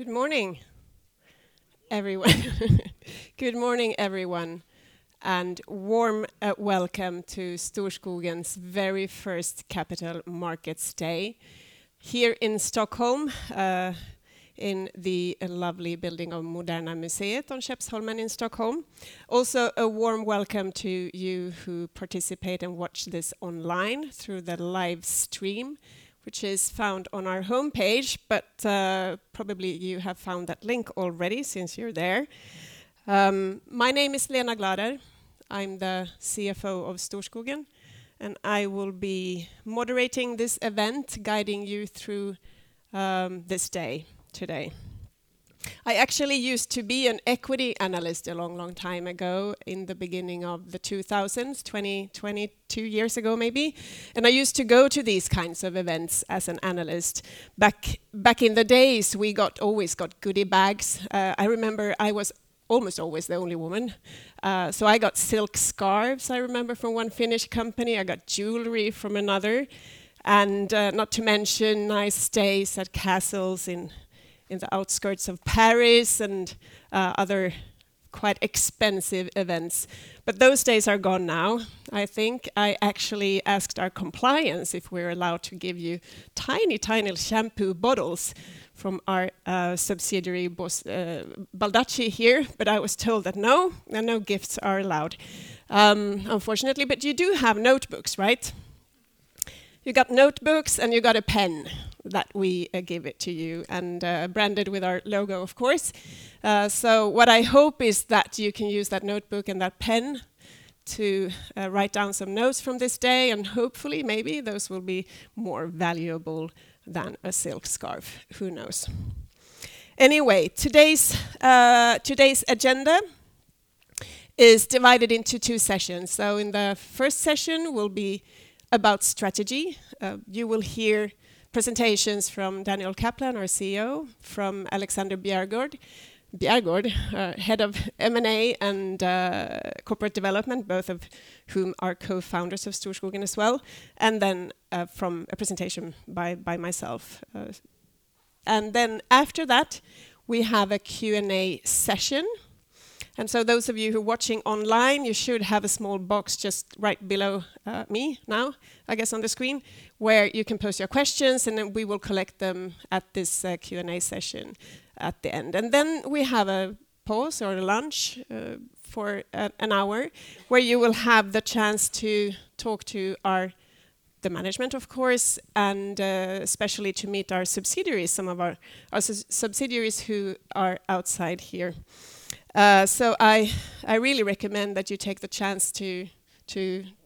Good morning, everyone, and warm welcome to Storskogen's very first Capital Markets Day here in Stockholm, in the lovely building of Moderna Museet on Skeppsholmen in Stockholm. Also, a warm welcome to you who participate and watch this online through the live stream, which is found on our homepage, but probably you have found that link already since you're there. My name is Lena Glader. I'm the CFO of Storskogen, and I will be moderating this event, guiding you through this day today. I actually used to be an equity analyst a long, long time ago in the beginning of the 2000s, 22 years ago maybe, and I used to go to these kinds of events as an analyst. Back in the days, we always got goodie bags. I remember I was almost always the only woman, so I got silk scarves, I remember, from one Finnish company. I got jewelry from another. Not to mention nice stays at castles in the outskirts of Paris and other quite expensive events. Those days are gone now. I think I actually asked our compliance if we're allowed to give you tiny shampoo bottles from our subsidiary Baldacci here, but I was told that no gifts are allowed, unfortunately. You do have notebooks, right? You got notebooks and you got a pen that we gave it to you and branded with our logo, of course. What I hope is that you can use that notebook and that pen to write down some notes from this day, and hopefully maybe those will be more valuable than a silk scarf. Who knows? Anyway, today's agenda is divided into two sessions. In the first session will be about strategy. You will hear presentations from Daniel Kaplan, our CEO, from Alexander Bjäregård, Head of M&A and corporate development, both of whom are co-founders of Storskogen as well, and then from a presentation by myself. After that, we have a Q&A session. Those of you who are watching online, you should have a small box just right below me now, I guess, on the screen, where you can post your questions, and then we will collect them at this Q&A session at the end. We have a pause or a lunch for an hour, where you will have the chance to talk to our management, of course, and especially to meet our subsidiaries, some of our subsidiaries who are outside here. I really recommend that you take the chance to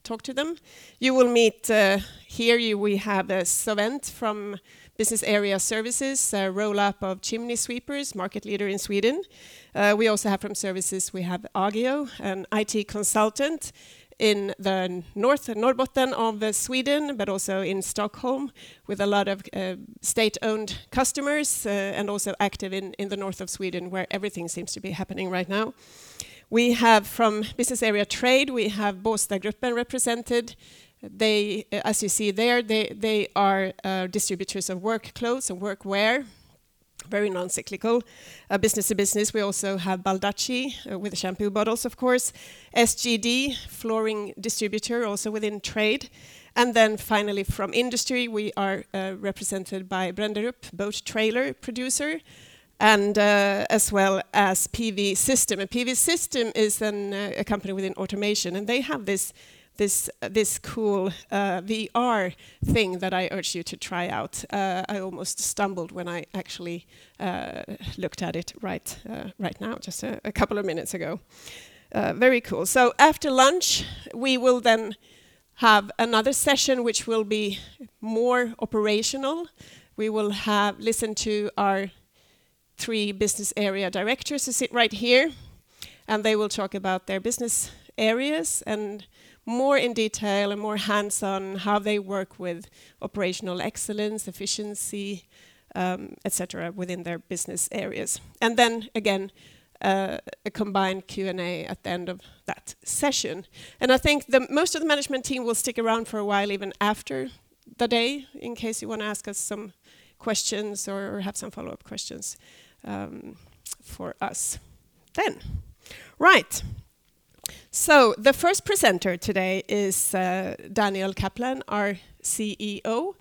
talk to them. You will meet here we have SoVent from Business Area Services, a roll-up of chimney sweepers, market leader in Sweden. We also have from services, we have Agio, an IT consultant in the north, Norrbotten of Sweden, but also in Stockholm with a lot of state-owned customers, and also active in the north of Sweden, where everything seems to be happening right now. We have from business area trade, we have Båstadgruppen represented. As you see there, they are distributors of work clothes and workwear, very non-cyclical, business to business. We also have Baldacci with the shampoo bottles, of course. SGD, flooring distributor, also within trade. Finally from industry, we are represented by Brenderup, boat trailer producer, and as well as PV Systems. PV Systems is a company within automation, and they have this cool VR thing that I urge you to try out. I almost stumbled when I actually looked at it right now, just a couple of minutes ago. Very cool. After lunch, we will then have another session which will be more operational. We will listen to our three business area directors who sit right here, and they will talk about their business areas and more in detail and more hands-on how they work with operational excellence, efficiency, etc., within their business areas. Then again, a combined Q&A at the end of that session. I think most of the management team will stick around for a while even after the day in case you wanna ask us some questions or have some follow-up questions for us then. Right. The first presenter today is Daniel Kaplan, our CEO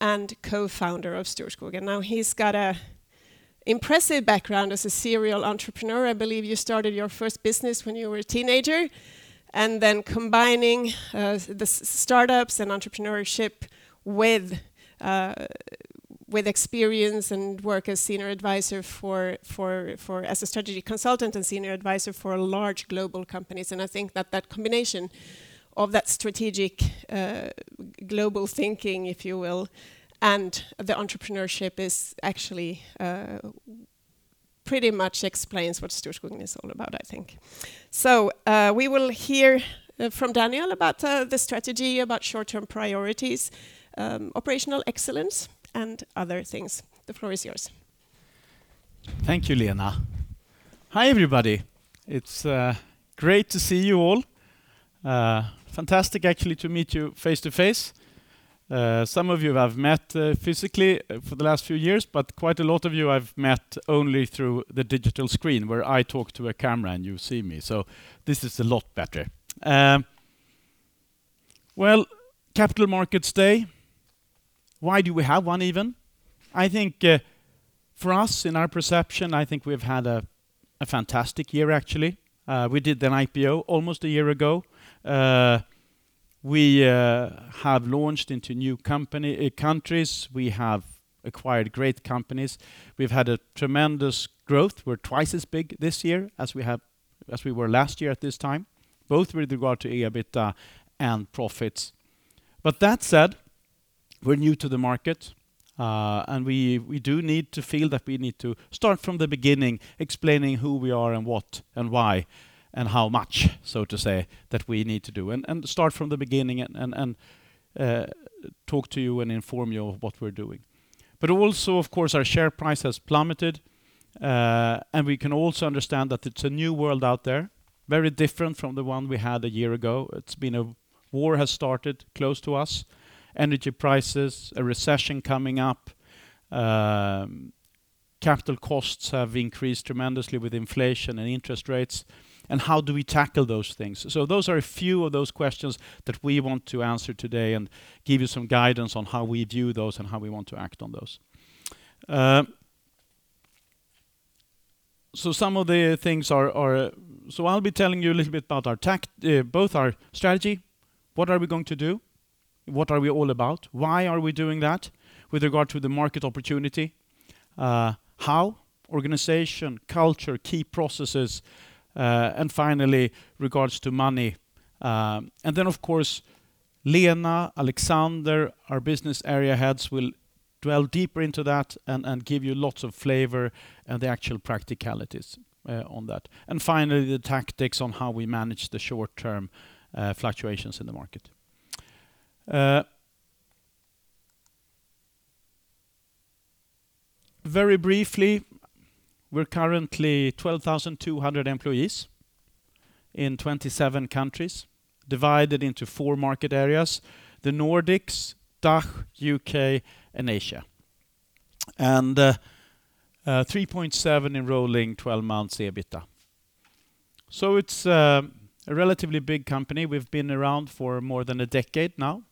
and co-founder of Storskogen. Now, he's got an impressive background as a serial entrepreneur. I believe you started your first business when you were a teenager, and then combining the startups and entrepreneurship with experience and work as a strategy consultant and senior advisor for large global companies. I think that combination of that strategic global thinking, if you will, and the entrepreneurship is actually pretty much explains what Storskogen is all about, I think. We will hear from Daniel about the strategy, about short-term priorities, operational excellence, and other things. The floor is yours. Thank you, Lena. Hi, everybody. It's great to see you all. Fantastic actually to meet you face to face. Some of you I've met physically for the last few years, but quite a lot of you I've met only through the digital screen where I talk to a camera and you see me, so this is a lot better. Well, Capital Markets Day, why do we have one even? I think for us, in our perception, I think we've had a fantastic year actually. We did an IPO almost a year ago. We have launched into new countries. We have acquired great companies. We've had a tremendous growth. We're twice as big this year as we were last year at this time, both with regard to EBITDA and profits. That said, we're new to the market, and we do need to feel that we need to start from the beginning explaining who we are and what and why and how much, so to say, that we need to do and start from the beginning and talk to you and inform you of what we're doing. Also, of course, our share price has plummeted, and we can also understand that it's a new world out there, very different from the one we had a year ago. It's been. A war has started close to us, energy prices, a recession coming up. Capital costs have increased tremendously with inflation and interest rates, and how do we tackle those things? Those are a few of those questions that we want to answer today and give you some guidance on how we view those and how we want to act on those. Some of the things are. I'll be telling you a little bit about both our strategy, what are we going to do? What are we all about? Why are we doing that with regard to the market opportunity? How organization, culture, key processes, and finally regards to money. Then of course, Lena, Alexander, our business area heads will dwell deeper into that and give you lots of flavor and the actual practicalities on that. Finally, the tactics on how we manage the short-term fluctuations in the market. Very briefly, we're currently 12,200 employees in 27 countries, divided into 4 market areas, the Nordics, DACH, UK, and Asia. 3.7 billion in rolling twelve months EBITDA. It's a relatively big company. We've been around for more than a decade now.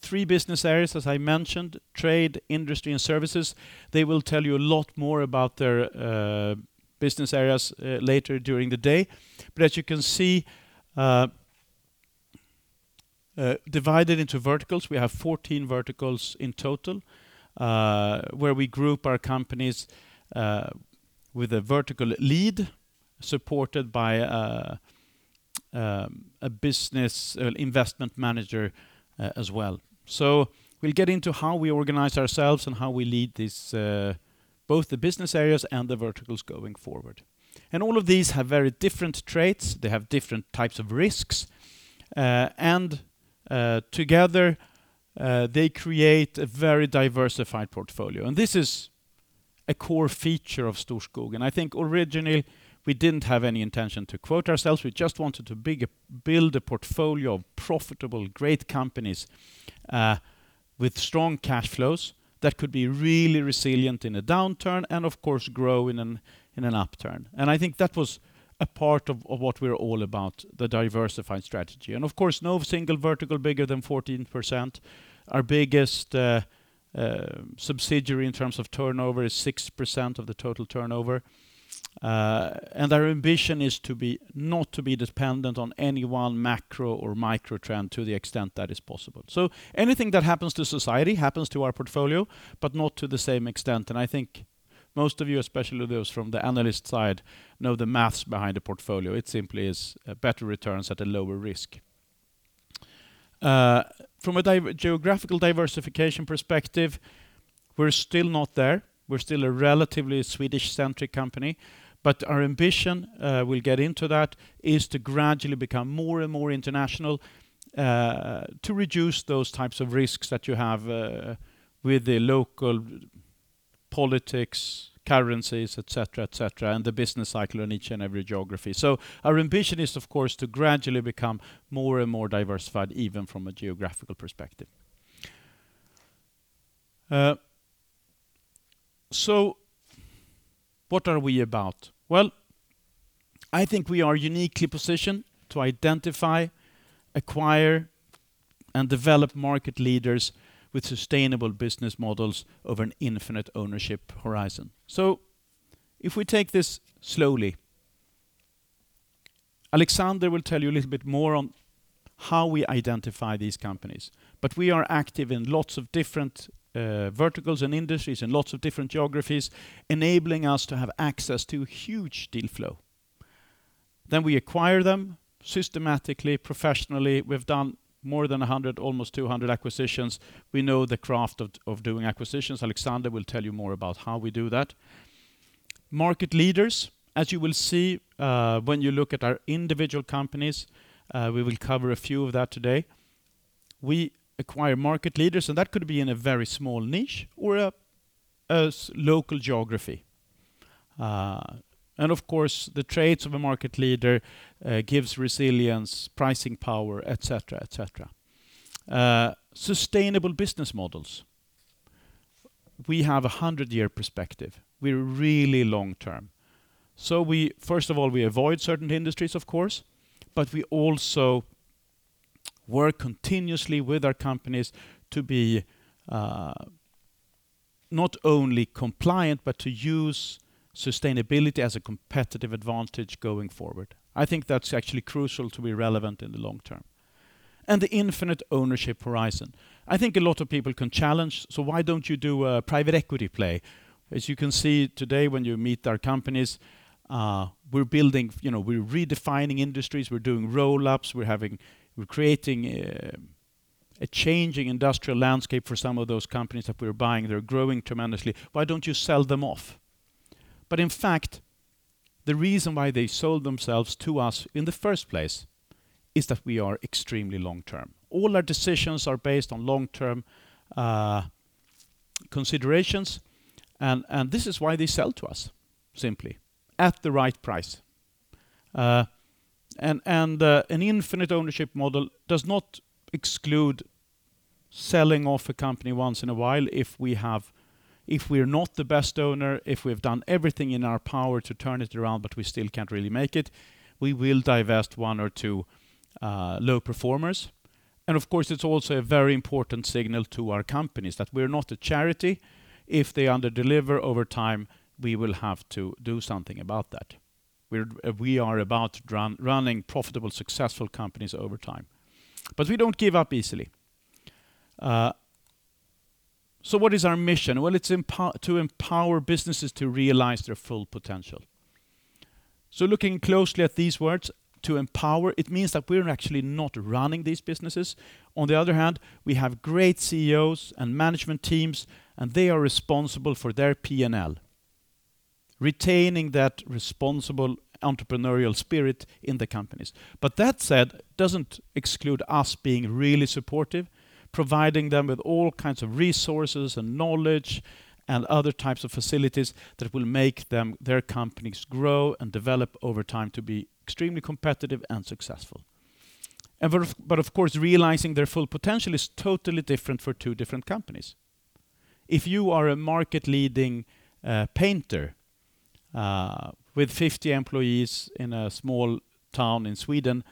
Three business areas, as I mentioned, trade, industry, and services. They will tell you a lot more about their business areas later during the day. As you can see, divided into verticals, we have 14 verticals in total, where we group our companies with a vertical lead supported by a business investment manager, as well. We'll get into how we organize ourselves and how we lead these, both the business areas and the verticals going forward. All of these have very different traits. They have different types of risks. They create a very diversified portfolio. This is a core feature of Storskogen. I think originally we didn't have any intention to quote ourselves. We just wanted to build a portfolio of profitable great companies with strong cash flows that could be really resilient in a downturn and of course grow in an upturn. I think that was a part of what we're all about, the diversified strategy. Of course, no single vertical bigger than 14%. Our biggest subsidiary in terms of turnover is 6% of the total turnover. Our ambition is not to be dependent on any one macro or micro trend to the extent that is possible. Anything that happens to society happens to our portfolio, but not to the same extent. I think most of you, especially those from the analyst side, know the math behind a portfolio. It simply is better returns at a lower risk. From a geographical diversification perspective, we're still not there. We're still a relatively Swedish-centric company, but our ambition, we'll get into that, is to gradually become more and more international, to reduce those types of risks that you have with the local politics, currencies, et cetera, et cetera, and the business cycle in each and every geography. Our ambition is, of course, to gradually become more and more diversified, even from a geographical perspective. What are we about? Well, I think we are uniquely positioned to identify, acquire, and develop market leaders with sustainable business models over an infinite ownership horizon. If we take this slowly, Alexander will tell you a little bit more on how we identify these companies. We are active in lots of different verticals and industries and lots of different geographies, enabling us to have access to huge deal flow. We acquire them systematically, professionally. We've done more than 100, almost 200 acquisitions. We know the craft of doing acquisitions. Alexander will tell you more about how we do that. Market leaders, as you will see, when you look at our individual companies, we will cover a few of that today. We acquire market leaders, and that could be in a very small niche or a small local geography. Of course, the traits of a market leader gives resilience, pricing power, etc., etc. Sustainable business models. We have a hundred-year perspective. We're really long term. First of all, we avoid certain industries, of course, but we also work continuously with our companies to be not only compliant, but to use sustainability as a competitive advantage going forward. I think that's actually crucial to be relevant in the long term. The infinite ownership horizon. I think a lot of people can challenge, "So why don't you do a private equity play?" As you can see today, when you meet our companies, we're building, you know, we're redefining industries, we're doing roll-ups, we're creating a changing industrial landscape for some of those companies that we're buying. They're growing tremendously. Why don't you sell them off? In fact, the reason why they sold themselves to us in the first place is that we are extremely long term. All our decisions are based on long-term considerations, and this is why they sell to us, simply, at the right price. An infinite ownership model does not exclude selling off a company once in a while if we're not the best owner, if we've done everything in our power to turn it around, but we still can't really make it, we will divest one or two low performers. Of course, it's also a very important signal to our companies that we're not a charity. If they under-deliver over time, we will have to do something about that. We are about running profitable, successful companies over time. We don't give up easily. What is our mission? Well, it's to empower businesses to realize their full potential. Looking closely at these words, to empower, it means that we're actually not running these businesses. On the other hand, we have great CEOs and management teams, and they are responsible for their P&L, retaining that responsible entrepreneurial spirit in the companies. That said, it doesn't exclude us being really supportive, providing them with all kinds of resources and knowledge and other types of facilities that will make them, their companies grow and develop over time to be extremely competitive and successful. But of course, realizing their full potential is totally different for two different companies. If you are a market-leading painter with 50 employees in a small town in Sweden,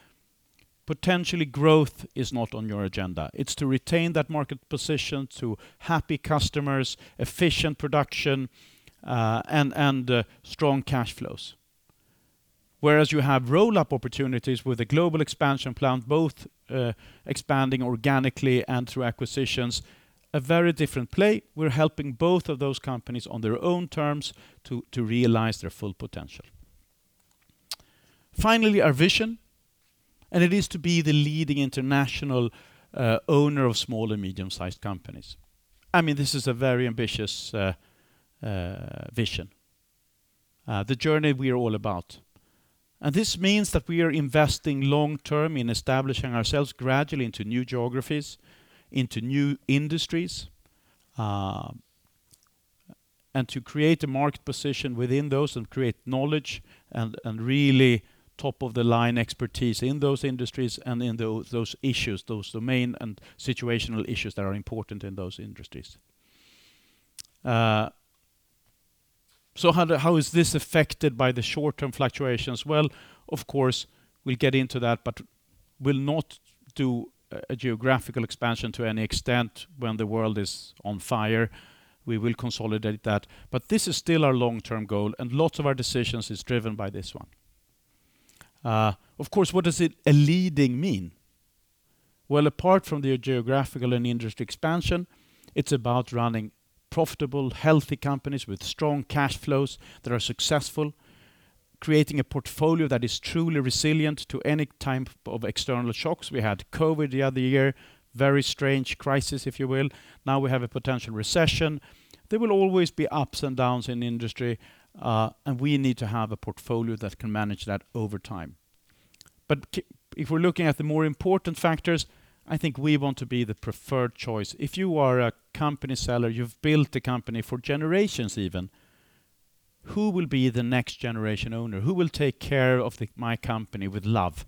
potentially growth is not on your agenda. It's to retain that market position to happy customers, efficient production, and strong cash flows. Whereas you have roll-up opportunities with a global expansion plan, both expanding organically and through acquisitions, a very different play. We're helping both of those companies on their own terms to realize their full potential. Finally, our vision, it is to be the leading international owner of small and medium-sized companies. I mean, this is a very ambitious vision, the journey we are all about. This means that we are investing long term in establishing ourselves gradually into new geographies, into new industries, and to create a market position within those and create knowledge and really top-of-the-line expertise in those industries and in those issues, those domain and situational issues that are important in those industries. How is this affected by the short-term fluctuations? Well, of course, we'll get into that, but we'll not do a geographical expansion to any extent when the world is on fire. We will consolidate that. This is still our long-term goal, and lots of our decisions is driven by this one. Of course, what does a leading mean? Well, apart from the geographical and industry expansion, it's about running profitable, healthy companies with strong cash flows that are successful, creating a portfolio that is truly resilient to any type of external shocks. We had COVID the other year, very strange crisis, if you will. Now we have a potential recession. There will always be ups and downs in industry, and we need to have a portfolio that can manage that over time. If we're looking at the more important factors, I think we want to be the preferred choice. If you are a company seller, you've built a company for generations even, who will be the next generation owner? Who will take care of my company with love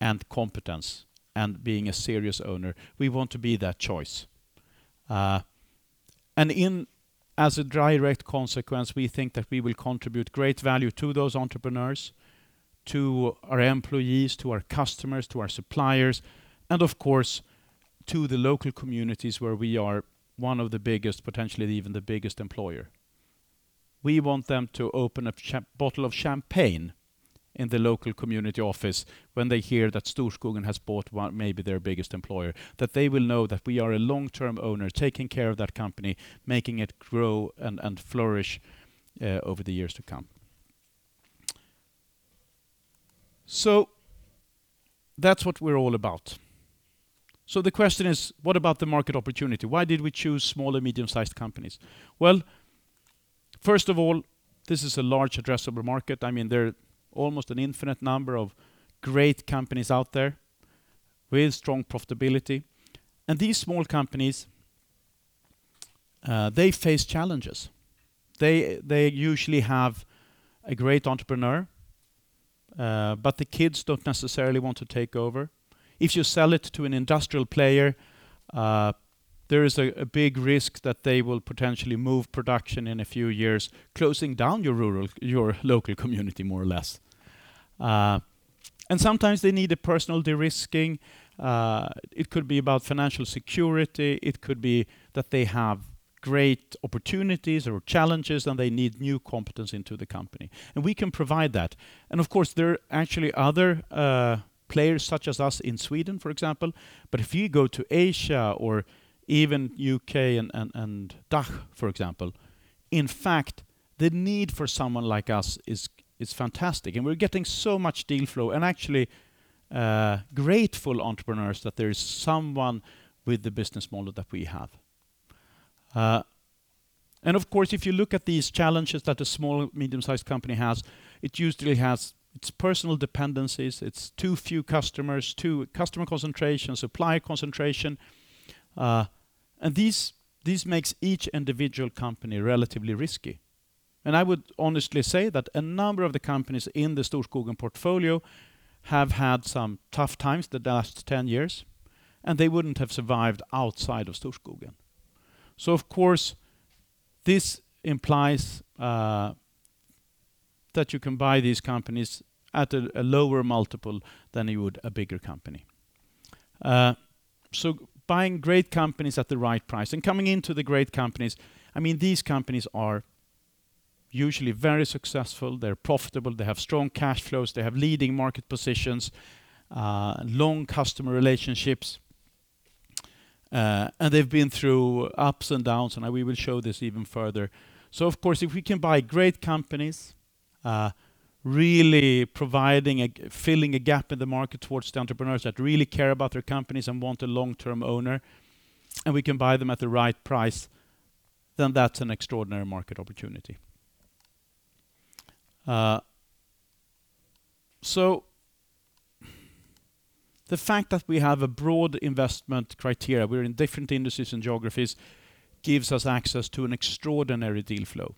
and competence and being a serious owner? We want to be that choice. As a direct consequence, we think that we will contribute great value to those entrepreneurs, to our employees, to our customers, to our suppliers, and of course, to the local communities where we are one of the biggest, potentially even the biggest employer. We want them to open a bottle of champagne in the local community office when they hear that Storskogen has bought maybe their biggest employer, that they will know that we are a long-term owner taking care of that company, making it grow and flourish over the years to come. That's what we're all about. The question is, what about the market opportunity? Why did we choose small and medium-sized companies? Well, first of all, this is a large addressable market. I mean, there are almost an infinite number of great companies out there with strong profitability. These small companies, they face challenges. They usually have a great entrepreneur, but the kids don't necessarily want to take over. If you sell it to an industrial player, there is a big risk that they will potentially move production in a few years, closing down your local community, more or less. Sometimes they need a personal de-risking. It could be about financial security. It could be that they have great opportunities or challenges, and they need new competence into the company, and we can provide that. Of course, there are actually other players such as us in Sweden, for example. If you go to Asia or even UK and DACH, for example, in fact, the need for someone like us is fantastic. We're getting so much deal flow and actually grateful entrepreneurs that there is someone with the business model that we have. Of course, if you look at these challenges that a small, medium-sized company has, it usually has its personnel dependencies. It's too few customers, customer concentration, supplier concentration, and these make each individual company relatively risky. I would honestly say that a number of the companies in the Storskogen portfolio have had some tough times the last 10 years, and they wouldn't have survived outside of Storskogen. This implies that you can buy these companies at a lower multiple than you would a bigger company. Buying great companies at the right price and coming into the great companies, I mean, these companies are usually very successful. They're profitable, they have strong cash flows, they have leading market positions, long customer relationships, and they've been through ups and downs, and we will show this even further. Of course, if we can buy great companies, really filling a gap in the market towards the entrepreneurs that really care about their companies and want a long-term owner, and we can buy them at the right price, then that's an extraordinary market opportunity. The fact that we have a broad investment criteria, we're in different industries and geographies, gives us access to an extraordinary deal flow.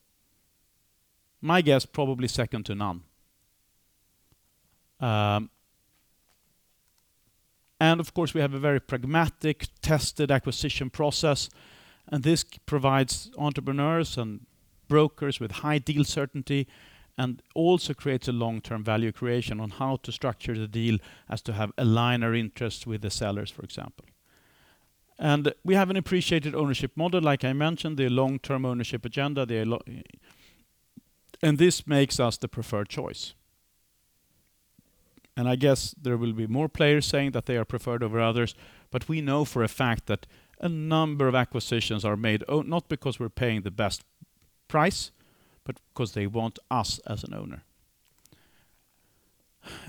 My guess, probably second to none. Of course, we have a very pragmatic, tested acquisition process, and this provides entrepreneurs and brokers with high deal certainty and also creates a long-term value creation on how to structure the deal as to have align our interests with the sellers, for example. We have an appreciated ownership model. Like I mentioned, the long-term ownership agenda, and this makes us the preferred choice. I guess there will be more players saying that they are preferred over others, but we know for a fact that a number of acquisitions are made not because we're paying the best price, but because they want us as an owner.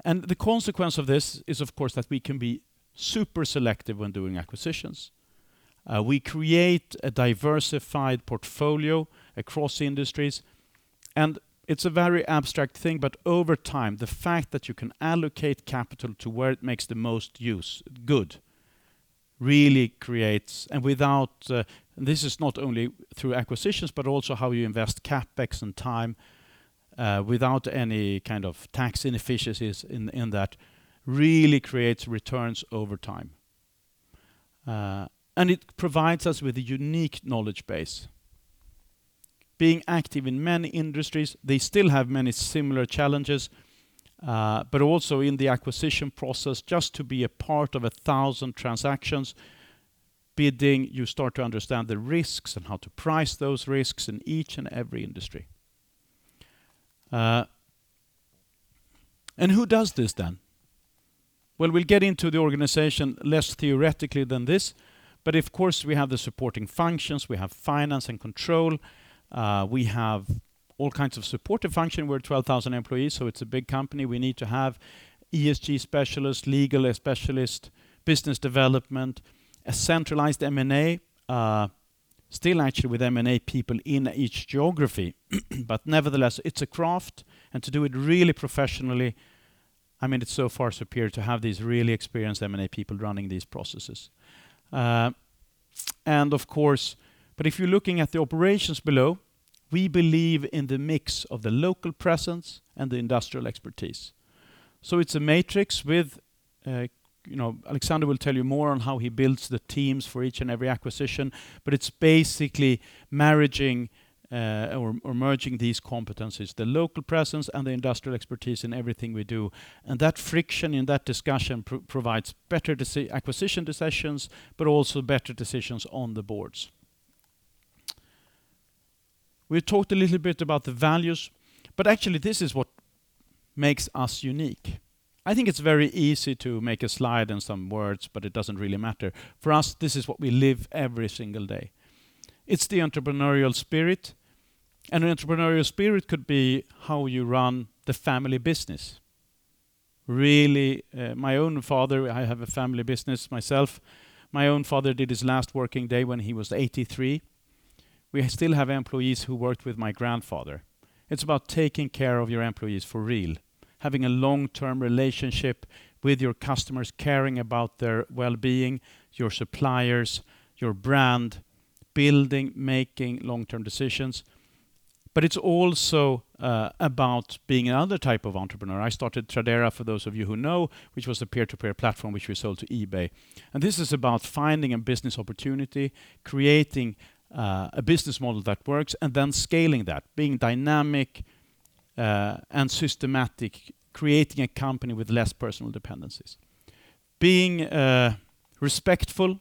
The consequence of this is, of course, that we can be super selective when doing acquisitions. We create a diversified portfolio across industries, and it's a very abstract thing, but over time, the fact that you can allocate capital to where it makes the most use good really creates returns over time without any kind of tax inefficiencies in that. This is not only through acquisitions, but also how you invest CapEx and time without any kind of tax inefficiencies in that. It provides us with a unique knowledge base. Being active in many industries, they still have many similar challenges, but also in the acquisition process, just to be a part of 1,000 transactions, bidding, you start to understand the risks and how to price those risks in each and every industry. Who does this then? Well, we'll get into the organization less theoretically than this, but of course, we have the supporting functions. We have finance and control. We have all kinds of supportive function. We're 12,000 employees, so it's a big company. We need to have ESG specialists, legal specialists, business development, a centralized M&A, still actually with M&A people in each geography but nevertheless, it's a craft, and to do it really professionally, I mean, it's so far superior to have these really experienced M&A people running these processes. Of course, but if you're looking at the operations below, we believe in the mix of the local presence and the industrial expertise. It's a matrix with, you know, Alexander will tell you more on how he builds the teams for each and every acquisition, but it's basically marrying, or merging these competencies, the local presence and the industrial expertise in everything we do. That friction in that discussion provides better acquisition decisions, but also better decisions on the boards. We talked a little bit about the values, but actually, this is what makes us unique. I think it's very easy to make a slide and some words, but it doesn't really matter. For us, this is what we live every single day. It's the entrepreneurial spirit. An entrepreneurial spirit could be how you run the family business. Really, my own father, I have a family business myself. My own father did his last working day when he was 83. We still have employees who worked with my grandfather. It's about taking care of your employees for real, having a long-term relationship with your customers, caring about their well-being, your suppliers, your brand, building, making long-term decisions. But it's also about being another type of entrepreneur. I started Tradera, for those of you who know, which was a peer-to-peer platform which we sold to eBay. This is about finding a business opportunity, creating a business model that works, and then scaling that, being dynamic and systematic, creating a company with less personal dependencies. Being respectful.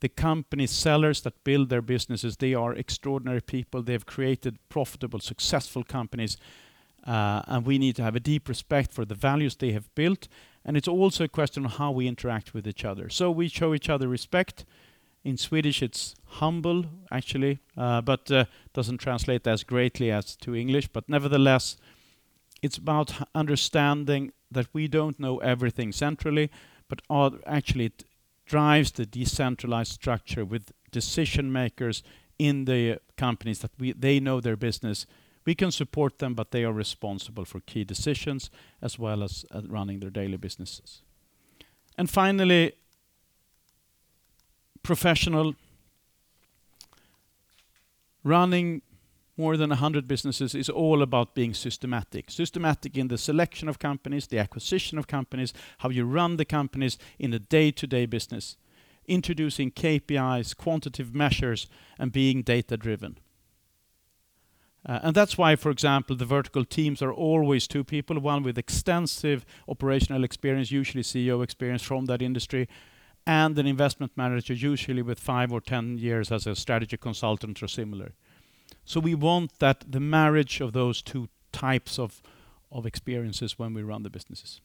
The company sellers that build their businesses, they are extraordinary people. They've created profitable, successful companies, and we need to have a deep respect for the values they have built, and it's also a question of how we interact with each other. We show each other respect. In Swedish, it's humble, actually, but doesn't translate as greatly as to English. Nevertheless, it's about understanding that we don't know everything centrally. Actually, it drives the decentralized structure with decision-makers in the companies they know their business. We can support them, but they are responsible for key decisions, as well as running their daily businesses. Finally, professional. Running more than 100 businesses is all about being systematic. Systematic in the selection of companies, the acquisition of companies, how you run the companies in a day-to-day business, introducing KPIs, quantitative measures, and being data-driven. That's why, for example, the vertical teams are always two people, one with extensive operational experience, usually CEO experience from that industry, and an investment manager, usually with five or 10 years as a strategy consultant or similar. We want that, the marriage of those two types of experiences when we run the businesses.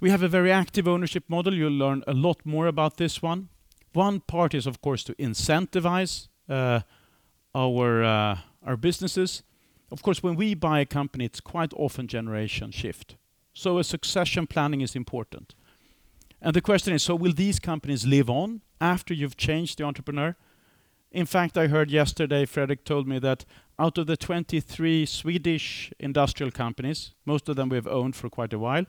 We have a very active ownership model. You'll learn a lot more about this one. One part is, of course, to incentivize our businesses. Of course, when we buy a company, it's quite often generation shift, so a succession planning is important. The question is, so will these companies live on after you've changed the entrepreneur? In fact, I heard yesterday, Fredrik told me that out of the 23 Swedish industrial companies, most of them we have owned for quite a while,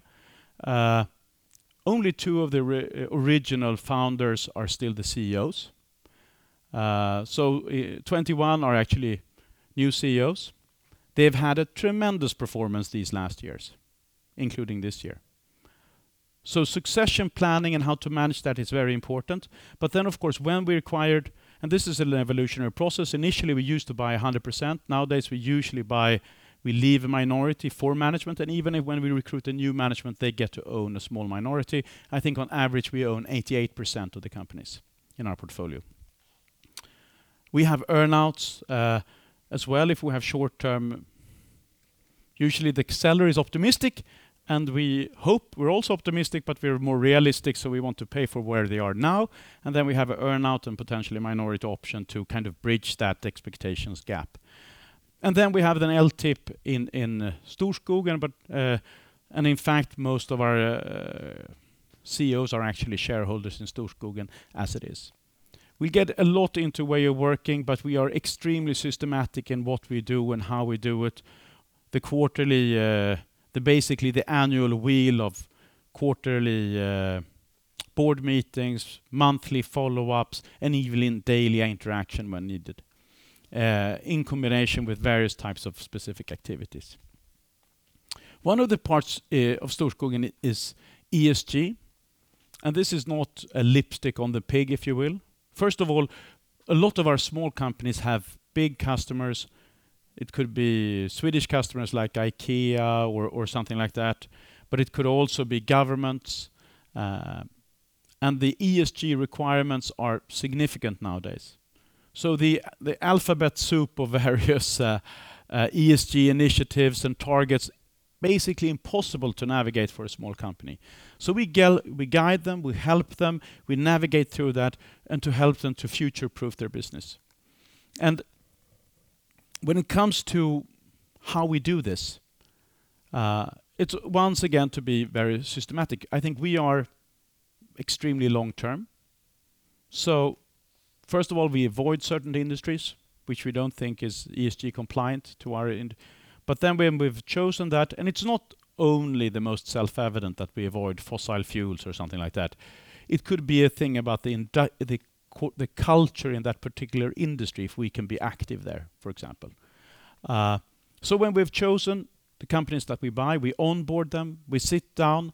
only two of the original founders are still the CEOs. 21 are actually new CEOs. They've had a tremendous performance these last years, including this year. Succession planning and how to manage that is very important. Of course, when we acquired. This is an evolutionary process. Initially, we used to buy 100%. Nowadays, we usually buy, we leave a minority for management. Even if, when we recruit a new management, they get to own a small minority. I think on average, we own 88% of the companies in our portfolio. We have earn-outs as well, if we have short-term. Usually, the seller is optimistic, and we hope. We're also optimistic, but we're more realistic, so we want to pay for where they are now. We have an earn-out and potentially minority option to kind of bridge that expectations gap. We have an LTIP in Storskogen, but, and in fact, most of our CEOs are actually shareholders in Storskogen as it is. We get a lot into way of working, but we are extremely systematic in what we do and how we do it. Basically, the annual wheel of quarterly board meetings, monthly follow-ups, and even in daily interaction when needed in combination with various types of specific activities. One of the parts of Storskogen is ESG, and this is not a lipstick on the pig, if you will. First of all, a lot of our small companies have big customers. It could be Swedish customers like IKEA or something like that, but it could also be governments, and the ESG requirements are significant nowadays. The alphabet soup of various ESG initiatives and targets is basically impossible to navigate for a small company. We guide them, we help them, we navigate through that, and to help them to future-proof their business. When it comes to how we do this, it's once again to be very systematic. I think we are extremely long term. First of all, we avoid certain industries which we don't think is ESG compliant to our end. Then when we've chosen that. It's not only the most self-evident that we avoid fossil fuels or something like that. It could be a thing about the culture in that particular industry, if we can be active there, for example. When we've chosen the companies that we buy, we onboard them, we sit down,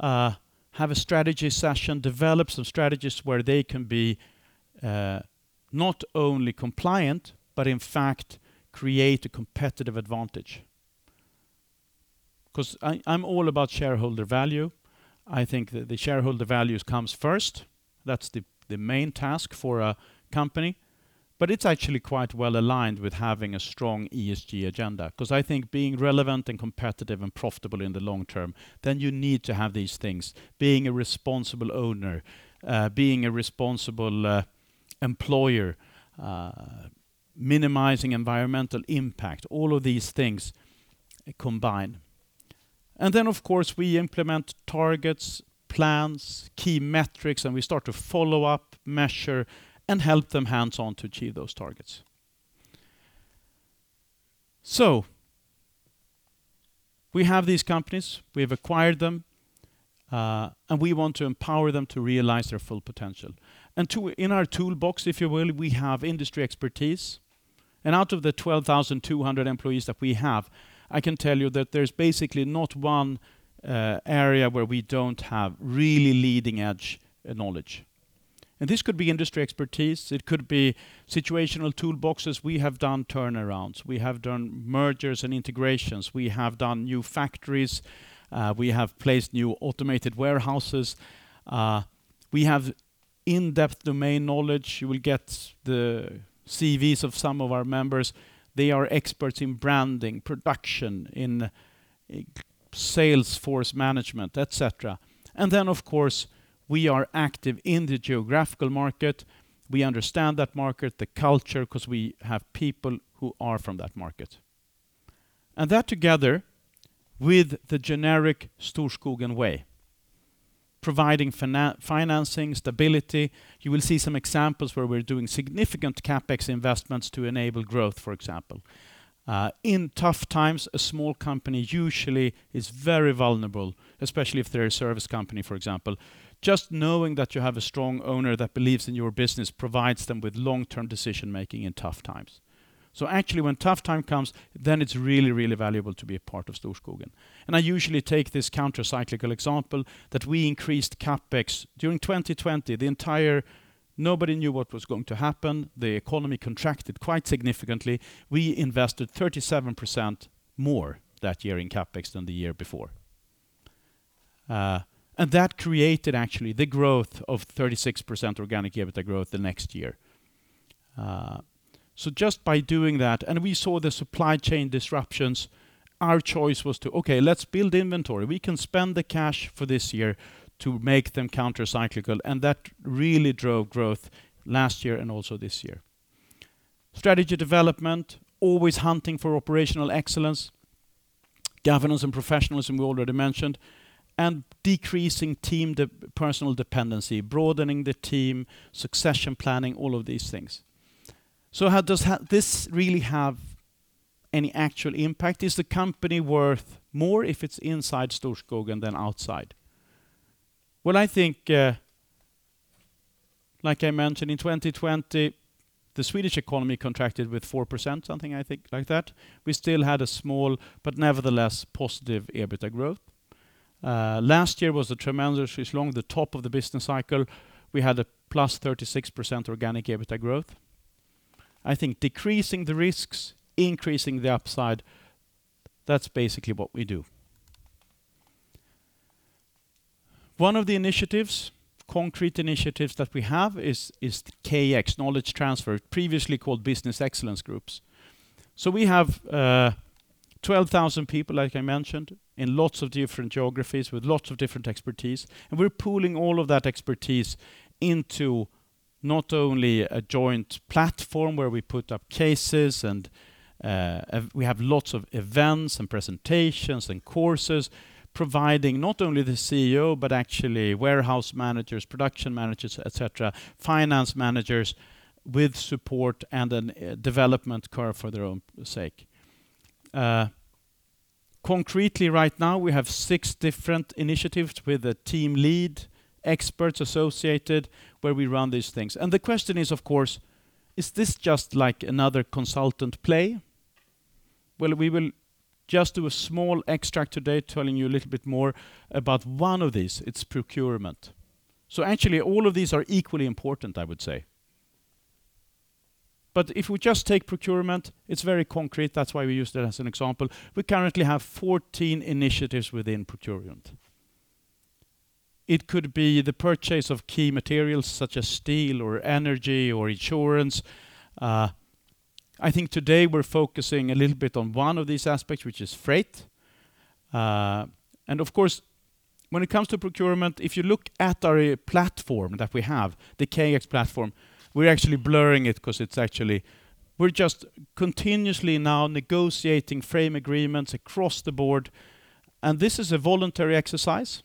have a strategy session, develop some strategies where they can be, not only compliant, but in fact create a competitive advantage. 'Cause I'm all about shareholder value. I think the shareholder values comes first. That's the main task for a company. It's actually quite well aligned with having a strong ESG agenda, because I think being relevant and competitive and profitable in the long term, then you need to have these things. Being a responsible owner, being a responsible employer, minimizing environmental impact, all of these things combine. Of course, we implement targets, plans, key metrics, and we start to follow up, measure, and help them hands-on to achieve those targets. We have these companies, we have acquired them, and we want to empower them to realize their full potential. In our toolbox, if you will, we have industry expertise. Out of the 12,200 employees that we have, I can tell you that there's basically not one area where we don't have really leading-edge knowledge. This could be industry expertise, it could be situational toolboxes. We have done turnarounds. We have done mergers and integrations. We have done new factories. We have placed new automated warehouses. We have in-depth domain knowledge. You will get the CVs of some of our members. They are experts in branding, production, in sales force management, et cetera. Of course, we are active in the geographical market. We understand that market, the culture, 'cause we have people who are from that market. That together with the generic Storskogen way, providing financing, stability. You will see some examples where we're doing significant CapEx investments to enable growth, for example. In tough times, a small company usually is very vulnerable, especially if they're a service company, for example. Just knowing that you have a strong owner that believes in your business provides them with long-term decision-making in tough times. Actually, when tough time comes, then it's really, really valuable to be a part of Storskogen. I usually take this countercyclical example that we increased CapEx during 2020. Nobody knew what was going to happen. The economy contracted quite significantly. We invested 37% more that year in CapEx than the year before. That created actually the growth of 36% organic EBITDA growth the next year. Just by doing that, and we saw the supply chain disruptions, our choice was to, "Okay, let's build inventory. We can spend the cash for this year to make them countercyclical." That really drove growth last year and also this year. Strategy development, always hunting for operational excellence, governance and professionalism we already mentioned, and decreasing team personal dependency, broadening the team, succession planning, all of these things. How does this really have any actual impact? Is the company worth more if it's inside Storskogen than outside? Well, I think, like I mentioned, in 2020, the Swedish economy contracted with 4%, something, I think, like that. We still had a small but nevertheless positive EBITDA growth. Last year was a tremendous year. It was along the top of the business cycle. We had a plus 36% organic EBITDA growth. I think decreasing the risks, increasing the upside, that's basically what we do. One of the initiatives, concrete initiatives that we have is the KEX, knowledge transfer, previously called business excellence groups. We have 12,000 people, like I mentioned, in lots of different geographies with lots of different expertise, and we're pooling all of that expertise into not only a joint platform where we put up cases and we have lots of events and presentations and courses, providing not only the CEO, but actually warehouse managers, production managers, et cetera, finance managers with support and a development curve for their own sake. Concretely right now, we have six different initiatives with a team lead, experts associated, where we run these things. The question is, of course: Is this just like another consultant play? Well, we will just do a small extract today telling you a little bit more about one of these. It's procurement. Actually, all of these are equally important, I would say. If we just take procurement, it's very concrete. That's why we used it as an example. We currently have 14 initiatives within procurement. It could be the purchase of key materials such as steel or energy or insurance. I think today we're focusing a little bit on one of these aspects, which is freight. Of course, when it comes to procurement, if you look at our platform that we have, the KEX platform, we're actually blurring it 'cause it's actually... We're just continuously now negotiating frame agreements across the board, and this is a voluntary exercise.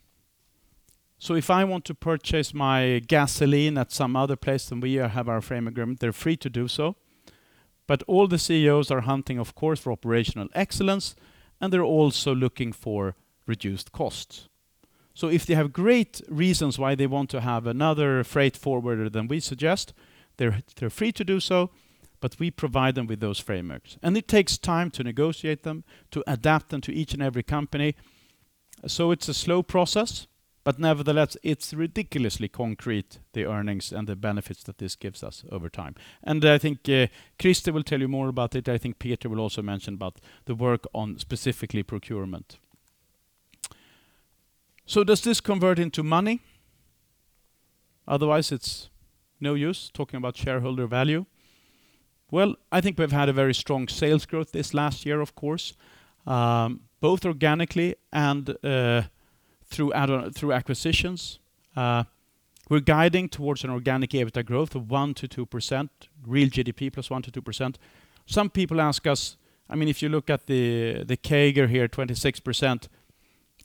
If I want to purchase my gasoline at some other place than we have our frame agreement, they're free to do so. All the CEOs are hunting, of course, for operational excellence, and they're also looking for reduced costs. If they have great reasons why they want to have another freight forwarder than we suggest, they're free to do so, but we provide them with those frameworks. It takes time to negotiate them, to adapt them to each and every company. It's a slow process, but nevertheless, it's ridiculously concrete, the earnings and the benefits that this gives us over time. I think, Christer will tell you more about it. I think Peter will also mention about the work on specifically procurement. Does this convert into money? Otherwise, it's no use talking about shareholder value. I think we've had a very strong sales growth this last year, of course, both organically and through acquisitions. We're guiding towards an organic EBITDA growth of 1%-2%, real GDP plus 1%-2%. Some people ask us, if you look at the CAGR here, 26%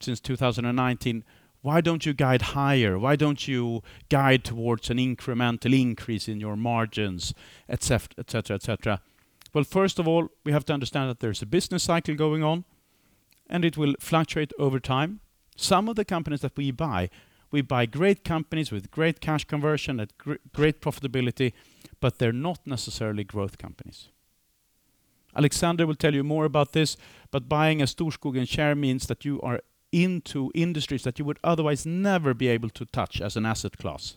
since 2019, why don't you guide higher? Why don't you guide towards an incremental increase in your margins, et cetera, et cetera? First of all, we have to understand that there's a business cycle going on, and it will fluctuate over time. Some of the companies that we buy, we buy great companies with great cash conversion at great profitability, but they're not necessarily growth companies. Alexander will tell you more about this, but buying a Storskogen share means that you are into industries that you would otherwise never be able to touch as an asset class.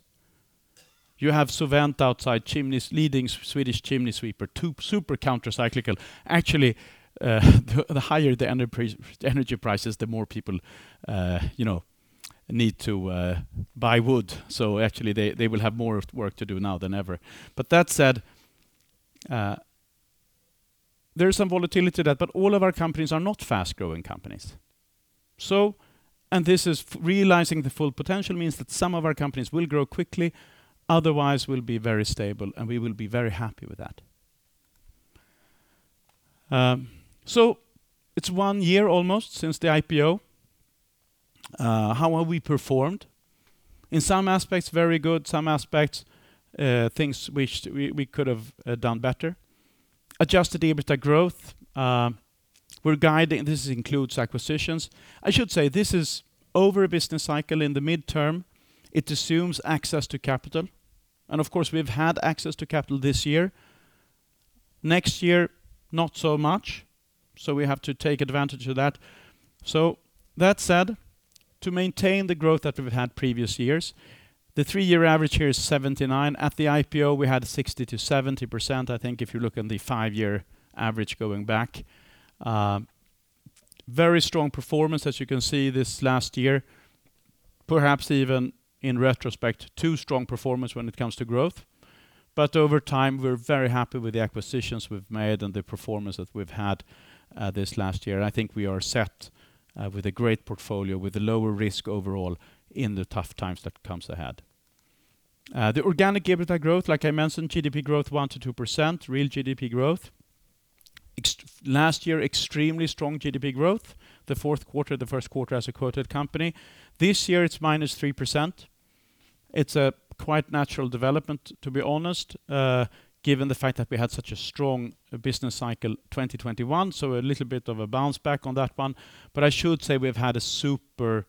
You have SoVent outside chimneys, leading Swedish chimney sweeper, too super countercyclical. Actually, the higher the energy prices, the more people, you know, need to buy wood. Actually they will have more work to do now than ever. That said, there is some volatility to that, but all of our companies are not fast-growing companies. This is realizing the full potential means that some of our companies will grow quickly, otherwise will be very stable, and we will be very happy with that. It's one year almost since the IPO. How have we performed? In some aspects, very good. Some aspects, things which we could have done better. Adjusted EBITDA growth, we're guiding; this includes acquisitions. I should say this is over a business cycle in the midterm. It assumes access to capital, and of course, we've had access to capital this year. Next year, not so much, we have to take advantage of that. That said, to maintain the growth that we've had previous years, the three-year average here is 79%. At the IPO, we had 60%-70%, I think, if you look in the five-year average going back. Very strong performance, as you can see this last year, perhaps even in retrospect, too strong performance when it comes to growth. Over time, we're very happy with the acquisitions we've made and the performance that we've had this last year. I think we are set with a great portfolio with a lower risk overall in the tough times that comes ahead. The organic EBITDA growth, like I mentioned, GDP growth 1%-2%, real GDP growth. Last year, extremely strong GDP growth, the Q4, the Q1 as a quoted company. This year, it's -3%. It's a quite natural development, to be honest, given the fact that we had such a strong business cycle 2021, so a little bit of a bounce back on that one. I should say we've had a super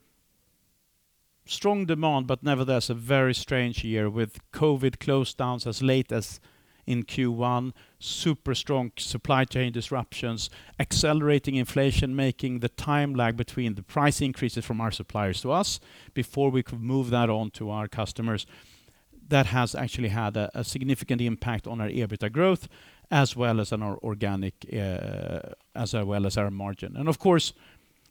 strong demand, but nevertheless a very strange year with COVID lockdowns as late as in Q1, super strong supply chain disruptions, accelerating inflation, making the time lag between the price increases from our suppliers to us before we could move that on to our customers. That has actually had a significant impact on our EBITDA growth as well as on our organic as well as our margin. Of course,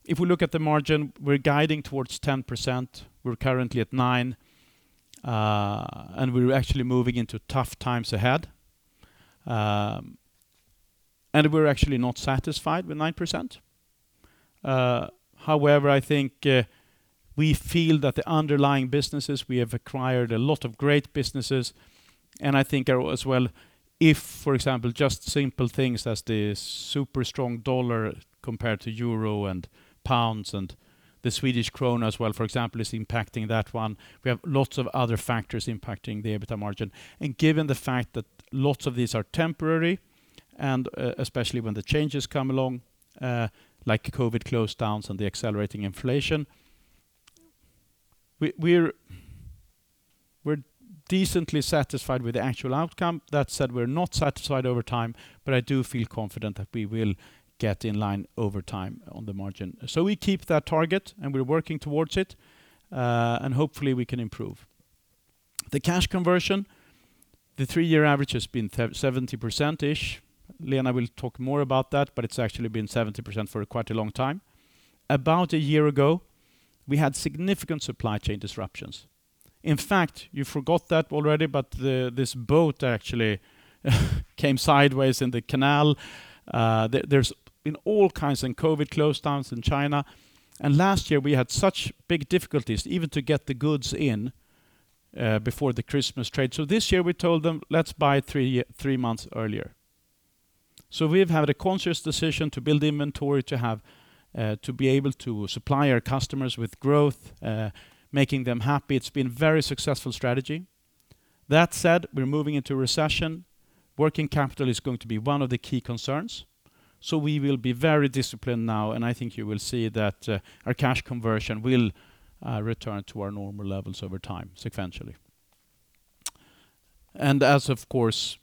if we look at the margin, we're guiding towards 10%. We're currently at 9% and we're actually moving into tough times ahead. We're actually not satisfied with 9%. However, I think we feel that the underlying businesses, we have acquired a lot of great businesses, and I think are as well if, for example, just simple things as the super strong US dollar compared to euro and pounds and the Swedish krona as well, for example, is impacting that one. We have lots of other factors impacting the EBITDA margin. Given the fact that lots of these are temporary and especially when the changes come along, like COVID lockdowns and the accelerating inflation, we're decently satisfied with the actual outcome. That said, we're not satisfied over time, but I do feel confident that we will get in line over time on the margin. We keep that target, and we're working towards it, and hopefully we can improve. The cash conversion, the three-year average has been 70%-ish. Lena and I will talk more about that, but it's actually been 70% for quite a long time. About a year ago, we had significant supply chain disruptions. In fact, you forgot that already, but this boat actually came sideways in the canal. There's been all kinds and COVID lockdowns in China. Last year, we had such big difficulties even to get the goods in, before the Christmas trade. This year, we told them, "Let's buy three months earlier." We've had a conscious decision to build inventory to have, to be able to supply our customers with growth, making them happy. It's been very successful strategy. That said, we're moving into recession. Working capital is going to be one of the key concerns, so we will be very disciplined now, and I think you will see that our cash conversion will return to our normal levels over time sequentially. As of course,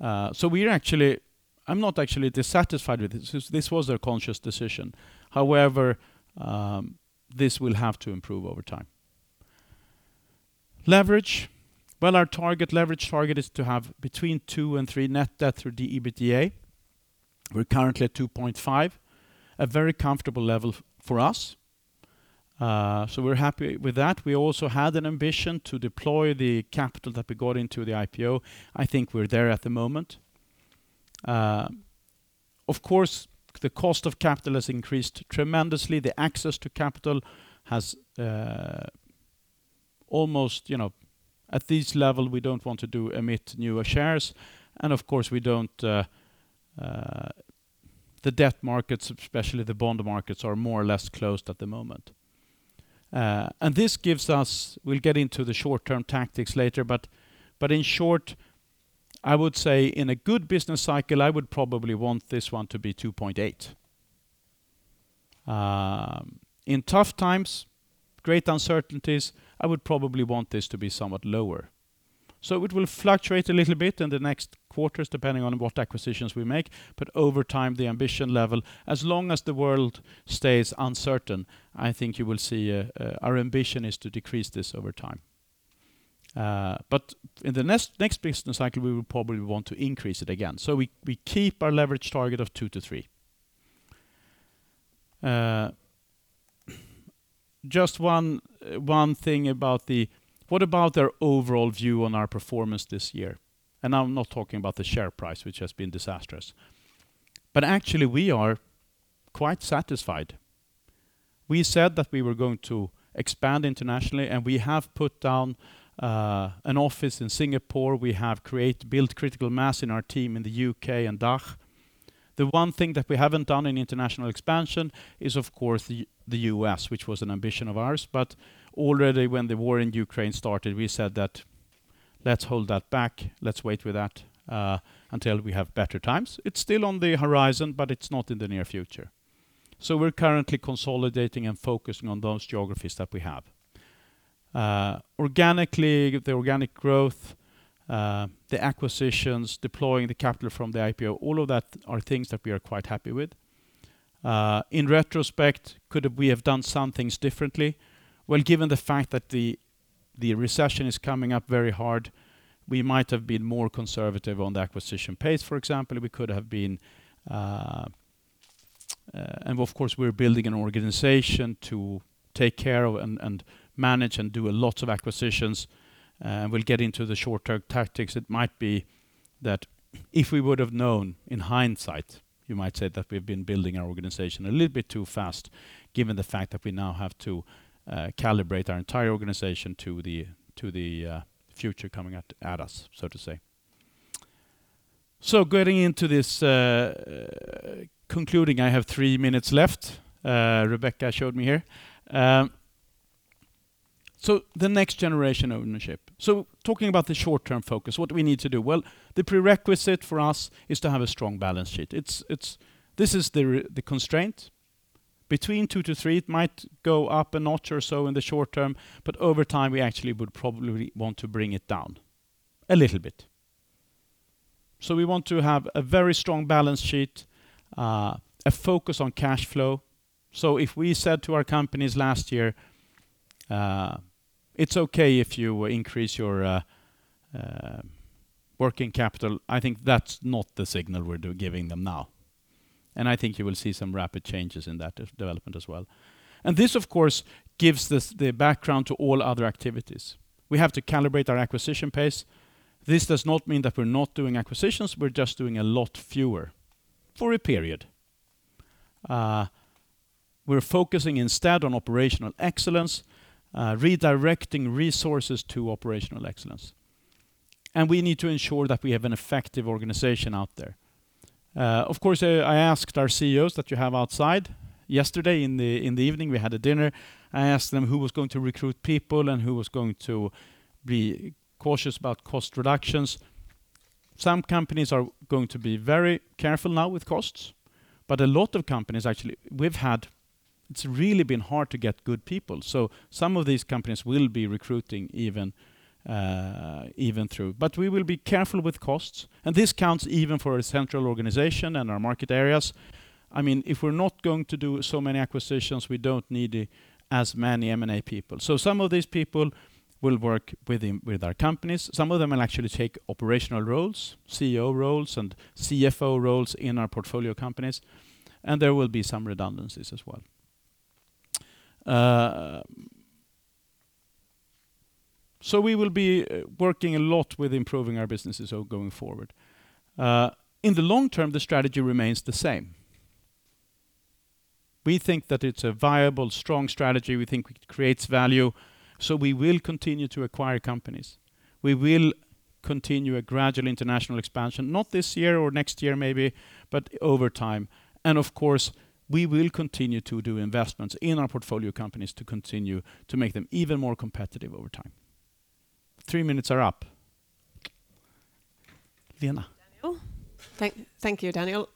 we're actually. I'm not actually dissatisfied with it since this was a conscious decision. However, this will have to improve over time. Leverage. Well, our target leverage is to have between 2 and 3 net debt to EBITDA. We're currently at 2.5, a very comfortable level for us. So we're happy with that. We also had an ambition to deploy the capital that we got from the IPO. I think we're there at the moment. Of course, the cost of capital has increased tremendously. The access to capital has almost, you know, at this level, we don't want to issue new shares, and of course, we don't. The debt markets, especially the bond markets, are more or less closed at the moment. This gives us. We'll get into the short-term tactics later, but in short, I would say in a good business cycle, I would probably want this one to be 2.8. In tough times, great uncertainties, I would probably want this to be somewhat lower. It will fluctuate a little bit in the next quarters depending on what acquisitions we make. Over time, the ambition level, as long as the world stays uncertain, I think you will see our ambition is to decrease this over time. In the next business cycle, we will probably want to increase it again. We keep our leverage target of 2-3. Just one thing about what about our overall view on our performance this year? I'm not talking about the share price, which has been disastrous. Actually we are quite satisfied. We said that we were going to expand internationally, and we have put down an office in Singapore. We have built critical mass in our team in the UK and DACH. The one thing that we haven't done in international expansion is, of course, the US, which was an ambition of ours. Already when the war in Ukraine started, we said that, "Let's hold that back. Let's wait with that until we have better times." It's still on the horizon, but it's not in the near future. We're currently consolidating and focusing on those geographies that we have. Organically, the organic growth, the acquisitions, deploying the capital from the IPO, all of that are things that we are quite happy with. In retrospect, could we have done some things differently? Well, given the fact that the recession is coming up very hard, we might have been more conservative on the acquisition pace, for example. We could have been. Of course, we're building an organization to take care of and manage and do a lot of acquisitions. We'll get into the short-term tactics. It might be that if we would have known in hindsight, you might say that we've been building our organization a little bit too fast, given the fact that we now have to calibrate our entire organization to the future coming at us, so to say. Getting into this concluding, I have three minutes left, Rebecca showed me here. The next generation ownership. Talking about the short-term focus, what do we need to do? Well, the prerequisite for us is to have a strong balance sheet. This is the constraint. Between two to three, it might go up a notch or so in the short term, but over time, we actually would probably want to bring it down a little bit. We want to have a very strong balance sheet, a focus on cash flow. If we said to our companies last year, "It's okay if you increase your working capital," I think that's not the signal we're giving them now. I think you will see some rapid changes in that development as well. This, of course, gives this the background to all other activities. We have to calibrate our acquisition pace. This does not mean that we're not doing acquisitions, we're just doing a lot fewer for a period. We're focusing instead on operational excellence, redirecting resources to operational excellence. We need to ensure that we have an effective organization out there. Of course, I asked our CEOs that we have outside yesterday. In the evening, we had a dinner. I asked them who was going to recruit people and who was going to be cautious about cost reductions. Some companies are going to be very careful now with costs, but a lot of companies, actually, we've had—it's really been hard to get good people. So some of these companies will be recruiting even through. We will be careful with costs, and this counts even for a central organization and our market areas. I mean, if we're not going to do so many acquisitions, we don't need as many M&A people. So some of these people will work with our companies. Some of them will actually take operational roles, CEO roles, and CFO roles in our portfolio companies, and there will be some redundancies as well. We will be working a lot with improving our businesses going forward. In the long term, the strategy remains the same. We think that it's a viable, strong strategy. We think it creates value, so we will continue to acquire companies. We will continue a gradual international expansion, not this year or next year maybe, but over time. Of course, we will continue to do investments in our portfolio companies to continue to make them even more competitive over time. Three minutes are up. Lena. Daniel. Thank you, Daniel.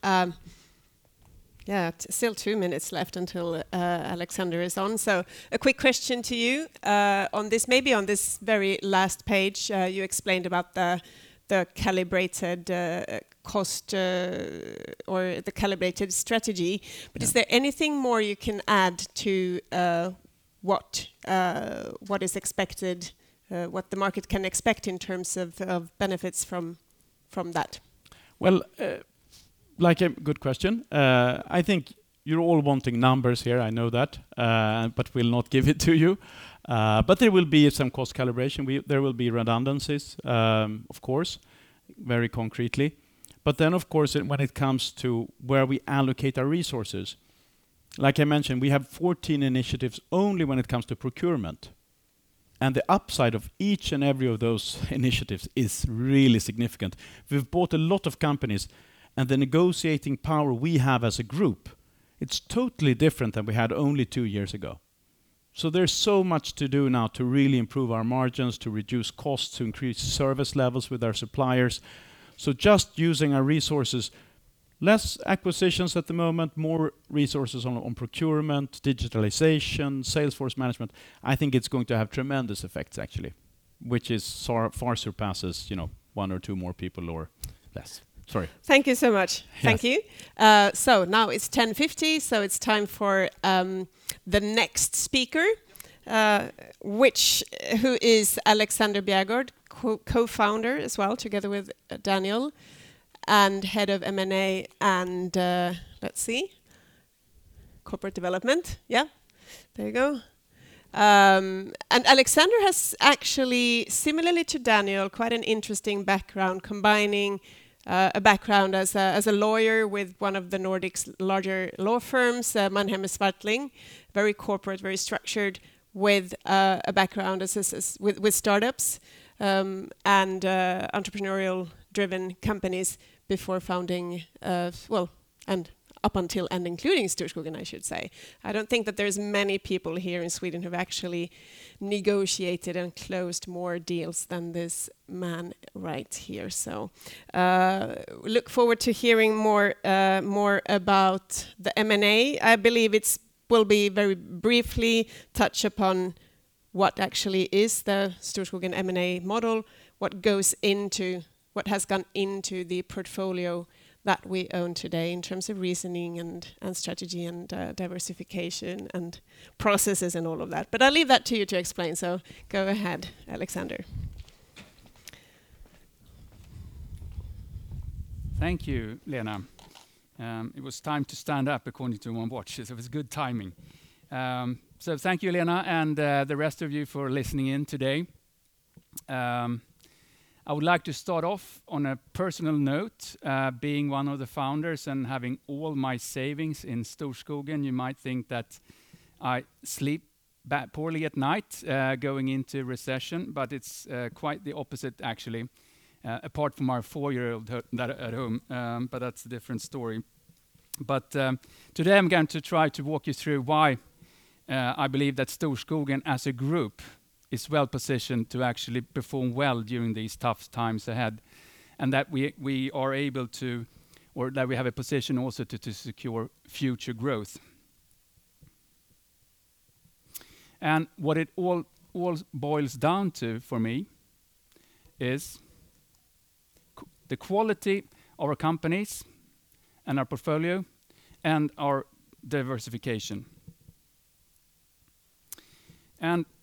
Yeah, still two minutes left until Alexander is on. A quick question to you on this. Maybe on this very last page, you explained about the calibrated cost or the calibrated strategy. Yeah. Is there anything more you can add to what is expected, what the market can expect in terms of benefits from that? Well, like a good question. I think you're all wanting numbers here, I know that, but we'll not give it to you. There will be some cost calibration. There will be redundancies, of course, very concretely. Of course, when it comes to where we allocate our resources, like I mentioned, we have 14 initiatives only when it comes to procurement. The upside of each and every of those initiatives is really significant. We've bought a lot of companies, and the negotiating power we have as a group, it's totally different than we had only two years ago. There's so much to do now to really improve our margins, to reduce costs, to increase service levels with our suppliers. Just using our resources, less acquisitions at the moment, more resources on procurement, digitalization, sales force management, I think it's going to have tremendous effects, actually, which far surpasses, you know, one or two more people or less. Sorry. Thank you so much. Yeah. Thank you. So now it's 10:50, so it's time for the next speaker, who is Alexander Bjärgård, co-founder as well together with Daniel, and head of M&A, and let's see, corporate development. Yeah. There you go. And Alexander has actually, similarly to Daniel, quite an interesting background, combining a background as a lawyer with one of the Nordics' larger law firms, Mannheimer Swartling, very corporate, very structured with a background as with startups, and entrepreneurial-driven companies before founding, well, and up until and including Storskogen, I should say. I don't think that there's many people here in Sweden who have actually negotiated and closed more deals than this man right here. Look forward to hearing more about the M&A. I believe will be very briefly touch upon what actually is the Storskogen M&A model, what has gone into the portfolio that we own today in terms of reasoning and strategy and diversification and processes and all of that. I'll leave that to you to explain. Go ahead, Alexander. Thank you, Lena. It was time to stand up according to my watch. It was good timing. Thank you, Lena, and the rest of you for listening in today. I would like to start off on a personal note, being one of the founders and having all my savings in Storskogen. You might think that I sleep poorly at night, going into recession, but it's quite the opposite, actually, apart from our four-year-old at home, but that's a different story. Today I'm going to try to walk you through why I believe that Storskogen as a group is well-positioned to actually perform well during these tough times ahead, and that we are able to or that we have a position also to secure future growth. What it all boils down to for me is the quality of our companies and our portfolio and our diversification.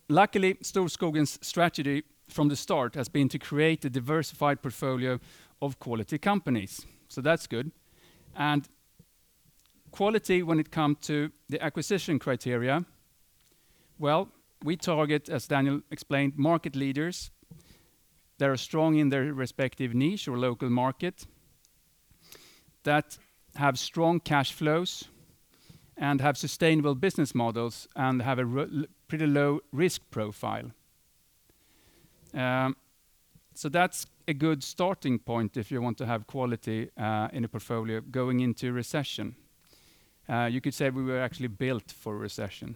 Luckily, Storskogen's strategy from the start has been to create a diversified portfolio of quality companies. That's good. Quality when it come to the acquisition criteria, well, we target, as Daniel explained, market leaders that are strong in their respective niche or local market, that have strong cash flows, and have sustainable business models, and have a pretty low risk profile. That's a good starting point if you want to have quality in a portfolio going into recession. You could say we were actually built for recession.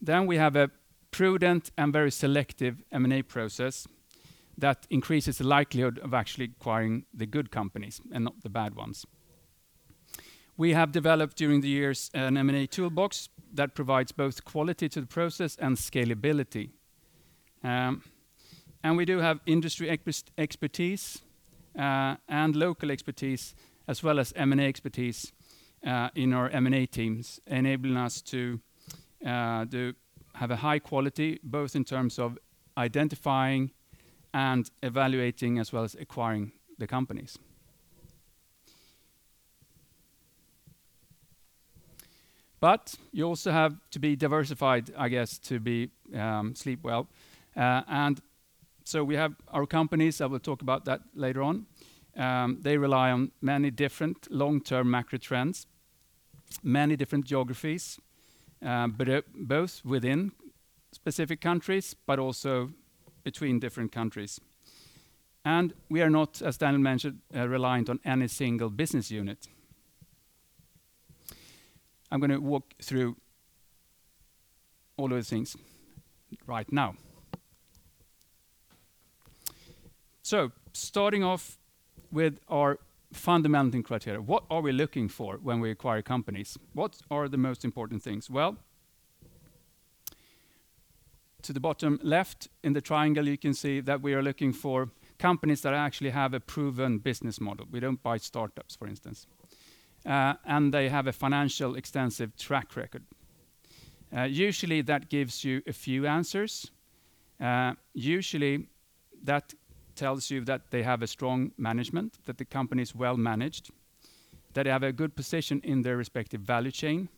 We have a prudent and very selective M&A process that increases the likelihood of actually acquiring the good companies and not the bad ones. We have developed during the years an M&A toolbox that provides both quality to the process and scalability. We do have industry expertise, and local expertise, as well as M&A expertise, in our M&A teams, enabling us to to have a high quality, both in terms of identifying and evaluating, as well as acquiring the companies. You also have to be diversified, I guess, to be sleep well. We have our companies, I will talk about that later on. They rely on many different long-term macro trends, many different geographies, both within specific countries, but also between different countries. We are not, as Daniel mentioned, reliant on any single business unit. I'm gonna walk through all those things right now. Starting off with our fundamental criteria, what are we looking for when we acquire companies? What are the most important things? Well, to the bottom left in the triangle, you can see that we are looking for companies that actually have a proven business model. We don't buy startups, for instance. They have an extensive financial track record. Usually that gives you a few answers. Usually that tells you that they have a strong management, that the company is well-managed, that they have a good position in their respective value chain,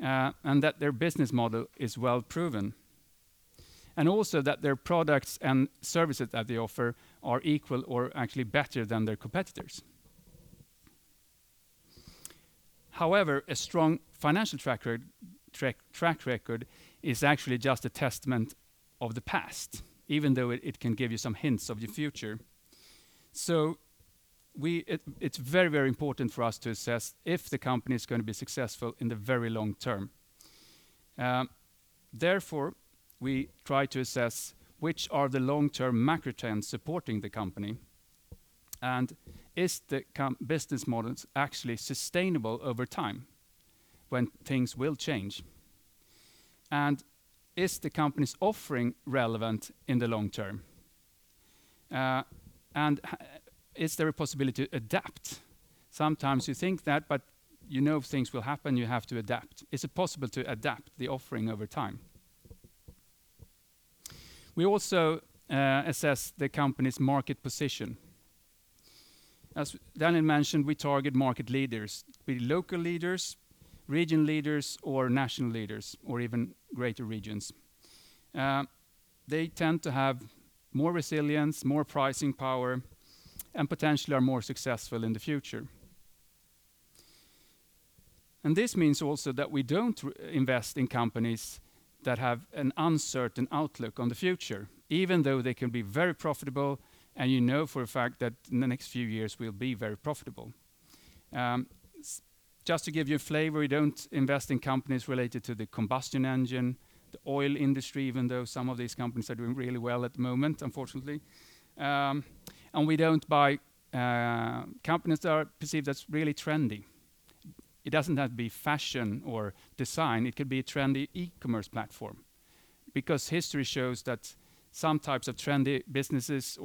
and that their business model is well-proven. Also that their products and services that they offer are equal or actually better than their competitors. However, a strong financial track record is actually just a testament of the past, even though it can give you some hints of the future. It's very, very important for us to assess if the company is gonna be successful in the very long term. Therefore, we try to assess which are the long-term macro trends supporting the company, and is the business models actually sustainable over time when things will change? Is the company's offering relevant in the long term? Is there a possibility to adapt? Sometimes you think that, but you know if things will happen, you have to adapt. Is it possible to adapt the offering over time? We also assess the company's market position. As Daniel mentioned, we target market leaders, be local leaders, region leaders, or national leaders, or even greater regions. They tend to have more resilience, more pricing power, and potentially are more successful in the future. This means also that we don't invest in companies that have an uncertain outlook on the future, even though they can be very profitable and you know for a fact that in the next few years will be very profitable. Just to give you a flavor, we don't invest in companies related to the combustion engine, the oil industry, even though some of these companies are doing really well at the moment, unfortunately. We don't buy companies that are perceived as really trendy. It doesn't have to be fashion or design. It could be a trendy e-commerce platform because history shows that some types of trendy businesses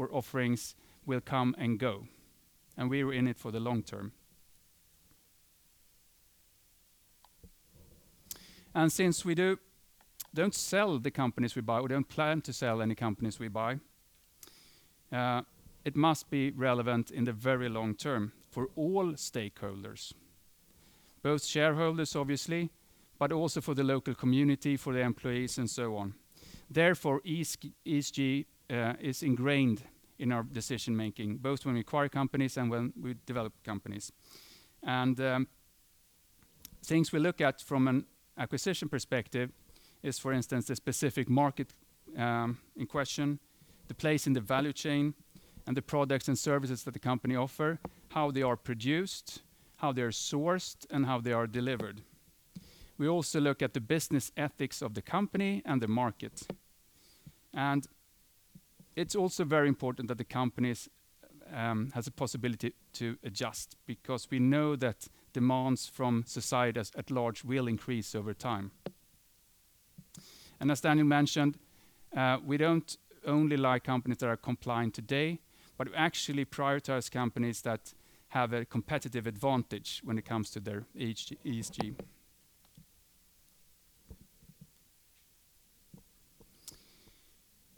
or offerings will come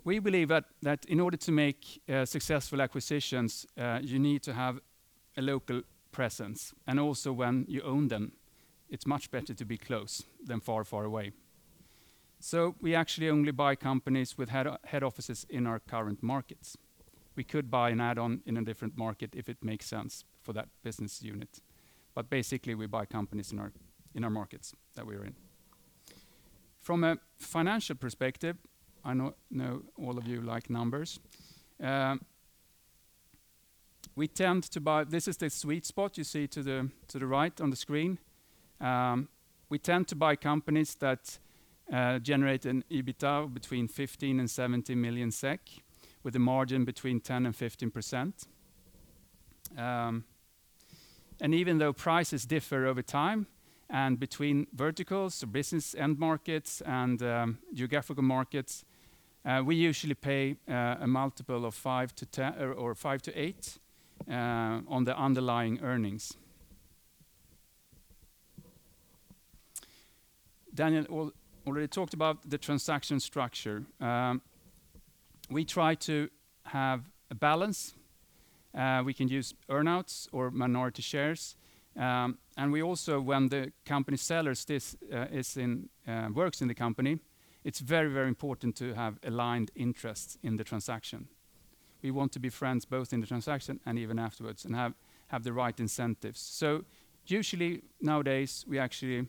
We believe that in order to make successful acquisitions, you need to have a local presence. Also when you own them, it's much better to be close than far, far away. We actually only buy companies with head offices in our current markets. We could buy an add-on in a different market if it makes sense for that business unit. Basically, we buy companies in our markets that we are in. From a financial perspective, I know all of you like numbers. We tend to buy. This is the sweet spot you see to the right on the screen. We tend to buy companies that generate an EBITDA between 15 and 17 million SEK, with a margin between 10% and 15%. Even though prices differ over time and between verticals or business end markets and geographical markets, we usually pay a multiple of 5-10x, or 5-8x, on the underlying earnings. Daniel already talked about the transaction structure. We try to have a balance. We can use earn-outs or minority shares. We also, when the company sellers stay in the company, it's very, very important to have aligned interests in the transaction. We want to be friends both in the transaction and even afterwards, and have the right incentives. Usually nowadays, we actually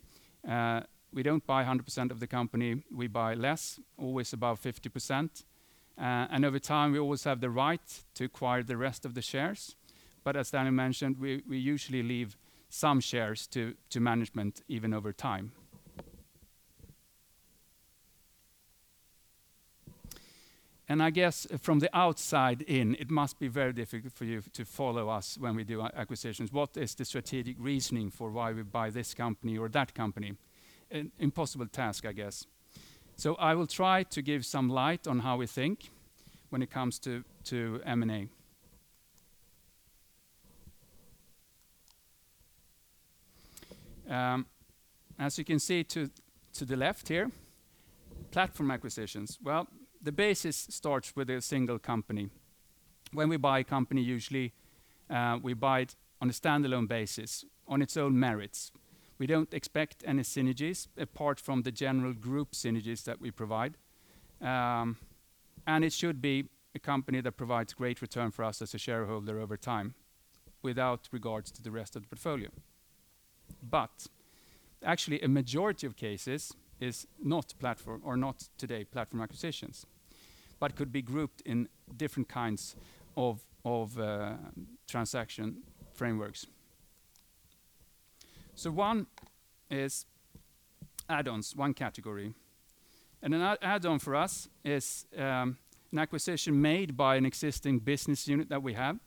don't buy 100% of the company. We buy less, always above 50%. Over time, we always have the right to acquire the rest of the shares. As Daniel mentioned, we usually leave some shares to management even over time. I guess from the outside in, it must be very difficult for you to follow us when we do acquisitions. What is the strategic reasoning for why we buy this company or that company? Impossible task, I guess. I will try to give some light on how we think when it comes to M&A. As you can see to the left here, platform acquisitions. Well, the basis starts with a single company. When we buy a company, usually, we buy it on a standalone basis on its own merits. We don't expect any synergies apart from the general group synergies that we provide. It should be a company that provides great return for us as a shareholder over time without regards to the rest of the portfolio. Actually, a majority of cases is not platform or not today platform acquisitions, but could be grouped in different kinds of transaction frameworks. One is add-ons, one category. An add-on for us is an acquisition made by an existing business unit that we have,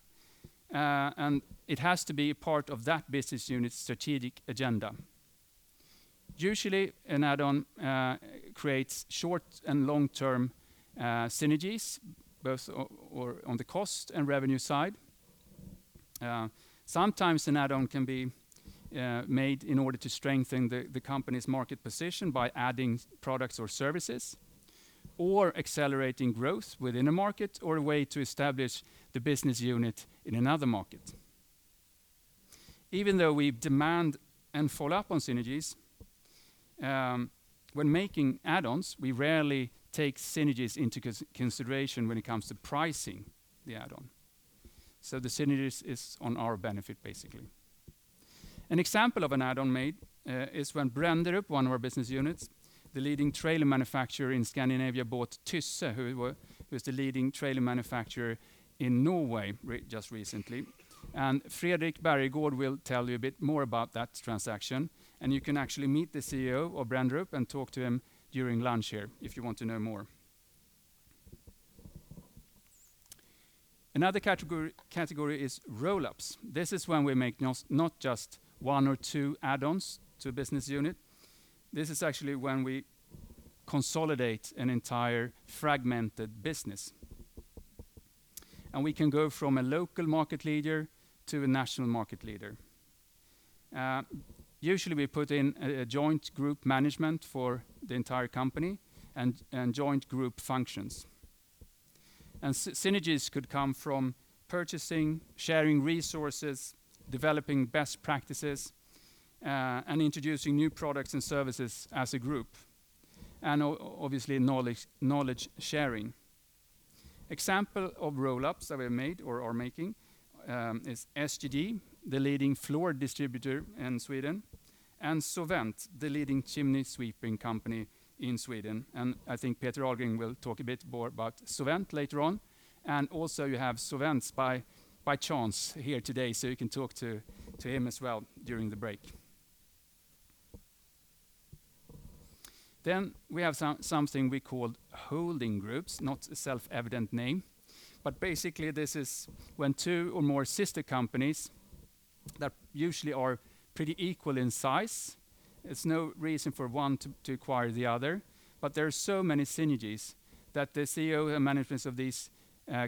and it has to be part of that business unit's strategic agenda. Usually, an add-on creates short and long-term synergies, both or on the cost and revenue side. Sometimes an add-on can be made in order to strengthen the company's market position by adding products or services or accelerating growth within a market or a way to establish the business unit in another market. Even though we demand and follow up on synergies when making add-ons, we rarely take synergies into consideration when it comes to pricing the add-on. So the synergies is on our benefit, basically. An example of an add-on made is when Brenderup, one of our business units, the leading trailer manufacturer in Scandinavia, bought Tysse, who's the leading trailer manufacturer in Norway just recently. Fredrik Bergegård will tell you a bit more about that transaction, and you can actually meet the CEO of Brenderup and talk to him during lunch here if you want to know more. Another category is roll-ups. This is when we make not just one or two add-ons to a business unit. This is actually when we consolidate an entire fragmented business. We can go from a local market leader to a national market leader. Usually, we put in a joint group management for the entire company and joint group functions. Synergies could come from purchasing, sharing resources, developing best practices, and introducing new products and services as a group, and obviously, knowledge sharing. Example of roll-ups that we've made or are making is SGD, the leading flooring distributor in Sweden, and SoVent, the leading chimney sweeping company in Sweden. I think Peter Ahlgren will talk a bit more about SoVent later on. You also have the SoVent guy by chance here today, so you can talk to him as well during the break. We have something we call holding groups, not a self-evident name. But basically, this is when two or more sister companies that usually are pretty equal in size, it's no reason for one to acquire the other, but there are so many synergies that the CEO and managements of these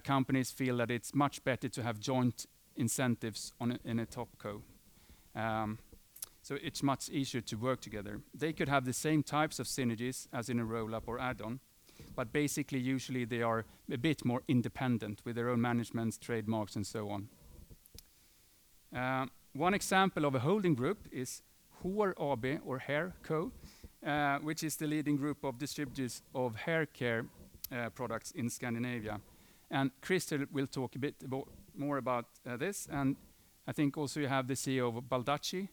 companies feel that it's much better to have joint incentives in a top co. So it's much easier to work together. They could have the same types of synergies as in a roll-up or add-on, but basically, usually they are a bit more independent with their own managements, trademarks, and so on. One example of a holding group is Hår AB or Hairco, which is the leading group of distributors of hair care products in Scandinavia. Christer will talk a bit more about this. I think also you have the CEO of Baldacci,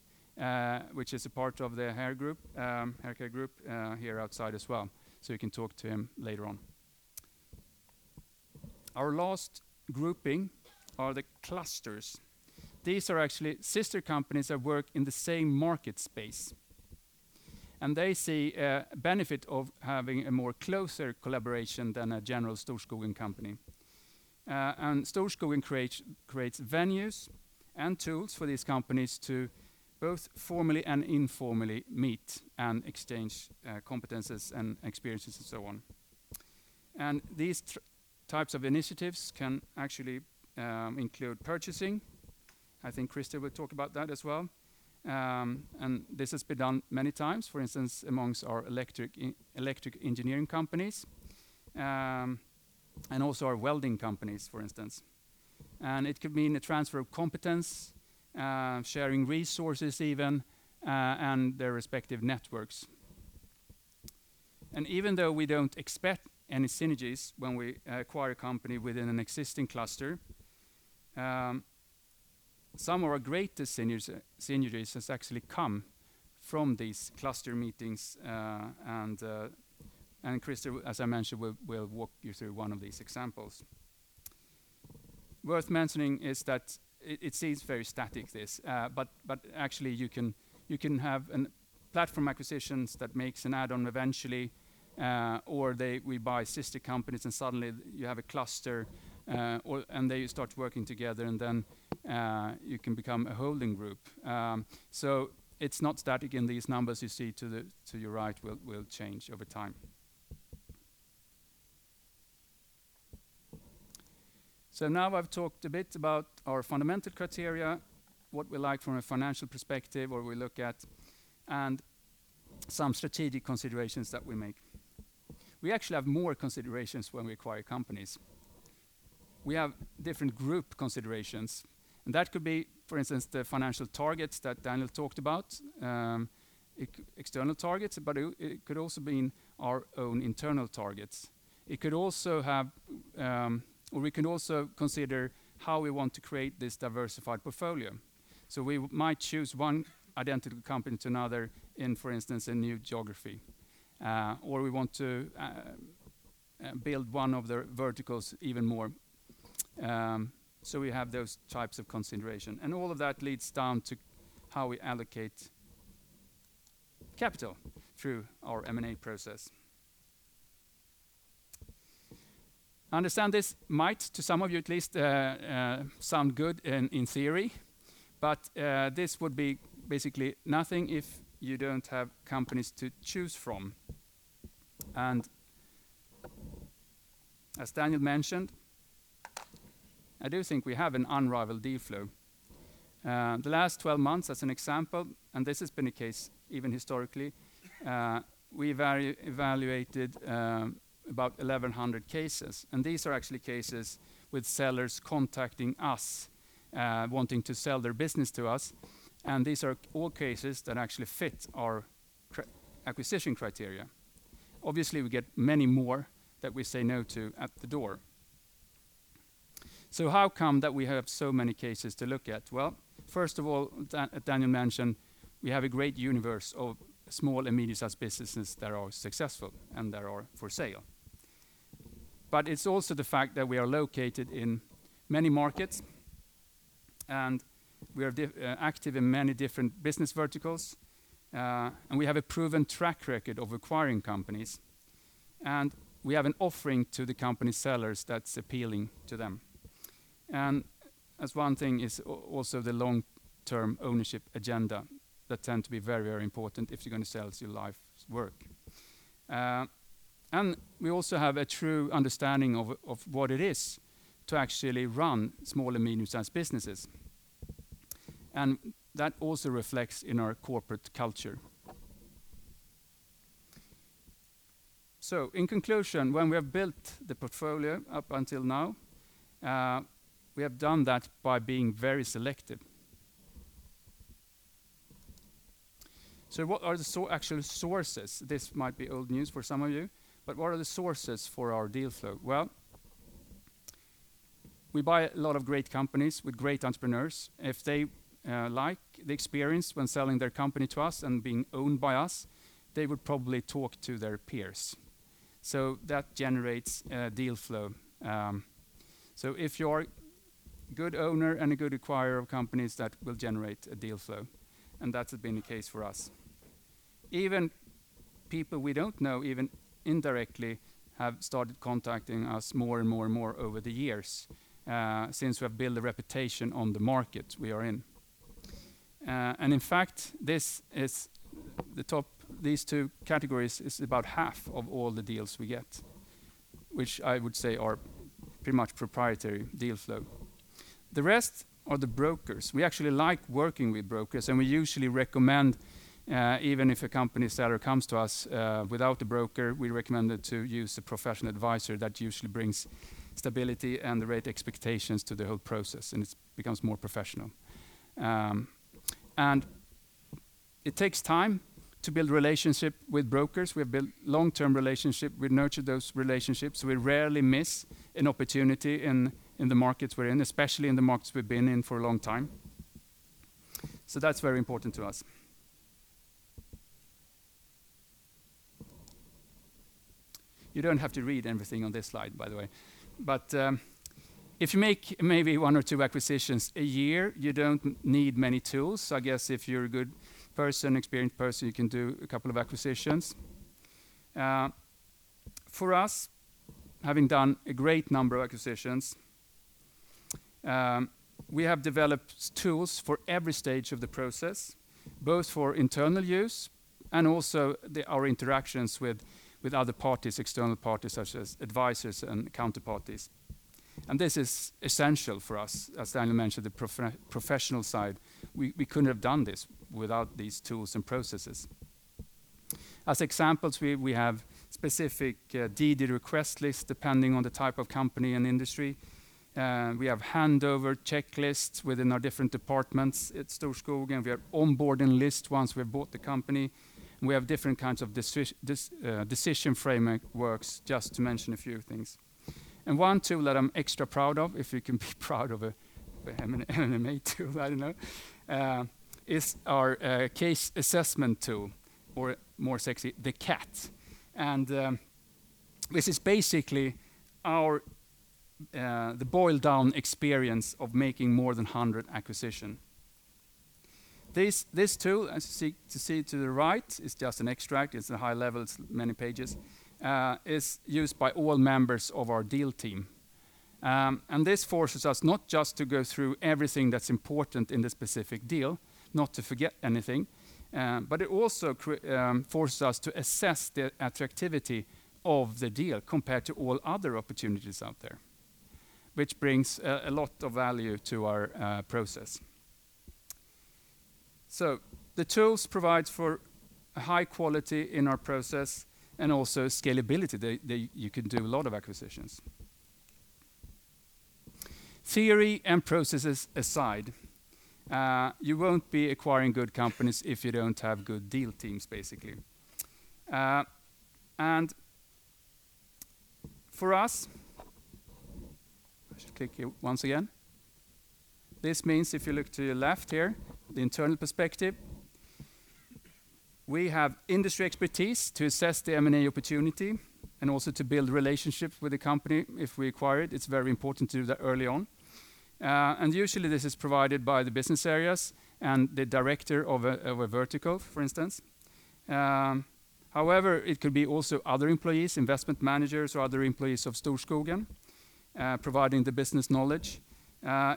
which is a part of the hair group, hair care group, here outside as well. You can talk to him later on. Our last grouping are the clusters. These are actually sister companies that work in the same market space, and they see a benefit of having a more closer collaboration than a general Storskogen company. Storskogen creates venues and tools for these companies to both formally and informally meet and exchange, competences and experiences and so on. These types of initiatives can actually include purchasing. I think Christer will talk about that as well. This has been done many times, for instance, amongst our electric engineering companies, and also our welding companies, for instance. It could mean a transfer of competence, sharing resources even, and their respective networks. Even though we don't expect any synergies when we acquire a company within an existing cluster, some of our greatest synergies has actually come from these cluster meetings, and Christer, as I mentioned, will walk you through one of these examples. Worth mentioning is that it seems very static, this, but actually, you can have a platform acquisitions that makes an add-on eventually, or we buy sister companies, and suddenly you have a cluster, or and they start working together, and then you can become a holding group. It's not static, and these numbers you see to your right will change over time. Now I've talked a bit about our fundamental criteria, what we like from a financial perspective, what we look at, and some strategic considerations that we make. We actually have more considerations when we acquire companies. We have different group considerations, and that could be, for instance, the financial targets that Daniel talked about, external targets, but it could also been our own internal targets. It could also have, or we can also consider how we want to create this diversified portfolio. We might choose one identical company to another in, for instance, a new geography, or we want to build one of their verticals even more. We have those types of consideration. All of that leads down to how we allocate capital through our M&A process. I understand this might, to some of you at least, sound good in theory, but this would be basically nothing if you don't have companies to choose from. As Daniel mentioned, I do think we have an unrivaled deal flow. The last 12 months as an example, and this has been the case even historically, we evaluated about 1,100 cases, and these are actually cases with sellers contacting us, wanting to sell their business to us, and these are all cases that actually fit our acquisition criteria. Obviously, we get many more that we say no to at the door. How come that we have so many cases to look at? Well, first of all, Daniel mentioned we have a great universe of small and medium-sized businesses that are successful and that are for sale. It's also the fact that we are located in many markets, and we are active in many different business verticals, and we have a proven track record of acquiring companies, and we have an offering to the company sellers that's appealing to them. As one thing is also the long-term ownership agenda that tend to be very, very important if you're gonna sell us your life's work. We also have a true understanding of what it is to actually run small and medium-sized businesses. That also reflects in our corporate culture. In conclusion, when we have built the portfolio up until now, we have done that by being very selective. What are the actual sources? This might be old news for some of you, but what are the sources for our deal flow? Well, we buy a lot of great companies with great entrepreneurs. If they like the experience when selling their company to us and being owned by us, they would probably talk to their peers. That generates deal flow. If you're a good owner and a good acquirer of companies that will generate a deal flow, and that has been the case for us. Even people we don't know, even indirectly, have started contacting us more and more and more over the years since we have built a reputation on the market we are in. In fact, these two categories is about half of all the deals we get, which I would say are pretty much proprietary deal flow. The rest are the brokers. We actually like working with brokers, and we usually recommend, even if a company seller comes to us, without a broker, we recommend it to use a professional advisor that usually brings stability and the right expectations to the whole process, and it becomes more professional. It takes time to build relationship with brokers. We have built long-term relationship. We nurture those relationships. We rarely miss an opportunity in the markets we're in, especially in the markets we've been in for a long time. That's very important to us. You don't have to read everything on this slide, by the way. If you make maybe one or two acquisitions a year, you don't need many tools. I guess if you're a good person, experienced person, you can do a couple of acquisitions. For us, having done a great number of acquisitions, we have developed tools for every stage of the process, both for internal use and also our interactions with other parties, external parties, such as advisors and counterparties. This is essential for us, as Daniel mentioned, the professional side. We couldn't have done this without these tools and processes. As examples, we have specific DD request lists depending on the type of company and industry. We have handover checklists within our different departments at Storskogen. We have onboarding list once we bought the company. We have different kinds of decision framework works just to mention a few things. One tool that I'm extra proud of, if you can be proud of a M&A tool, I don't know, is our case assessment tool, or more sexy, the CAT. This is basically our boiled-down experience of making more than 100 acquisitions. This tool, as you see to the right, is just an extract. It's high-level, it's many pages, is used by all members of our deal team. This forces us not just to go through everything that's important in the specific deal, not to forget anything, but it also forces us to assess the attractiveness of the deal compared to all other opportunities out there, which brings a lot of value to our process. The tools provide for high quality in our process and also scalability. You can do a lot of acquisitions. Theory and processes aside, you won't be acquiring good companies if you don't have good deal teams, basically. For us, I should click here once again. This means if you look to your left here, the internal perspective, we have industry expertise to assess the M&A opportunity and also to build relationships with the company. If we acquire it's very important to do that early on. Usually this is provided by the business areas and the director of a vertical, for instance. However, it could be also other employees, investment managers, or other employees of Storskogen, providing the business knowledge.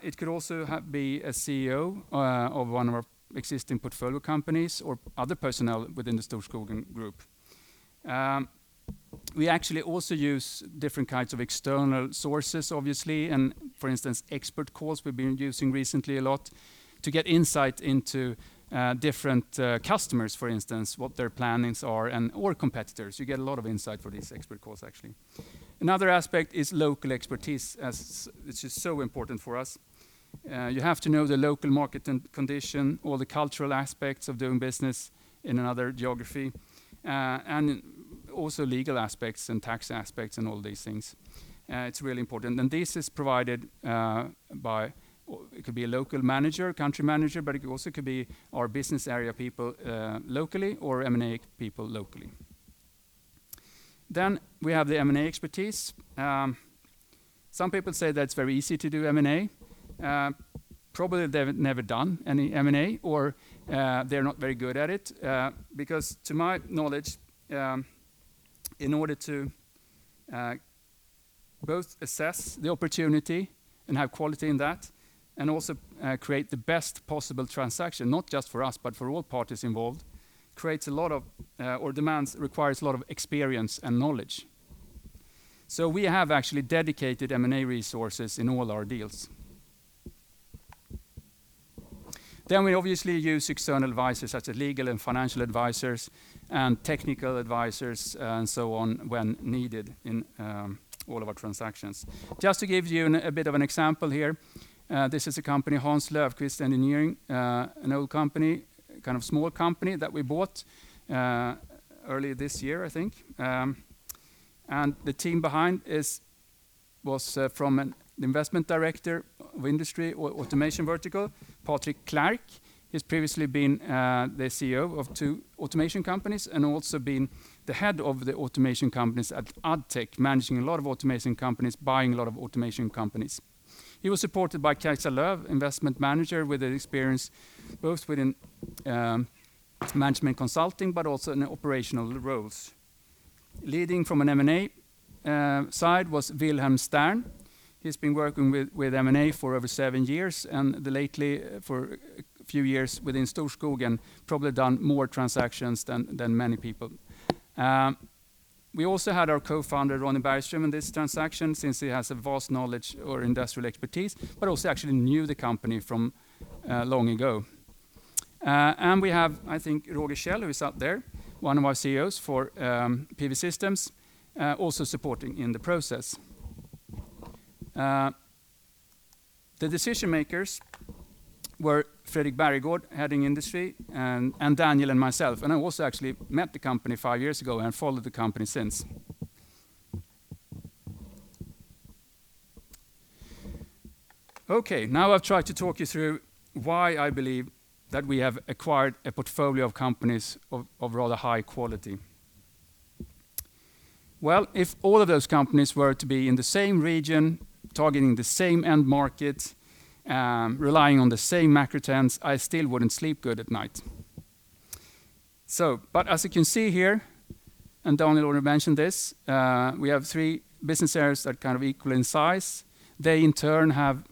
It could also be a CEO of one of our existing portfolio companies or other personnel within the Storskogen Group. We actually also use different kinds of external sources, obviously, and for instance, expert calls we've been using recently a lot to get insight into different customers, for instance, what their plans are or competitors. You get a lot of insight from these expert calls, actually. Another aspect is local expertise, as this is so important for us. You have to know the local market condition or the cultural aspects of doing business in another geography, and also legal aspects and tax aspects and all these things. It's really important. This is provided by, well, it could be a local manager, country manager, but it also could be our business area people locally or M&A people locally. Then we have the M&A expertise. Some people say that it's very easy to do M&A. Probably they've never done any M&A or they're not very good at it because to my knowledge, in order to both assess the opportunity and have quality in that and also create the best possible transaction, not just for us, but for all parties involved, requires a lot of experience and knowledge. We have actually dedicated M&A resources in all our deals. We obviously use external advisors such as legal and financial advisors and technical advisors and so on when needed in all of our transactions. Just to give you a bit of an example here, this is a company, Hans Löfqvist Engineering, an old company, kind of small company that we bought early this year, I think. The team behind was from an Investment Director of industry automation vertical, Patrik Klerck. He's previously been the CEO of two automation companies and also been the head of the automation companies at Addtech, managing a lot of automation companies, buying a lot of automation companies. He was supported by Kajsa Lööv, investment manager with an experience both within management consulting, but also in operational roles. Leading from an M&A side was Vilhelm Stern. He's been working with M&A for over seven years and lately for a few years within Storskogen, probably done more transactions than many people. We also had our co-founder, Ronnie Bergström, in this transaction since he has a vast knowledge of industrial expertise, but also actually knew the company from long ago. We have, I think, Roger Käll, who is up there, one of our CEOs for PV Systems, also supporting in the process. The decision-makers were Fredrik Bergegård, heading industry, and Daniel and myself. I also actually met the company five years ago and followed the company since. Okay, now I've tried to talk you through why I believe that we have acquired a portfolio of companies of rather high quality. Well, if all of those companies were to be in the same region, targeting the same end market, relying on the same macro trends, I still wouldn't sleep good at night. But as you can see here, and Daniel already mentioned this, we have three business areas that are kind of equal in size. They in turn have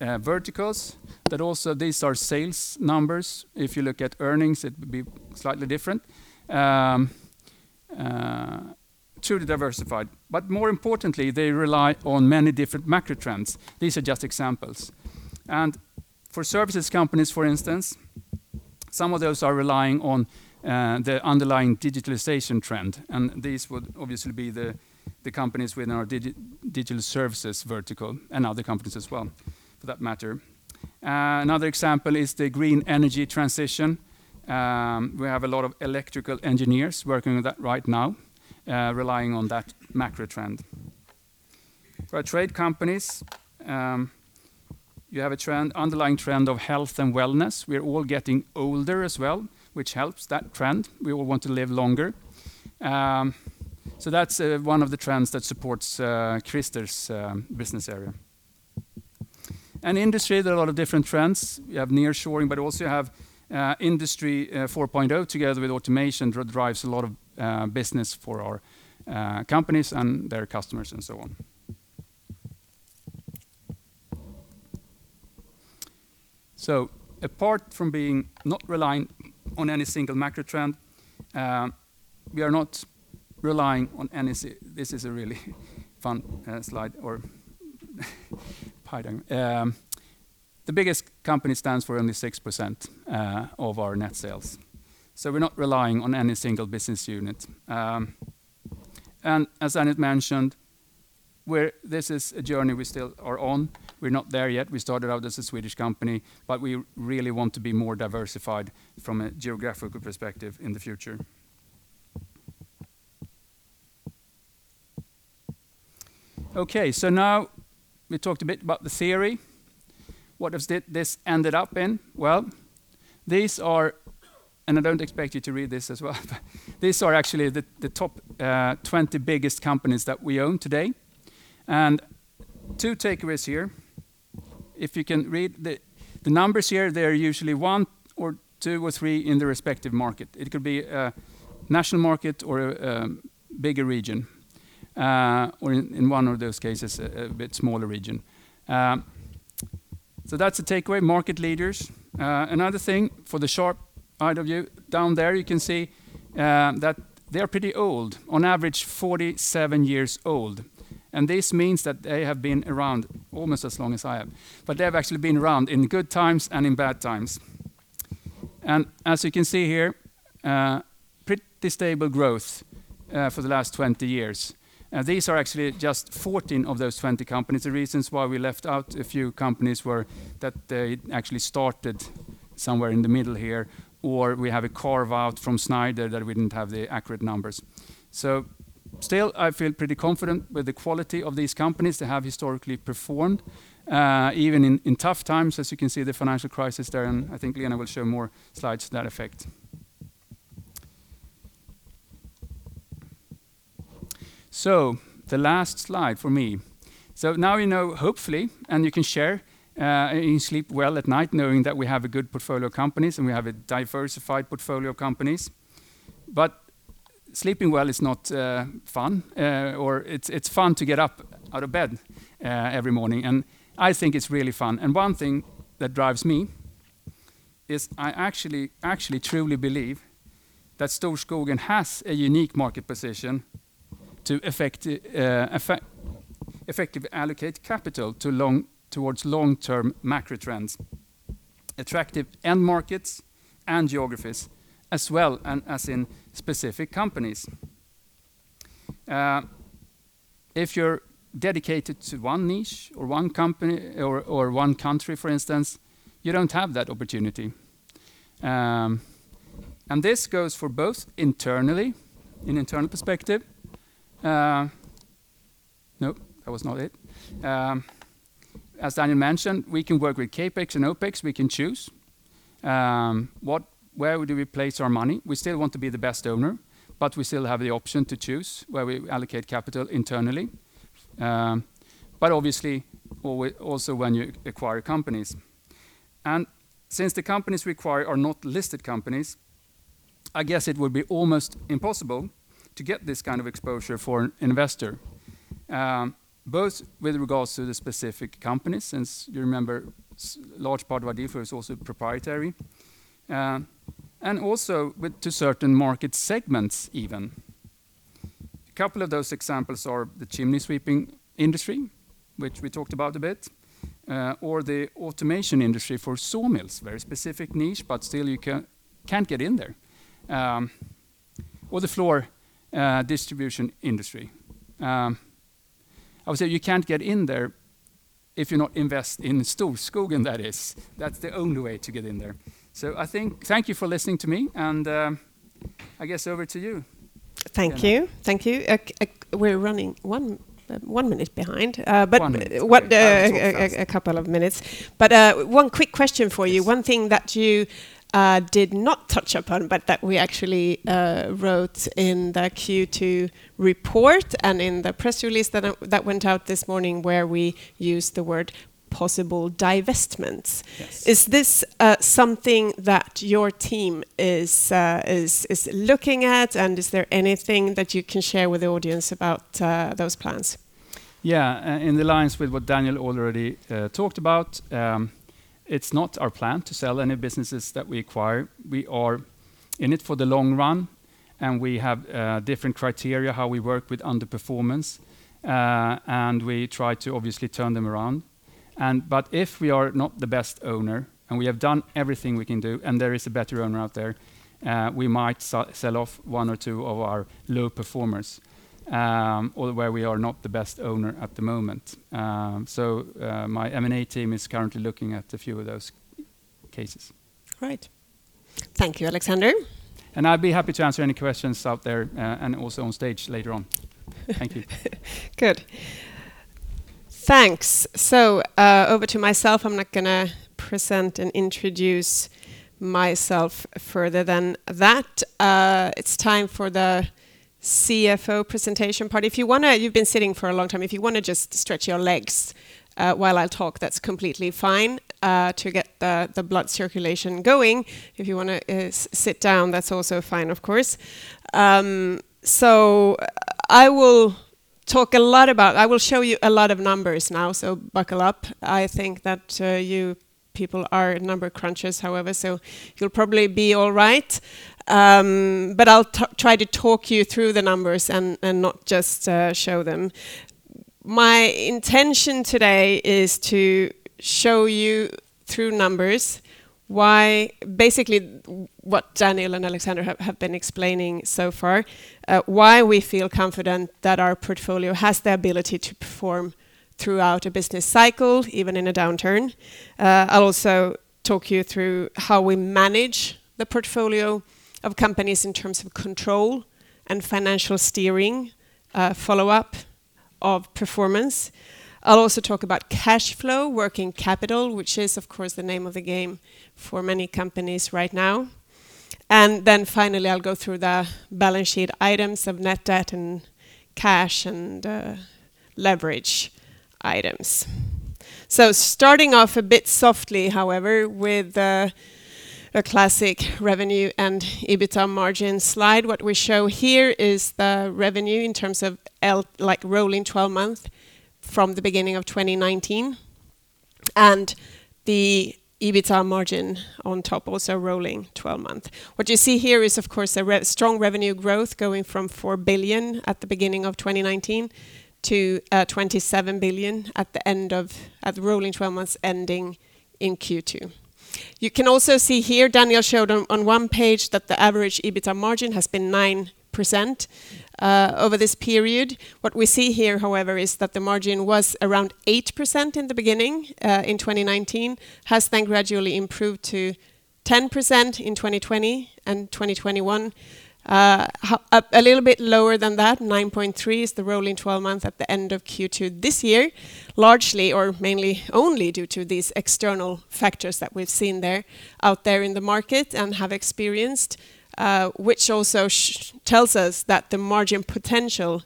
verticals, but also these are sales numbers. If you look at earnings, it would be slightly different. Truly diversified. But more importantly, they rely on many different macro trends. These are just examples. For services companies, for instance, some of those are relying on the underlying digitalization trend, and these would obviously be the companies within our digital services vertical and other companies as well for that matter. Another example is the green energy transition. We have a lot of electrical engineers working on that right now, relying on that macro trend. For our trade companies, you have a trend, underlying trend of health and wellness. We're all getting older as well, which helps that trend. We all want to live longer. That's one of the trends that supports Christer's business area. In industry, there are a lot of different trends. You have nearshoring, but also you have Industry 4.0 together with automation drives a lot of business for our companies and their customers and so on. Apart from being not reliant on any single macro trend, we are not relying on any. This is a really fun slide. Pardon. The biggest company stands for only 6% of our net sales. We're not relying on any single business unit. As Daniel mentioned, this is a journey we still are on. We're not there yet. We started out as a Swedish company, but we really want to be more diversified from a geographical perspective in the future. Okay. Now we talked a bit about the theory. What has this ended up in? Well, these are. I don't expect you to read this as well. These are actually the top 20 biggest companies that we own today. And two takeaways here. If you can read the numbers here, they're usually one or two or three in the respective market. It could be a national market or a bigger region, or in one of those cases, a bit smaller region. That's the takeaway, market leaders. Another thing for the sharp eye of you, down there you can see that they're pretty old, on average 47 years old. This means that they have been around almost as long as I have. They have actually been around in good times and in bad times. As you can see here, pretty stable growth for the last 20 years. These are actually just 14 of those 20 companies. The reasons why we left out a few companies were that they actually started somewhere in the middle here, or we have a carve-out from Schneider that we didn't have the accurate numbers. Still, I feel pretty confident with the quality of these companies. They have historically performed even in tough times, as you can see the financial crisis there, and I think Lena will show more slides to that effect. The last slide for me. Now you know, hopefully, and you can share, and you sleep well at night knowing that we have a good portfolio of companies, and we have a diversified portfolio of companies. Sleeping well is not fun, or it's fun to get up out of bed every morning. I think it's really fun. One thing that drives me is I actually truly believe that Storskogen has a unique market position to effectively allocate capital towards long-term macro trends, attractive end markets and geographies, as well as in specific companies. If you're dedicated to one niche or one company or one country, for instance, you don't have that opportunity. This goes for both internally, an internal perspective. As Daniel mentioned, we can work with CapEx and OpEx. We can choose where we place our money. We still want to be the best owner, but we still have the option to choose where we allocate capital internally. But obviously, also when you acquire companies. Since the companies we acquire are not listed companies, I guess it would be almost impossible to get this kind of exposure for an investor, both with regards to the specific companies, since you remember large part of our deal flow is also proprietary, and also with regard to certain market segments even. A couple of those examples are the chimney sweeping industry, which we talked about a bit, or the automation industry for sawmills, very specific niche, but still you can't get in there, or the floor distribution industry. Obviously, you can't get in there if you not invest in Storskogen, that is. That's the only way to get in there. I think thank you for listening to me, and, I guess over to you. Thank you. Lena. Thank you. We're running one minute behind. One minute. What, uh- I will talk fast. A couple of minutes. One quick question for you. One thing that you did not touch upon, but that we actually wrote in the Q2 report and in the press release that went out this morning where we used the word possible divestments. Yes. Is this something that your team is looking at? Is there anything that you can share with the audience about those plans? Yeah. In line with what Daniel already talked about, it's not our plan to sell any businesses that we acquire. We are in it for the long run, and we have different criteria how we work with underperformance, and we try to obviously turn them around. If we are not the best owner, and we have done everything we can do, and there is a better owner out there, we might sell off one or two of our low performers, or where we are not the best owner at the moment. My M&A team is currently looking at a few of those cases. Great. Thank you, Alexander. I'd be happy to answer any questions out there, and also on stage later on. Thank you. Good. Thanks. Over to myself, I'm not gonna present and introduce myself further than that. It's time for the CFO presentation part. You've been sitting for a long time. If you wanna just stretch your legs while I talk, that's completely fine to get the blood circulation going. If you wanna sit down, that's also fine, of course. I will show you a lot of numbers now, so buckle up. I think that you people are number crunchers, however, so you'll probably be all right. I'll try to talk you through the numbers and not just show them. My intention today is to show you through numbers why basically what Daniel and Alexander have been explaining so far, why we feel confident that our portfolio has the ability to perform throughout a business cycle, even in a downturn. I'll also talk you through how we manage the portfolio of companies in terms of control and financial steering, follow-up of performance. I'll also talk about cash flow, working capital, which is of course the name of the game for many companies right now. Finally, I'll go through the balance sheet items of net debt and cash and leverage items. Starting off a bit softly, however, with the classic revenue and EBITA margin slide. What we show here is the revenue in terms of like rolling 12-month from the beginning of 2019 and the EBITA margin on top also rolling 12-month. What you see here is of course a strong revenue growth going from 4 billion at the beginning of 2019 to 27 billion at the end of the rolling 12 months ending in Q2. You can also see here Daniel showed on one page that the average EBITA margin has been 9% over this period. What we see here, however, is that the margin was around 8% in the beginning in 2019, has then gradually improved to 10% in 2020 and 2021. A little bit lower than that, 9.3 is the rolling twelve-month at the end of Q2 this year, largely or mainly only due to these external factors that we've seen there, out there in the market and have experienced, which also tells us that the margin potential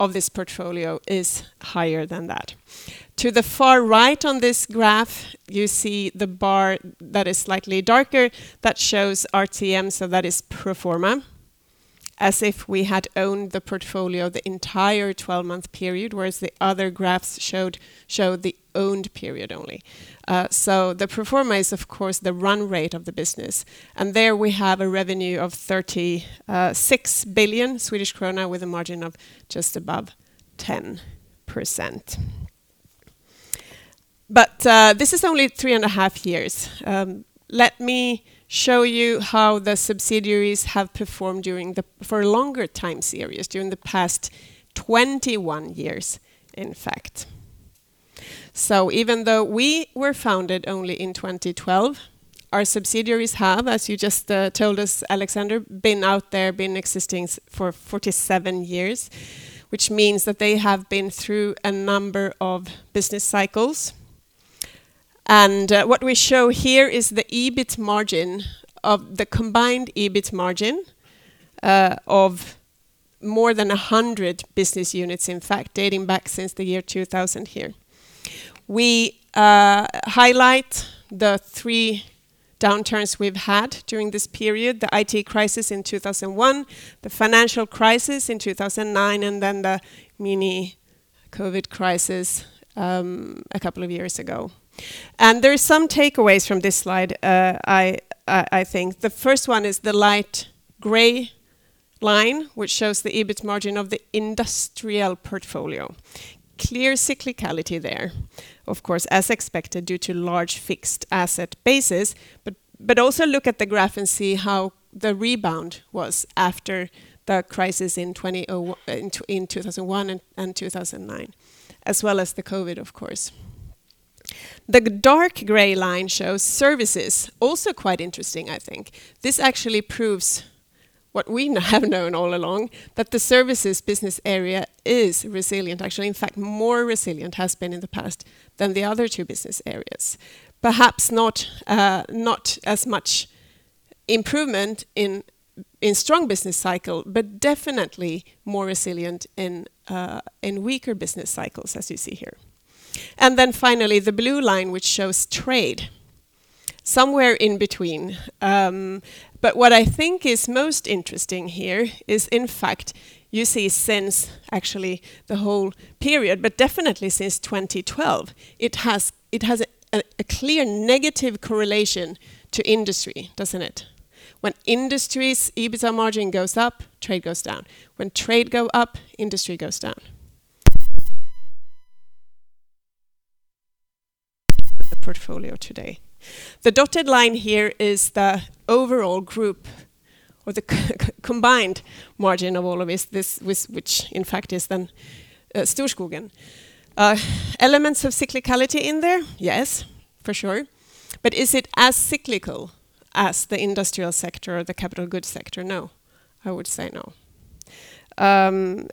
of this portfolio is higher than that. To the far right on this graph, you see the bar that is slightly darker, that shows RTM, so that is pro forma, as if we had owned the portfolio the entire twelve-month period, whereas the other graphs show the owned period only. So the pro forma is of course the run rate of the business, and there we have a revenue of 36 billion Swedish krona with a margin of just above 10%. This is only 3.5 years. Let me show you how the subsidiaries have performed during the for longer time series, during the past 21 years, in fact. Even though we were founded only in 2012, our subsidiaries have, as you just told us, Alexander, been out there, been existing for 47 years, which means that they have been through a number of business cycles. What we show here is the EBIT margin of the combined EBIT margin of more than 100 business units, in fact, dating back since the year 2000 here. We highlight the three downturns we've had during this period, the IT crisis in 2001, the financial crisis in 2009, and then the mini COVID crisis a couple of years ago. There are some takeaways from this slide, I think. The first one is the light gray line, which shows the EBIT margin of the industrial portfolio. Clear cyclicality there, of course, as expected due to large fixed asset bases, but also look at the graph and see how the rebound was after the crisis in 2001 and 2009, as well as the COVID, of course. The dark gray line shows services, also quite interesting, I think. This actually proves what we have known all along, that the services business area is resilient, actually, in fact, more resilient, has been in the past than the other two business areas. Perhaps not as much improvement in strong business cycle, but definitely more resilient in weaker business cycles, as you see here. Finally, the blue line, which shows trade somewhere in between. What I think is most interesting here is, in fact, you see since actually the whole period, but definitely since 2012, it has a clear negative correlation to industry, doesn't it? When industry's EBITA margin goes up, trade goes down. When trade go up, industry goes down the portfolio today. The dotted line here is the overall group or the combined margin of all of this, which in fact is then Storskogen. Elements of cyclicality in there? Yes, for sure. Is it as cyclical as the industrial sector or the capital goods sector? No. I would say no.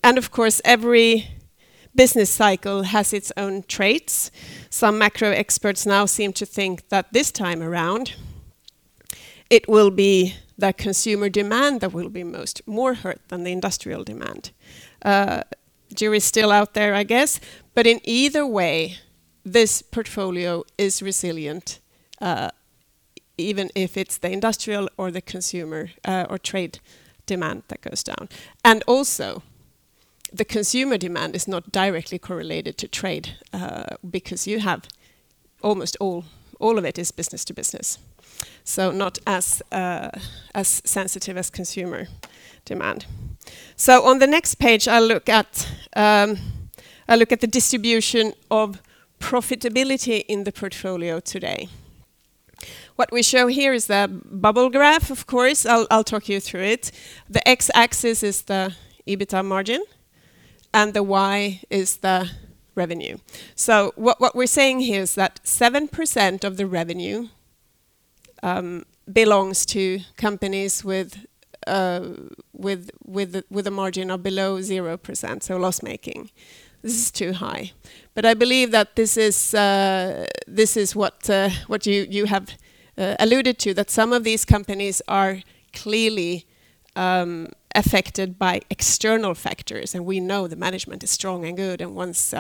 Of course, every business cycle has its own traits. Some macro experts now seem to think that this time around it will be the consumer demand that will be more hurt than the industrial demand. Jury's still out there, I guess. In either way, this portfolio is resilient, even if it's the industrial or the consumer, or trade demand that goes down. The consumer demand is not directly correlated to trade, because you have almost all of it is business to business, so not as sensitive as consumer demand. On the next page, I look at the distribution of profitability in the portfolio today. What we show here is the bubble graph, of course. I'll talk you through it. The X-axis is the EBITDA margin, and the Y is the revenue. What we're saying here is that 7% of the revenue belongs to companies with a margin of below 0%, so loss-making. This is too high. I believe that this is what you have alluded to, that some of these companies are clearly affected by external factors, and we know the management is strong and good, and once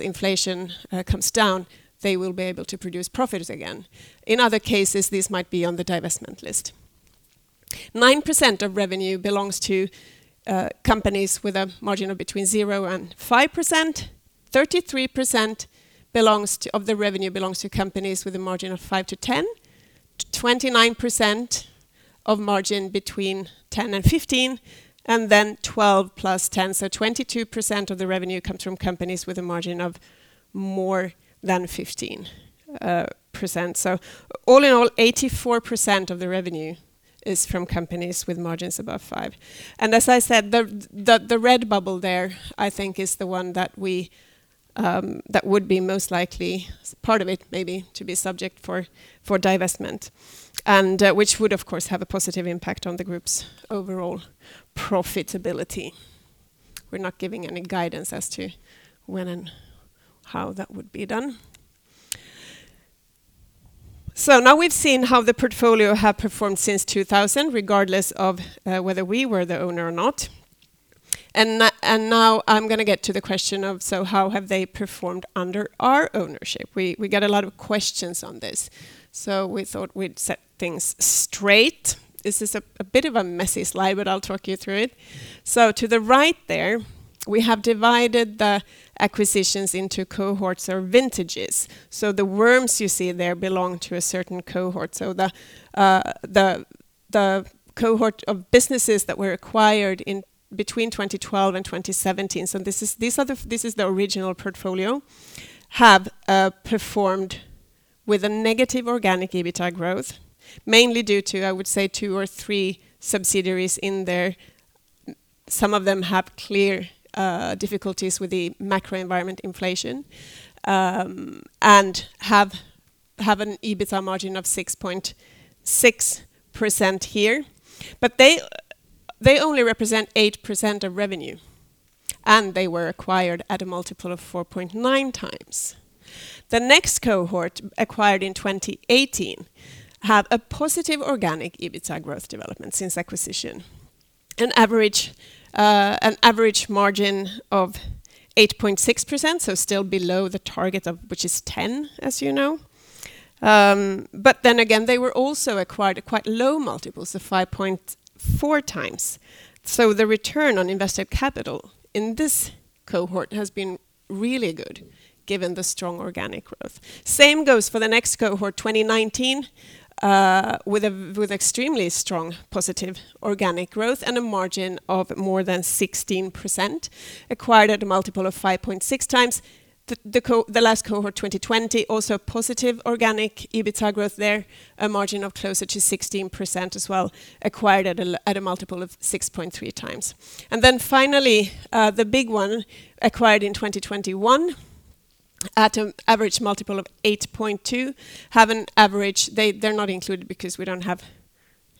inflation comes down, they will be able to produce profits again. In other cases, these might be on the divestment list. 9% of revenue belongs to companies with a margin of between 0% and 5%, 33% of the revenue belongs to companies with a margin of 5%-10%, 29% of margin between 10% and 15%, and then 12% + 10%, so 22% of the revenue comes from companies with a margin of more than 15%. So all in all, 84% of the revenue is from companies with margins above 5%. As I said, the red bubble there, I think, is the one that we that would be most likely, part of it maybe, to be subject for divestment, and which would of course have a positive impact on the group's overall profitability. We're not giving any guidance as to when and how that would be done. Now we've seen how the portfolio have performed since 2000, regardless of whether we were the owner or not. Now I'm gonna get to the question of, so how have they performed under our ownership? We get a lot of questions on this, so we thought we'd set things straight. This is a bit of a messy slide, but I'll talk you through it. To the right there, we have divided the acquisitions into cohorts or vintages. The firms you see there belong to a certain cohort. The cohort of businesses that were acquired in between 2012 and 2017, this is the original portfolio, have performed with a negative organic EBITDA growth, mainly due to, I would say, two or three subsidiaries in there. Some of them have clear difficulties with the macro environment inflation, and have an EBITDA margin of 6.6% here. But they only represent 8% of revenue, and they were acquired at a multiple of 4.9x. The next cohort acquired in 2018 have a positive organic EBITDA growth development since acquisition. An average margin of 8.6%, still below the target, which is 10%, as you know. They were also acquired at quite low multiples of 5.4x. The return on invested capital in this cohort has been really good given the strong organic growth. Same goes for the next cohort, 2019, with extremely strong positive organic growth and a margin of more than 16%, acquired at a multiple of 5.6x. The last cohort, 2020, also positive organic EBITDA growth there, a margin of closer to 16% as well, acquired at a multiple of 6.3x. The big one acquired in 2021 at an average multiple of 8.2x have an average. They are not included because we don't have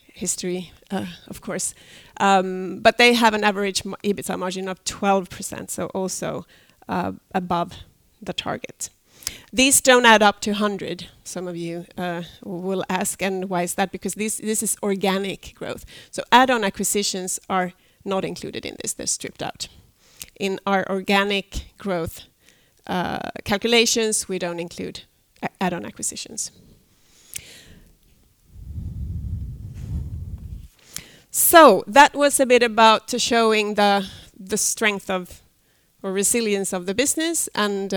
history, of course. They have an average EBITDA margin of 12%, so also above the target. These don't add up to 100, some of you will ask. Why is that? Because this is organic growth. Add-on acquisitions are not included in this. They're stripped out. In our organic growth calculations, we don't include add-on acquisitions. That was a bit about showing the strength or resilience of the business and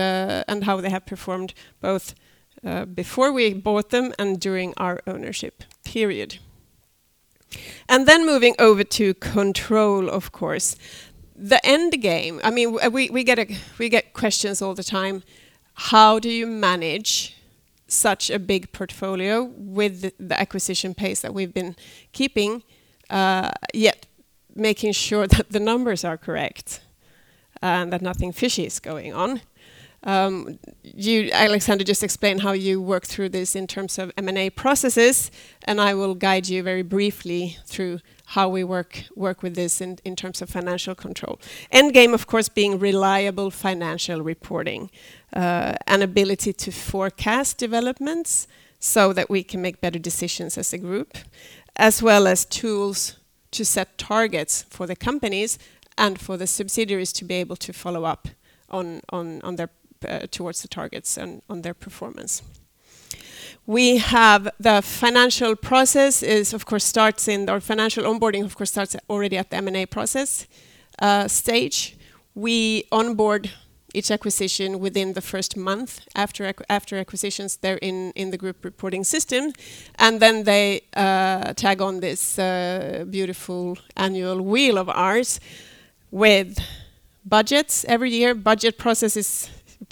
how they have performed both before we bought them and during our ownership period. Moving over to control, of course. The end game, I mean, we get questions all the time, how do you manage such a big portfolio with the acquisition pace that we've been keeping, yet making sure that the numbers are correct, and that nothing fishy is going on? You, Alexander, just explained how you work through this in terms of M&A processes, and I will guide you very briefly through how we work with this in terms of financial control. End game, of course, being reliable financial reporting and ability to forecast developments so that we can make better decisions as a group, as well as tools to set targets for the companies and for the subsidiaries to be able to follow up on their towards the targets and on their performance. Our financial onboarding, of course, starts already at the M&A process stage. We onboard each acquisition within the first month. After acquisitions, they're in the group reporting system, and then they tag on this beautiful annual wheel of ours with budgets every year. Budget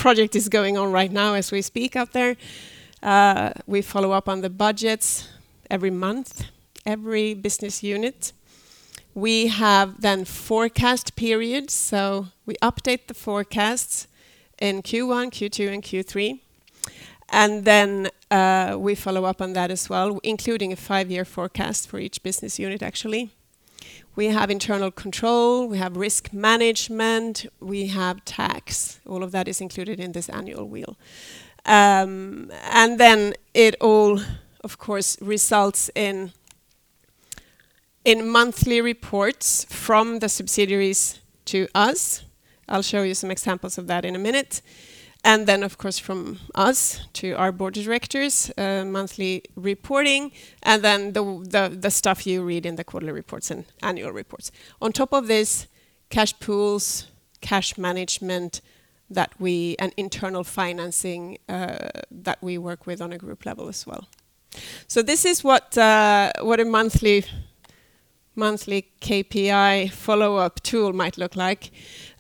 project is going on right now as we speak out there. We follow up on the budgets every month, every business unit. We have forecast periods, so we update the forecasts in Q1, Q2, and Q3, and then we follow up on that as well, including a five-year forecast for each business unit, actually. We have internal control, we have risk management, we have tax. All of that is included in this annual wheel. It all, of course, results in monthly reports from the subsidiaries to us. I'll show you some examples of that in a minute. From us to our board of directors, monthly reporting, and then the stuff you read in the quarterly reports and annual reports. On top of this, cash pools, cash management and internal financing that we work with on a group level as well. This is what a monthly KPI follow-up tool might look like.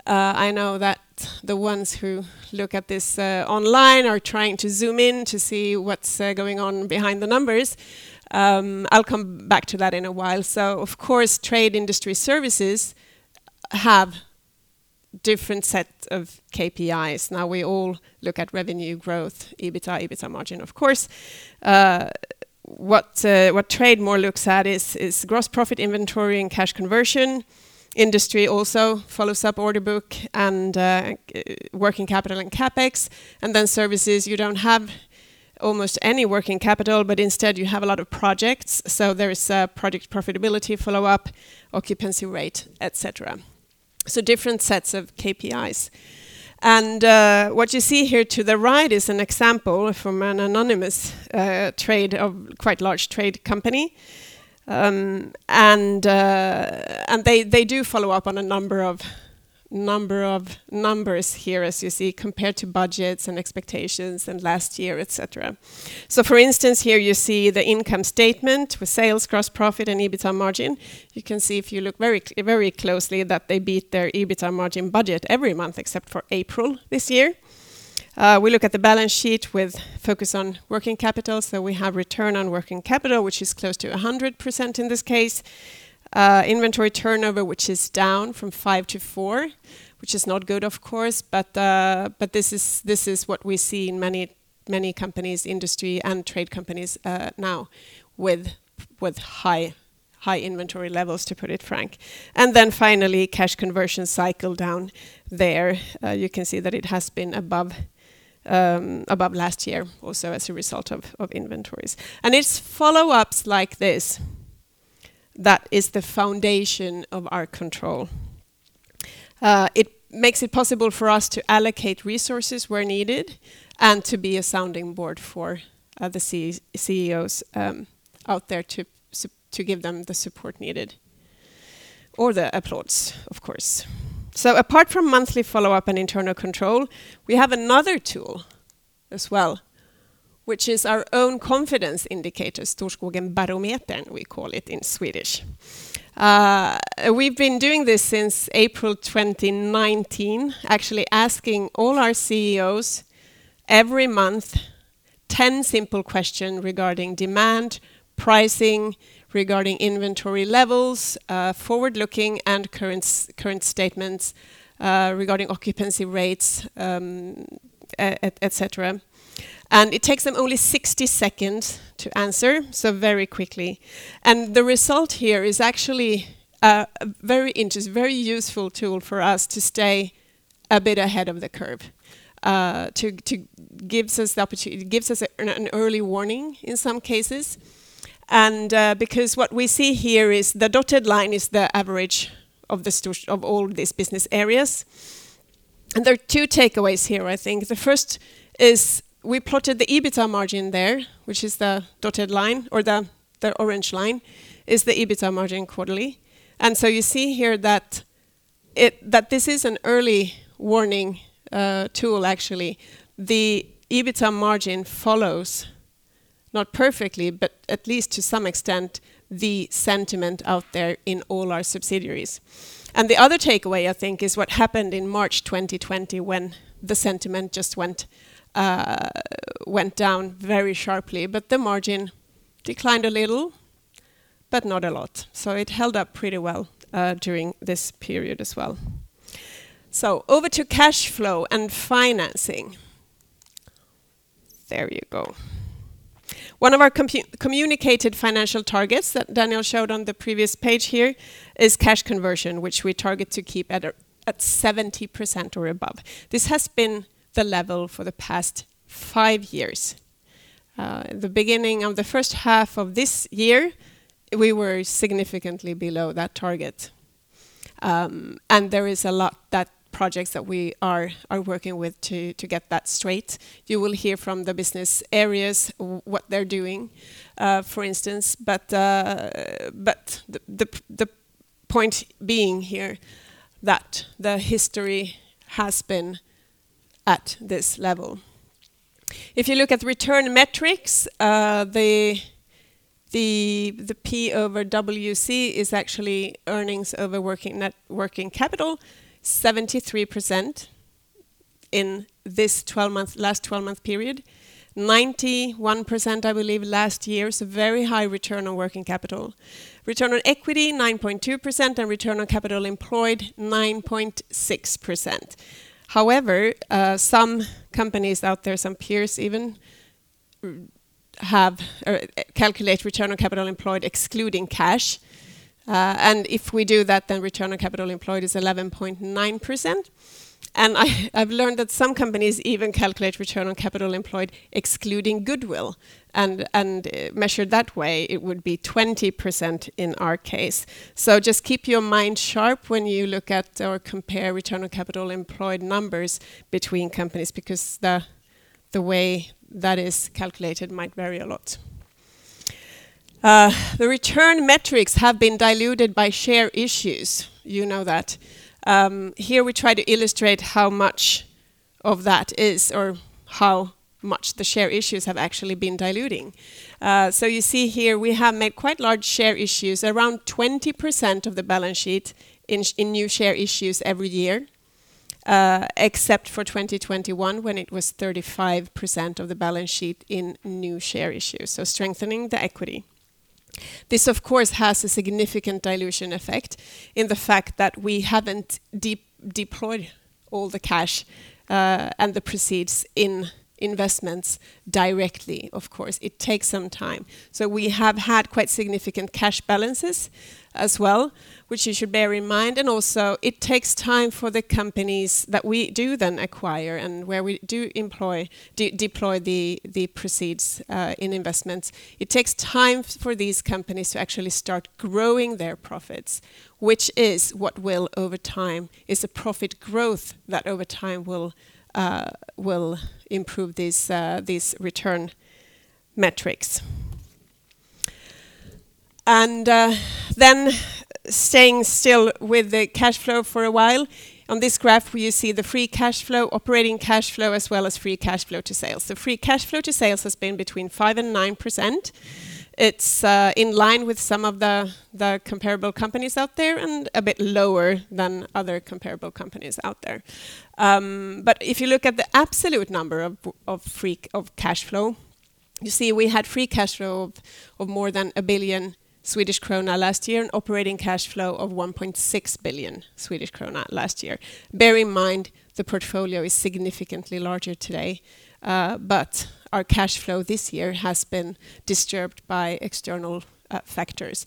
I know that the ones who look at this online are trying to zoom in to see what's going on behind the numbers. I'll come back to that in a while. Of course, Trade, Industry, Services have different set of KPIs. Now, we all look at revenue growth, EBITDA margin, of course. What Trade more looks at is gross profit, inventory, and cash conversion. Industry also follows up order book and working capital and CapEx. Services, you don't have almost any working capital, but instead you have a lot of projects, so there is a project profitability follow-up, occupancy rate, et cetera. Different sets of KPIs. What you see here to the right is an example from an anonymous trade, a quite large trade company, and they do follow up on a number of numbers here as you see compared to budgets and expectations and last year, et cetera. For instance, here you see the income statement with sales, gross profit, and EBITDA margin. You can see if you look very closely that they beat their EBITDA margin budget every month except for April this year. We look at the balance sheet with focus on working capital, so we have return on working capital, which is close to 100% in this case. Inventory turnover, which is down from 5 to 4, which is not good of course, but this is what we see in many companies, industry and trade companies, now with high inventory levels, to put it frankly. Finally, cash conversion cycle down there. You can see that it has been above last year also as a result of inventories. It's follow-ups like this that is the foundation of our control. It makes it possible for us to allocate resources where needed and to be a sounding board for the CEOs out there to give them the support needed or the applause, of course. Apart from monthly follow-up and internal control, we have another tool as well, which is our own confidence indicator, Storskogen Barometern, we call it in Swedish. We've been doing this since April 2019, actually asking all our CEOs every month 10 simple questions regarding demand, pricing, regarding inventory levels, forward-looking and current statements, regarding occupancy rates, et cetera. It takes them only 60 seconds to answer, so very quickly. The result here is actually a very useful tool for us to stay a bit ahead of the curve, to gives us an early warning in some cases and, because what we see here is the dotted line is the average of all these business areas. There are two takeaways here, I think. The first is we plotted the EBITDA margin there, which is the dotted line or the orange line is the EBITDA margin quarterly. You see here that this is an early warning tool, actually. The EBITDA margin follows, not perfectly, but at least to some extent, the sentiment out there in all our subsidiaries. The other takeaway, I think, is what happened in March 2020 when the sentiment just went down very sharply, but the margin declined a little, but not a lot. It held up pretty well during this period as well. Over to cash flow and financing. There you go. One of our communicated financial targets that Daniel showed on the previous page here is cash conversion, which we target to keep at 70% or above. This has been the level for the past five years. The beginning of the first half of this year, we were significantly below that target, and there is a lot that projects that we are working with to get that straight. You will hear from the business areas what they're doing, for instance, but the point being here that the history has been at this level. If you look at return metrics, the P over WC is actually earnings over net working capital, 73% in this last twelve-month period. 91%, I believe, last year, so very high return on working capital. Return on equity, 9.2%, and return on capital employed, 9.6%. However, some companies out there, some peers even, have or calculate return on capital employed excluding cash, and if we do that, then return on capital employed is 11.9%. I've learned that some companies even calculate return on capital employed excluding goodwill, and measured that way, it would be 20% in our case. Just keep your mind sharp when you look at or compare return on capital employed numbers between companies because the way that is calculated might vary a lot. The return metrics have been diluted by share issues, you know that. Here we try to illustrate how much of that is or how much the share issues have actually been diluting. You see here we have made quite large share issues, around 20% of the balance sheet in new share issues every year, except for 2021 when it was 35% of the balance sheet in new share issues, strengthening the equity. This, of course, has a significant dilution effect given the fact that we haven't deployed all the cash, and the proceeds in investments directly, of course. It takes some time. We have had quite significant cash balances as well, which you should bear in mind, and also it takes time for the companies that we do then acquire and where we do deploy the proceeds in investments. It takes time for these companies to actually start growing their profits, which is a profit growth that over time will improve these return metrics. Staying with the cash flow for a while, on this graph you see the free cash flow, operating cash flow, as well as free cash flow to sales. The free cash flow to sales has been between 5% and 9%. It's in line with some of the comparable companies out there and a bit lower than other comparable companies out there. If you look at the absolute number of cash flow, you see we had free cash flow of more than 1 billion Swedish krona last year and operating cash flow of 1.6 billion Swedish krona last year. Bear in mind the portfolio is significantly larger today, but our cash flow this year has been disturbed by external factors.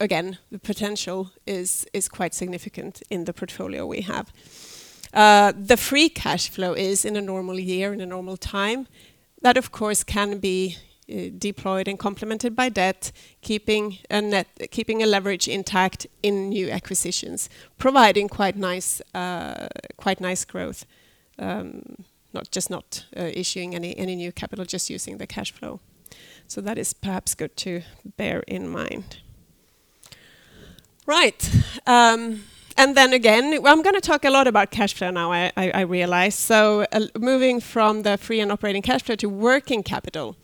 Again, the potential is quite significant in the portfolio we have. The free cash flow is in a normal year, in a normal time, that of course can be deployed and complemented by debt, keeping a net leverage intact in new acquisitions, providing quite nice growth, not just issuing any new capital, just using the cash flow. That is perhaps good to bear in mind. Right, and then again, I'm gonna talk a lot about cash flow now I realize. Moving from the free and operating cash flow to working capital,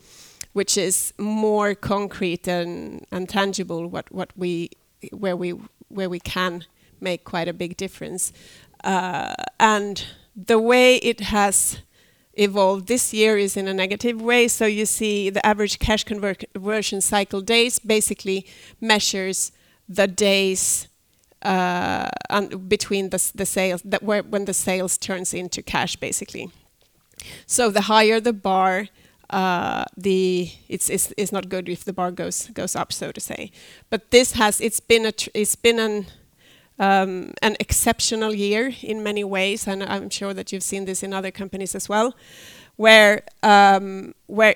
which is more concrete and tangible, where we can make quite a big difference. The way it has evolved this year is in a negative way. You see the average cash conversion cycle days basically measures the days between the sales, when the sales turns into cash, basically. The higher the bar, it's not good if the bar goes up, so to say. It's been an exceptional year in many ways, and I'm sure that you've seen this in other companies as well, where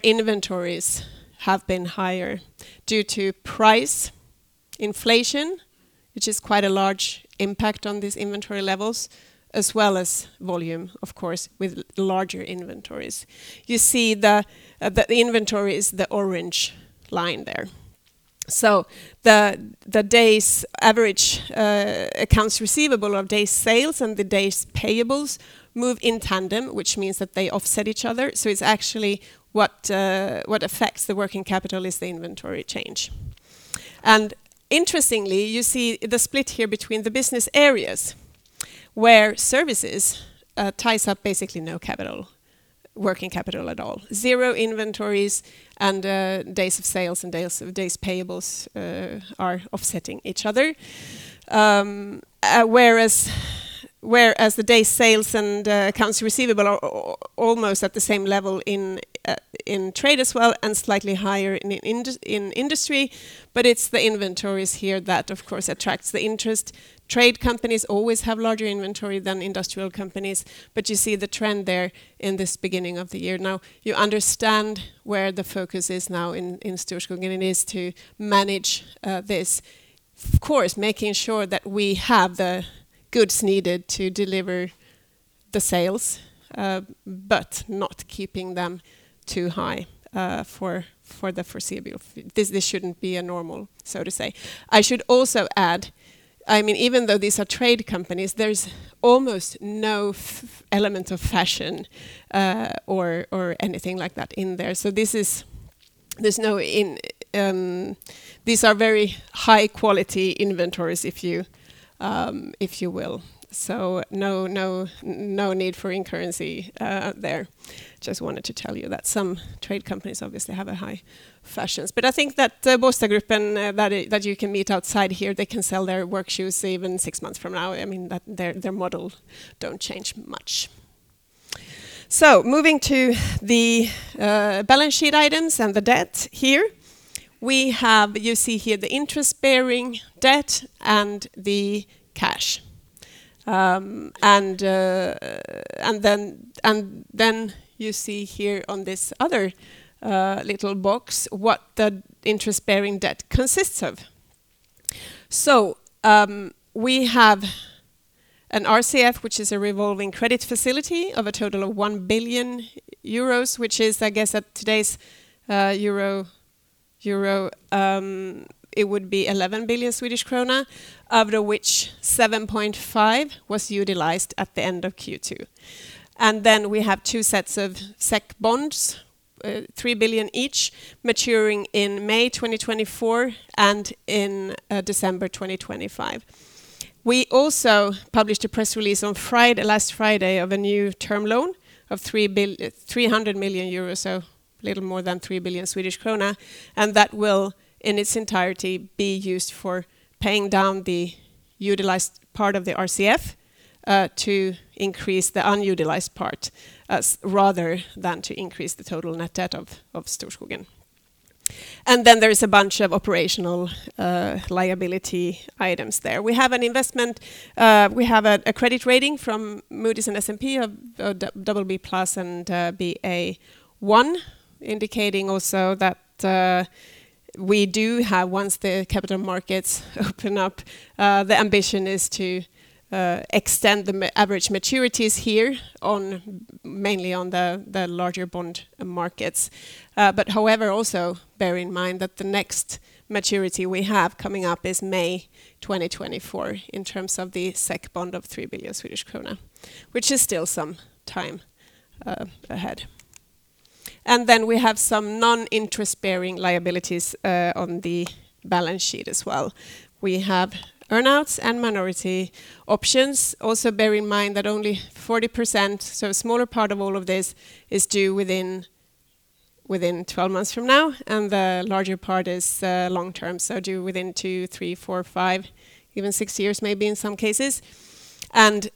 inventories have been higher due to price inflation, which is quite a large impact on these inventory levels, as well as volume, of course, with larger inventories. You see the inventory is the orange line there. The days average accounts receivable of days sales and the days payables move in tandem, which means that they offset each other. It's actually what affects the working capital is the inventory change. Interestingly, you see the split here between the business areas where services ties up basically no capital, working capital at all. Zero inventories and days of sales and days payables are offsetting each other. Whereas the days sales and accounts receivable are almost at the same level in trade as well, and slightly higher in industry, but it's the inventories here that of course attracts the interest. Trade companies always have larger inventory than industrial companies, but you see the trend there in this beginning of the year. You understand where the focus is now in Storskogen Group is to manage this. Of course, making sure that we have the goods needed to deliver the sales, but not keeping them too high for the foreseeable future, this shouldn't be a normal, so to say. I should also add, I mean, even though these are trade companies, there's almost no element of fashion or anything like that in there. So this is there's no in. These are very high quality inventories if you will. No need for currency there. Just wanted to tell you that some trade companies obviously have a high fashions. I think that the Båstadgruppen and that you can meet outside here, they can sell their work shoes even six months from now. I mean, that their model don't change much. Moving to the balance sheet items and the debt here. We have, you see here the interest-bearing debt and the cash. You see here on this other little box what the interest-bearing debt consists of. We have an RCF, which is a revolving credit facility of a total of 1 billion euros, which is, I guess, at today's euro, it would be 11 billion Swedish krona, after which 7.5 was utilized at the end of Q2. We have two sets of SEK bonds, three billion each maturing in May 2024 and in December 2025. We also published a press release on last Friday of a new term loan of 300 million euros, so a little more than 3 billion Swedish krona, and that will, in its entirety, be used for paying down the utilized part of the RCF, to increase the unutilized part, rather than to increase the total net debt of Storskogen. There is a bunch of operational liability items there. We have a credit rating from Moody's and S&P of BB+ and Ba1, indicating also that we do have, once the capital markets open up, the ambition is to extend the average maturities here mainly on the larger bond markets. But however, also bear in mind that the next maturity we have coming up is May 2024 in terms of the SEK bond of 3 billion Swedish krona, which is still some time ahead. We have some non-interest bearing liabilities on the balance sheet as well. We have earn-outs and minority options. Also bear in mind that only 40%, so a smaller part of all of this, is due within twelve months from now, and the larger part is long term, so due within two, three, four, five, even six years maybe in some cases.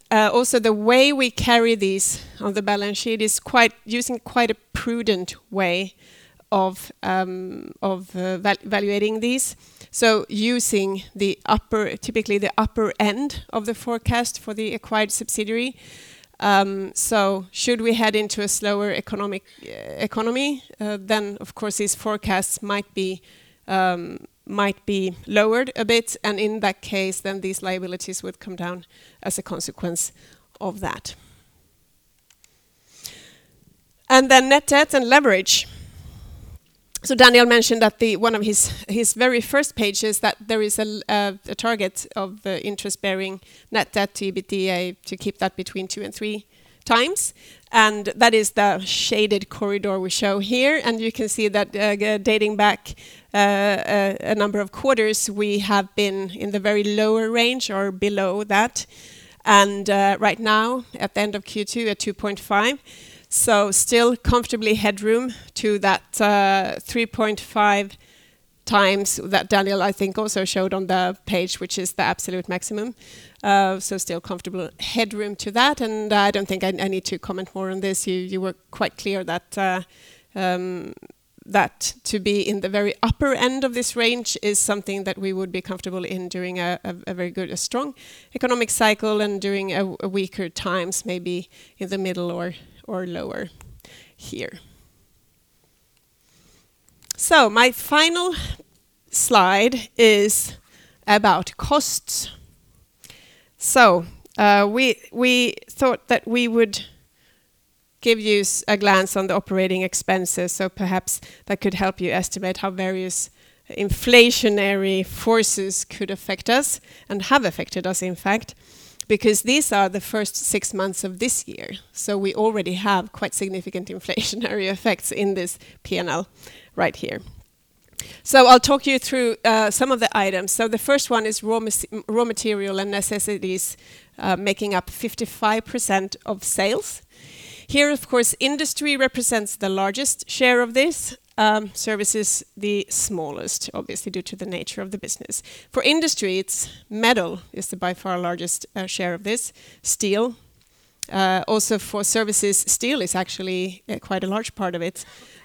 Also the way we carry these on the balance sheet is quite a prudent way of valuing these, using the upper, typically the upper end of the forecast for the acquired subsidiary. Should we head into a slower economy, then of course these forecasts might be lowered a bit, and in that case these liabilities would come down as a consequence of that. Net debt and leverage. Daniel mentioned on one of his very first pages that there is a target of the interest bearing net debt to EBITDA to keep that between 2-3 times. That is the shaded corridor we show here. You can see that, dating back a number of quarters, we have been in the very lower range or below that. Right now at the end of Q2 at 2.5, so still comfortable headroom to that 3.5 times that Daniel, I think, also showed on the page, which is the absolute maximum. Still comfortable headroom to that, and I don't think I need to comment more on this. You were quite clear that to be in the very upper end of this range is something that we would be comfortable in during a very good, strong economic cycle and during a weaker times, maybe in the middle or lower here. My final slide is about costs. We thought that we would give you a glance on the operating expenses, perhaps that could help you estimate how various inflationary forces could affect us and have affected us, in fact, because these are the first six months of this year, so we already have quite significant inflationary effects in this P&L right here. I'll talk you through some of the items. The first one is raw material and necessities, making up 55% of sales. Here, of course, industry represents the largest share of this, services the smallest, obviously due to the nature of the business. For industry, it's metal is the by far largest share of this, steel. Also for services, steel is actually quite a large part of it.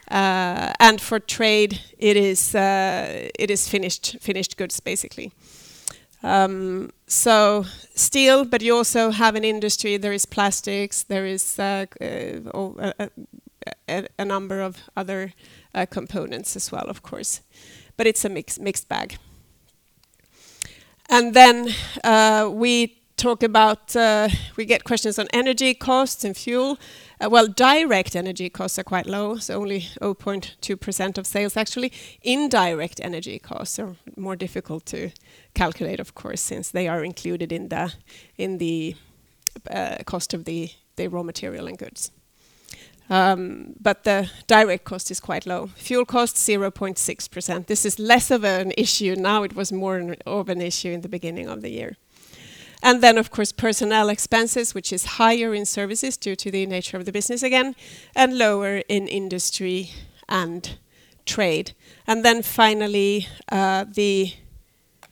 For trade, it is finished goods, basically. Steel, but you also have in industry, there is plastics, there is a number of other components as well, of course, but it's a mixed bag. We talk about we get questions on energy costs and fuel. Well, direct energy costs are quite low, so only 0.2% of sales actually. Indirect energy costs are more difficult to calculate, of course, since they are included in the cost of the raw material and goods. But the direct cost is quite low. Fuel costs 0.6%. This is less of an issue now. It was more of an issue in the beginning of the year. Personnel expenses, which is higher in services due to the nature of the business again, and lower in industry and trade. Finally, the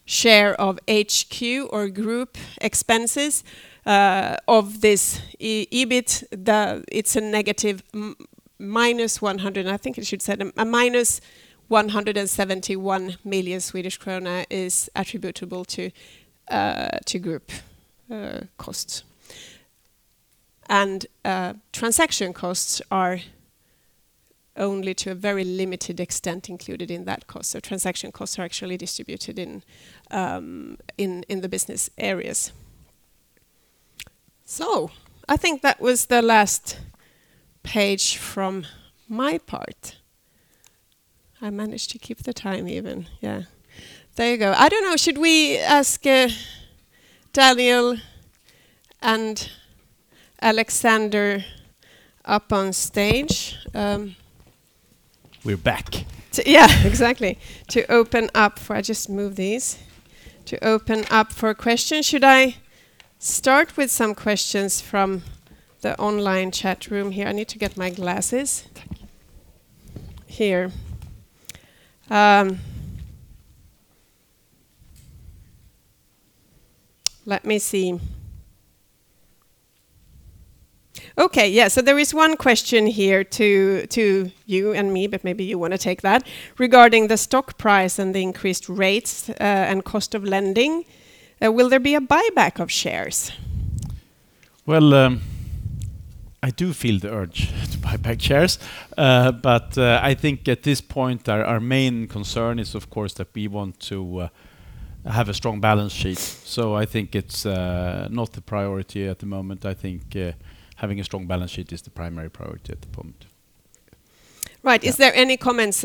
share of HQ or group expenses of this EBIT is negative SEK 171 million, which is attributable to group costs. Transaction costs are only to a very limited extent included in that cost. Transaction costs are actually distributed in the business areas. I think that was the last page from my part. I managed to keep the time even, yeah. There you go. I don't know, should we ask Daniel Kaplan and Alexander Bjärgård up on stage? We're back. Yeah, exactly. To open up for questions. I just move these. Should I start with some questions from the online chat room here? I need to get my glasses. Thank you. Here. Let me see. Okay. Yeah. So there is one question here to you and me, but maybe you wanna take that, regarding the stock price and the increased rates, and cost of lending. Will there be a buyback of shares? Well, I do feel the urge to buy back shares. I think at this point our main concern is of course that we want to have a strong balance sheet. I think it's not the priority at the moment. I think having a strong balance sheet is the primary priority at the moment. Right. Is there any comments?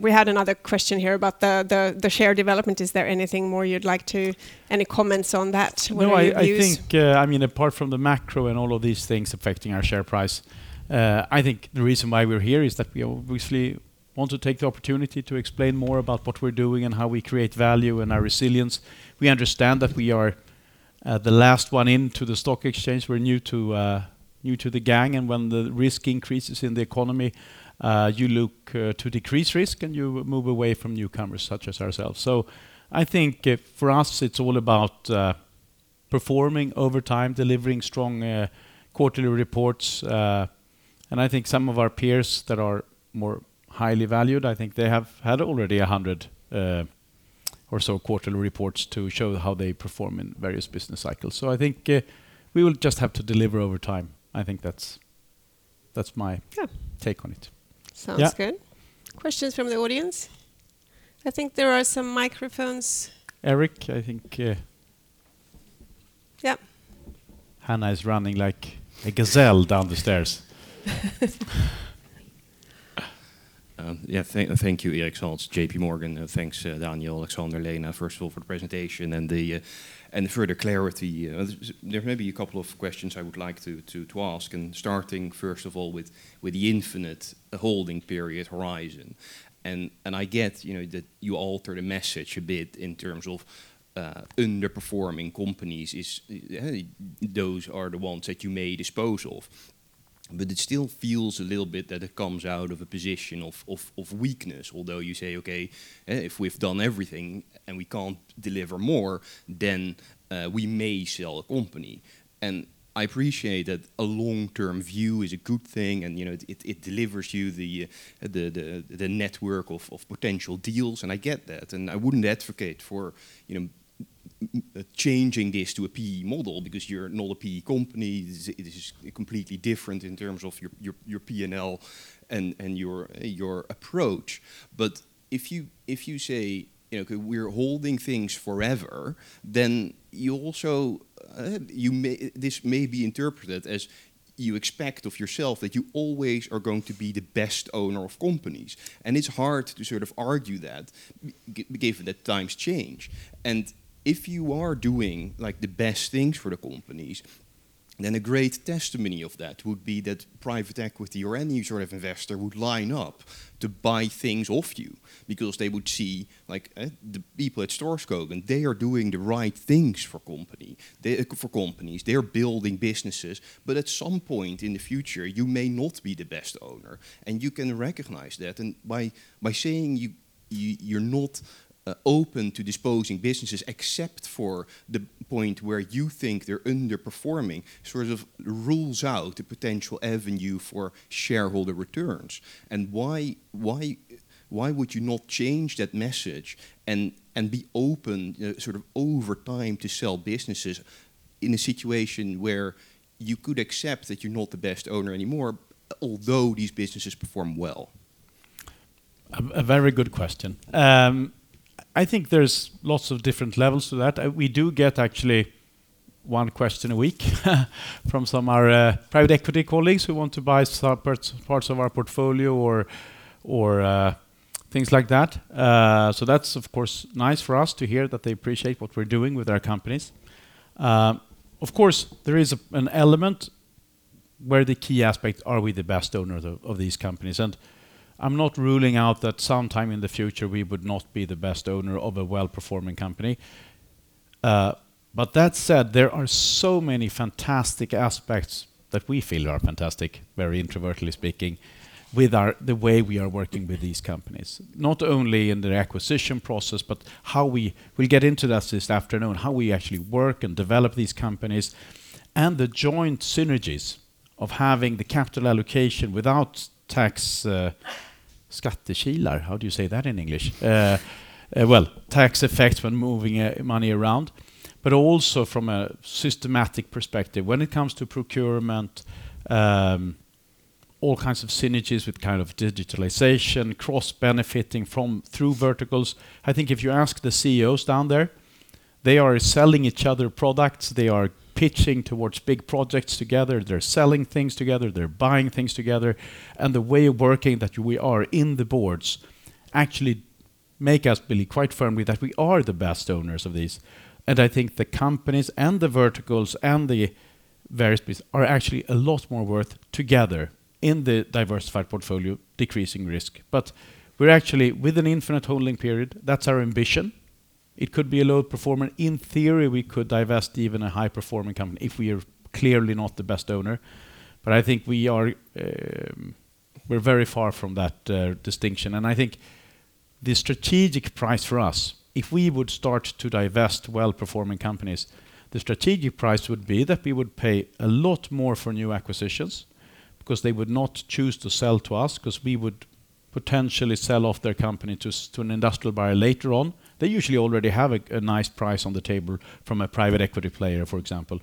We had another question here about the share development. Is there anything more you'd like to? Any comments on that? What are your views? No, I think, I mean, apart from the macro and all of these things affecting our share price, I think the reason why we're here is that we obviously want to take the opportunity to explain more about what we're doing and how we create value and our resilience. We understand that we are the last one into the stock exchange. We're new to the gang, and when the risk increases in the economy, you look to decrease risk and you move away from newcomers such as ourselves. I think, for us, it's all about performing over time, delivering strong quarterly reports, and I think some of our peers that are more highly valued, I think they have had already 100 or so quarterly reports to show how they perform in various business cycles. I think we will just have to deliver over time. I think that's my- Yeah take on it. Sounds good. Yeah. Questions from the audience? I think there are some microphones. Eric, I think, Yeah. Hannah is running like a gazelle down the stairs. Thank you, Eric Salz, JPMorgan. Thanks, Daniel, Alexander, Lena, first of all for the presentation and the further clarity. There may be a couple of questions I would like to ask. Starting first of all with the infinite holding period horizon. I get, you know, that you alter the message a bit in terms of underperforming companies is those are the ones that you may dispose of. It still feels a little bit that it comes out of a position of weakness, although you say, okay, if we've done everything and we can't deliver more, then we may sell a company. I appreciate that a long-term view is a good thing and, you know, it delivers you the network of potential deals, and I get that, and I wouldn't advocate for, you know, changing this to a PE model because you're not a PE company. It is just completely different in terms of your P&L and your approach. If you say, you know, okay, we're holding things forever, then you also may. This may be interpreted as you expect of yourself that you always are going to be the best owner of companies, and it's hard to sort of argue that given that times change. If you are doing, like, the best things for the companies, then a great testimony of that would be that private equity or any sort of investor would line up to buy things off you because they would see, like, the people at Storskogen, they are doing the right things for companies. They're building businesses. At some point in the future, you may not be the best owner, and you can recognize that. By saying you're not open to disposing businesses except for the point where you think they're underperforming, sort of rules out a potential avenue for shareholder returns. Why would you not change that message and be open, sort of over time to sell businesses in a situation where you could accept that you're not the best owner anymore, although these businesses perform well? A very good question. I think there's lots of different levels to that. We do get actually one question a week from some of our private equity colleagues who want to buy some parts of our portfolio or things like that. That's of course nice for us to hear that they appreciate what we're doing with our companies. Of course, there is an element where the key aspects are we the best owner of these companies? I'm not ruling out that sometime in the future we would not be the best owner of a well-performing company. That said, there are so many fantastic aspects that we feel are fantastic, very intuitively speaking, with the way we are working with these companies. Not only in their acquisition process, but how we get into that this afternoon, how we actually work and develop these companies, and the joint synergies of having the capital allocation without tax, skattekilar. How do you say that in English? Well, tax effect when moving money around. But also from a systematic perspective, when it comes to procurement, all kinds of synergies with kind of digitalization, cross-benefiting from through verticals. I think if you ask the CEOs down there, they are selling each other products, they are pitching towards big projects together, they're selling things together, they're buying things together. The way of working that we are in the boards actually make us believe quite firmly that we are the best owners of these. I think the companies and the verticals and the various bits are actually a lot more worth together in the diversified portfolio, decreasing risk. We're actually with an infinite holding period, that's our ambition. It could be a low performer. In theory, we could divest even a high-performing company if we are clearly not the best owner. I think we are, we're very far from that distinction. I think the strategic price for us, if we would start to divest well-performing companies, the strategic price would be that we would pay a lot more for new acquisitions because they would not choose to sell to us because we would potentially sell off their company to an industrial buyer later on. They usually already have a nice price on the table from a private equity player, for example.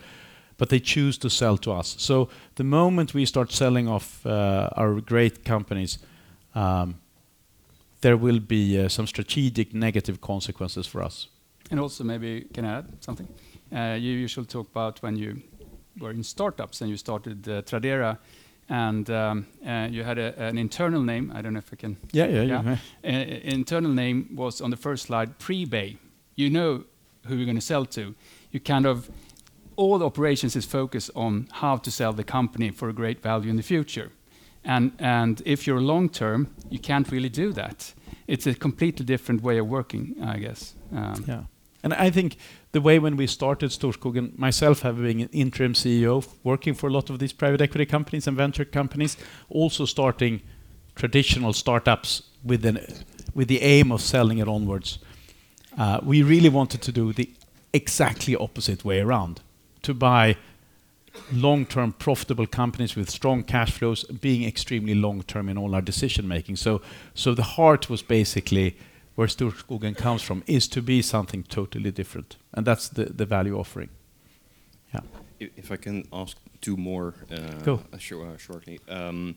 They choose to sell to us. The moment we start selling off our great companies, there will be some strategic negative consequences for us. Also maybe can I add something? You usually talk about when you were in startups and you started Tradera and you had an internal name. I don't know if I can- Yeah, yeah. Yeah. Internal name was on the first slide, Prebay. You know who you're gonna sell to. You kind of all operations is focused on how to sell the company for a great value in the future. If you're long-term, you can't really do that. It's a completely different way of working, I guess. Yeah. I think the way when we started Storskogen, myself having an interim CEO working for a lot of these private equity companies and venture companies, also starting traditional startups with the aim of selling it onwards. We really wanted to do the exactly opposite way around, to buy long-term profitable companies with strong cash flows being extremely long-term in all our decision-making. So the heart was basically where Storskogen comes from is to be something totally different, and that's the value offering. Yeah. If I can ask two more, Go In short, shortly. On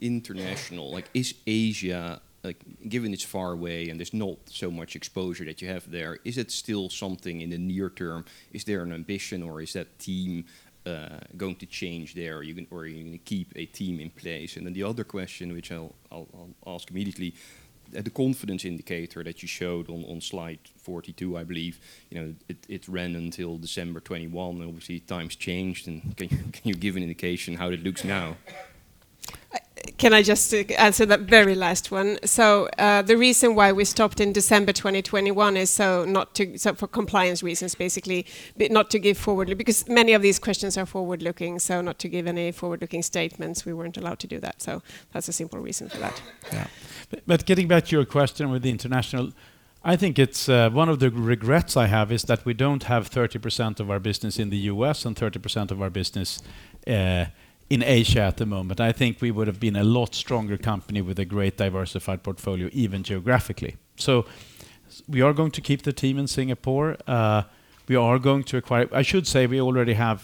international, like, is Asia, like, given it's far away and there's not so much exposure that you have there, is it still something in the near term? Is there an ambition or is that team going to change there or you can, or are you gonna keep a team in place? The other question, which I'll ask immediately, the confidence indicator that you showed on slide 42, I believe, you know, it ran until December 2021. Obviously, times changed. Can you give an indication how it looks now? Can I just answer that very last one? The reason why we stopped in December 2021 is for compliance reasons, basically not to give forward-looking, because many of these questions are forward-looking, so not to give any forward-looking statements, we weren't allowed to do that. That's a simple reason for that. Getting back to your question with the international, I think it's one of the regrets I have is that we don't have 30% of our business in the U.S. and 30% of our business in Asia at the moment. I think we would have been a lot stronger company with a great diversified portfolio, even geographically. We are going to keep the team in Singapore. We already have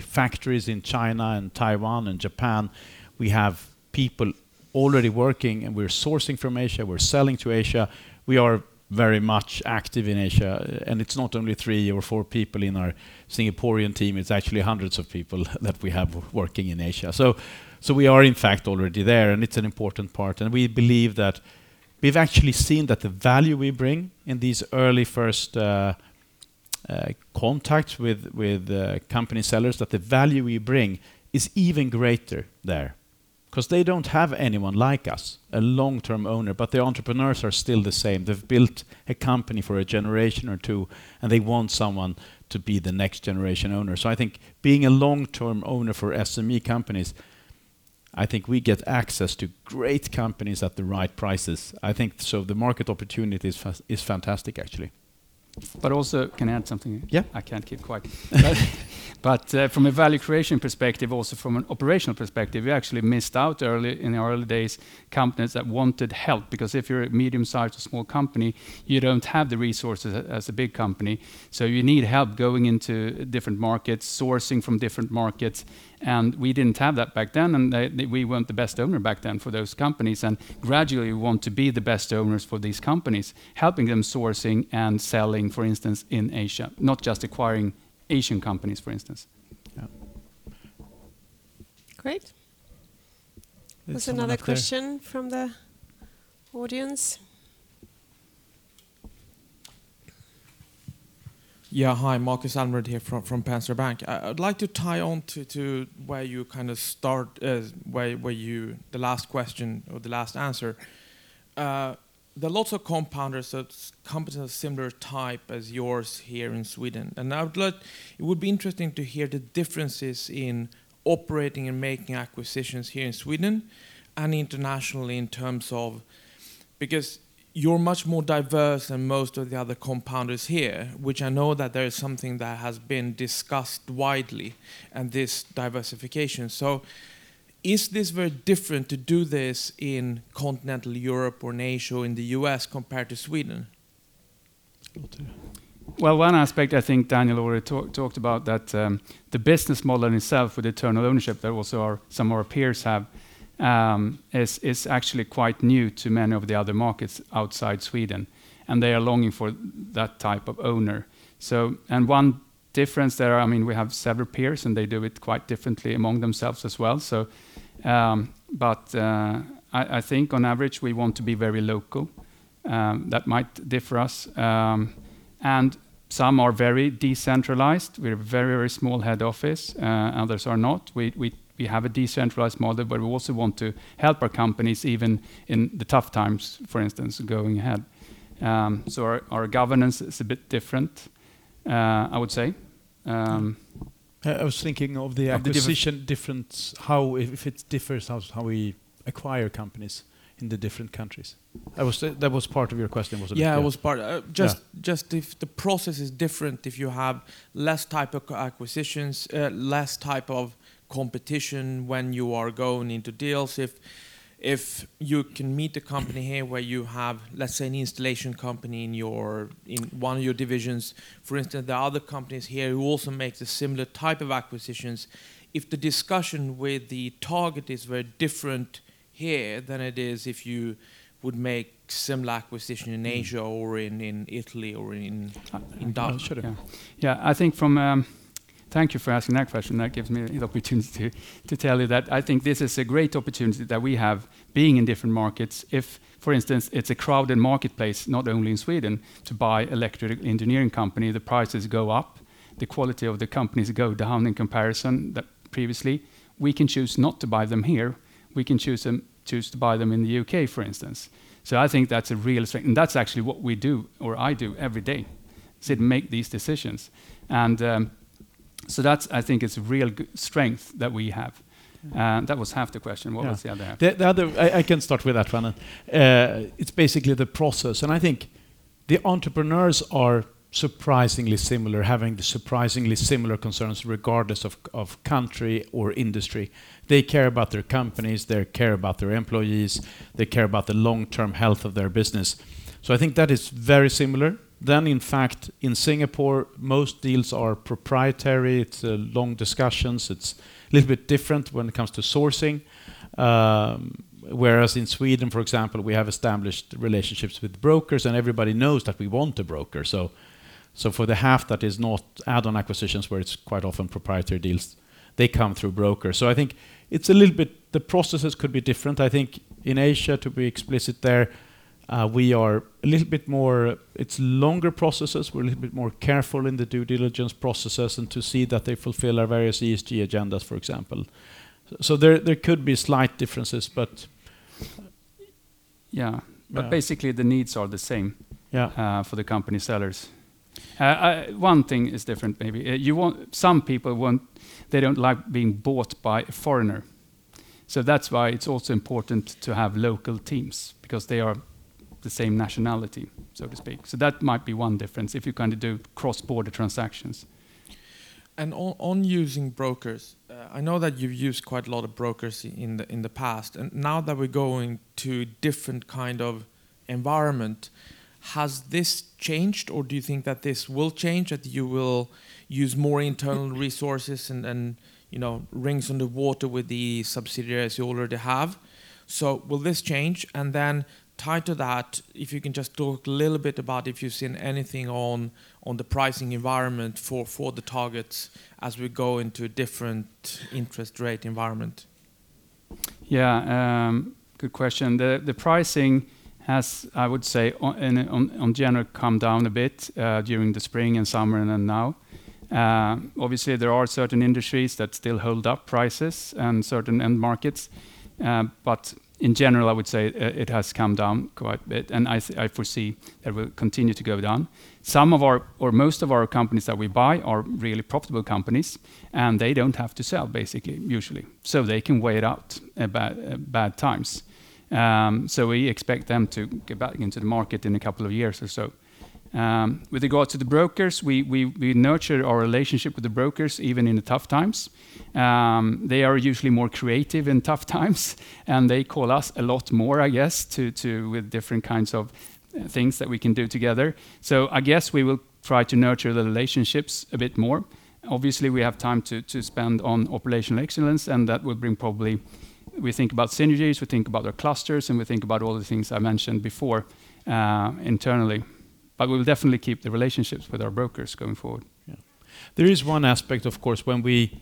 factories in China and Taiwan and Japan. We have people already working, and we're sourcing from Asia, we're selling to Asia. We are very much active in Asia, and it's not only 3 or 4 people in our Singaporean team, it's actually hundreds of people that we have working in Asia. We are in fact already there, and it's an important part. We believe that we've actually seen that the value we bring in these early first contacts with company sellers, that the value we bring is even greater there because they don't have anyone like us, a long-term owner. The entrepreneurs are still the same. They've built a company for a generation or two, and they want someone to be the next generation owner. I think being a long-term owner for SME companies, I think we get access to great companies at the right prices. I think the market opportunity is fantastic, actually. Can I add something? Yeah. I can't keep quiet. From a value creation perspective, also from an operational perspective, we actually missed out early in our early days companies that wanted help, because if you're a medium-sized to small company, you don't have the resources as a big company, so you need help going into different markets, sourcing from different markets, and we didn't have that back then, and we weren't the best owner back then for those companies. Gradually we want to be the best owners for these companies, helping them sourcing and selling, for instance, in Asia, not just acquiring Asian companies, for instance. Yeah. Great. There's another question from the audience. Yeah. Hi. Markus Almerud here from Erik Penser Bank. I'd like to tie on to where you kind of start, where the last question or the last answer. There are lots of compounders that are companies of similar type as yours here in Sweden, and I would like it would be interesting to hear the differences in operating and making acquisitions here in Sweden and internationally in terms of. Because you're much more diverse than most of the other compounders here, which I know that there is something that has been discussed widely and this diversification. Is this very different to do this in Continental Europe or in Asia or in the U.S. compared to Sweden? One aspect I think Daniel already talked about that, the business model in itself with eternal ownership that also some of our peers have, is actually quite new to many of the other markets outside Sweden, and they are longing for that type of owner. I mean, one difference there, we have several peers, and they do it quite differently among themselves as well. I think on average, we want to be very local. That might differentiate us. Some are very decentralized. We're very small head office, others are not. We have a decentralized model, but we also want to help our companies even in the tough times, for instance, going ahead. Our governance is a bit different, I would say. I was thinking of the acquisition difference, if it differs how we acquire companies in the different countries. That was part of your question, wasn't it? Yeah. Yeah, it was part. Yeah Just if the process is different, if you have less type of acquisitions, less type of competition when you are going into deals. If you can meet the company here where you have, let's say, an installation company in your in one of your divisions, for instance, there are other companies here who also makes a similar type of acquisitions. If the discussion with the target is very different here than it is if you would make similar acquisition in Asia or in Italy or in Dutch. Thank you for asking that question. That gives me the opportunity to tell you that I think this is a great opportunity that we have being in different markets. If, for instance, it's a crowded marketplace, not only in Sweden, to buy electrical engineering company, the prices go up, the quality of the companies go down in comparison to previously. We can choose not to buy them here. We can choose to buy them in the UK, for instance. I think that's a real strength, and that's actually what we do or I do every day, is to make these decisions. That I think is a real great strength that we have. That was half the question. What was the other half? I can start with that one. It's basically the process. I think the entrepreneurs are surprisingly similar, having surprisingly similar concerns regardless of country or industry. They care about their companies, they care about their employees, they care about the long-term health of their business. I think that is very similar. In fact, in Singapore, most deals are proprietary. It's long discussions. It's a little bit different when it comes to sourcing. Whereas in Sweden, for example, we have established relationships with brokers and everybody knows that we want a broker. So for the half that is not add-on acquisitions, where it's quite often proprietary deals, they come through brokers. I think it's a little bit the processes could be different. I think in Asia, to be explicit there, it's longer processes. We're a little bit more careful in the due diligence processes and to see that they fulfill our various ESG agendas, for example. So there could be slight differences, but. Yeah. Yeah. Basically, the needs are the same. Yeah... for the company sellers. One thing is different maybe. Some people want they don't like being bought by a foreigner. That's why it's also important to have local teams because they are the same nationality, so to speak. That might be one difference if you kinda do cross-border transactions. On using brokers, I know that you've used quite a lot of brokers in the past. Now that we're going to different kind of environment, has this changed or do you think that this will change, that you will use more internal resources and, you know, rings in the water with the subsidiaries you already have? Will this change? Tied to that, if you can just talk a little bit about if you've seen anything on the pricing environment for the targets as we go into a different interest rate environment. Yeah. Good question. The pricing has, I would say, in general come down a bit during the spring and summer and now. Obviously, there are certain industries that still hold up prices and certain end markets. In general, I would say it has come down quite a bit, and I foresee it will continue to go down. Most of our companies that we buy are really profitable companies, and they don't have to sell basically, usually. They can wait out bad times. We expect them to get back into the market in a couple of years or so. With regard to the brokers, we nurture our relationship with the brokers even in the tough times. They are usually more creative in tough times, and they call us a lot more, I guess, to with different kinds of things that we can do together. I guess we will try to nurture the relationships a bit more. Obviously, we have time to spend on operational excellence, and that would bring probably. We think about synergies, we think about their clusters, and we think about all the things I mentioned before, internally. We'll definitely keep the relationships with our brokers going forward. Yeah. There is one aspect, of course, when we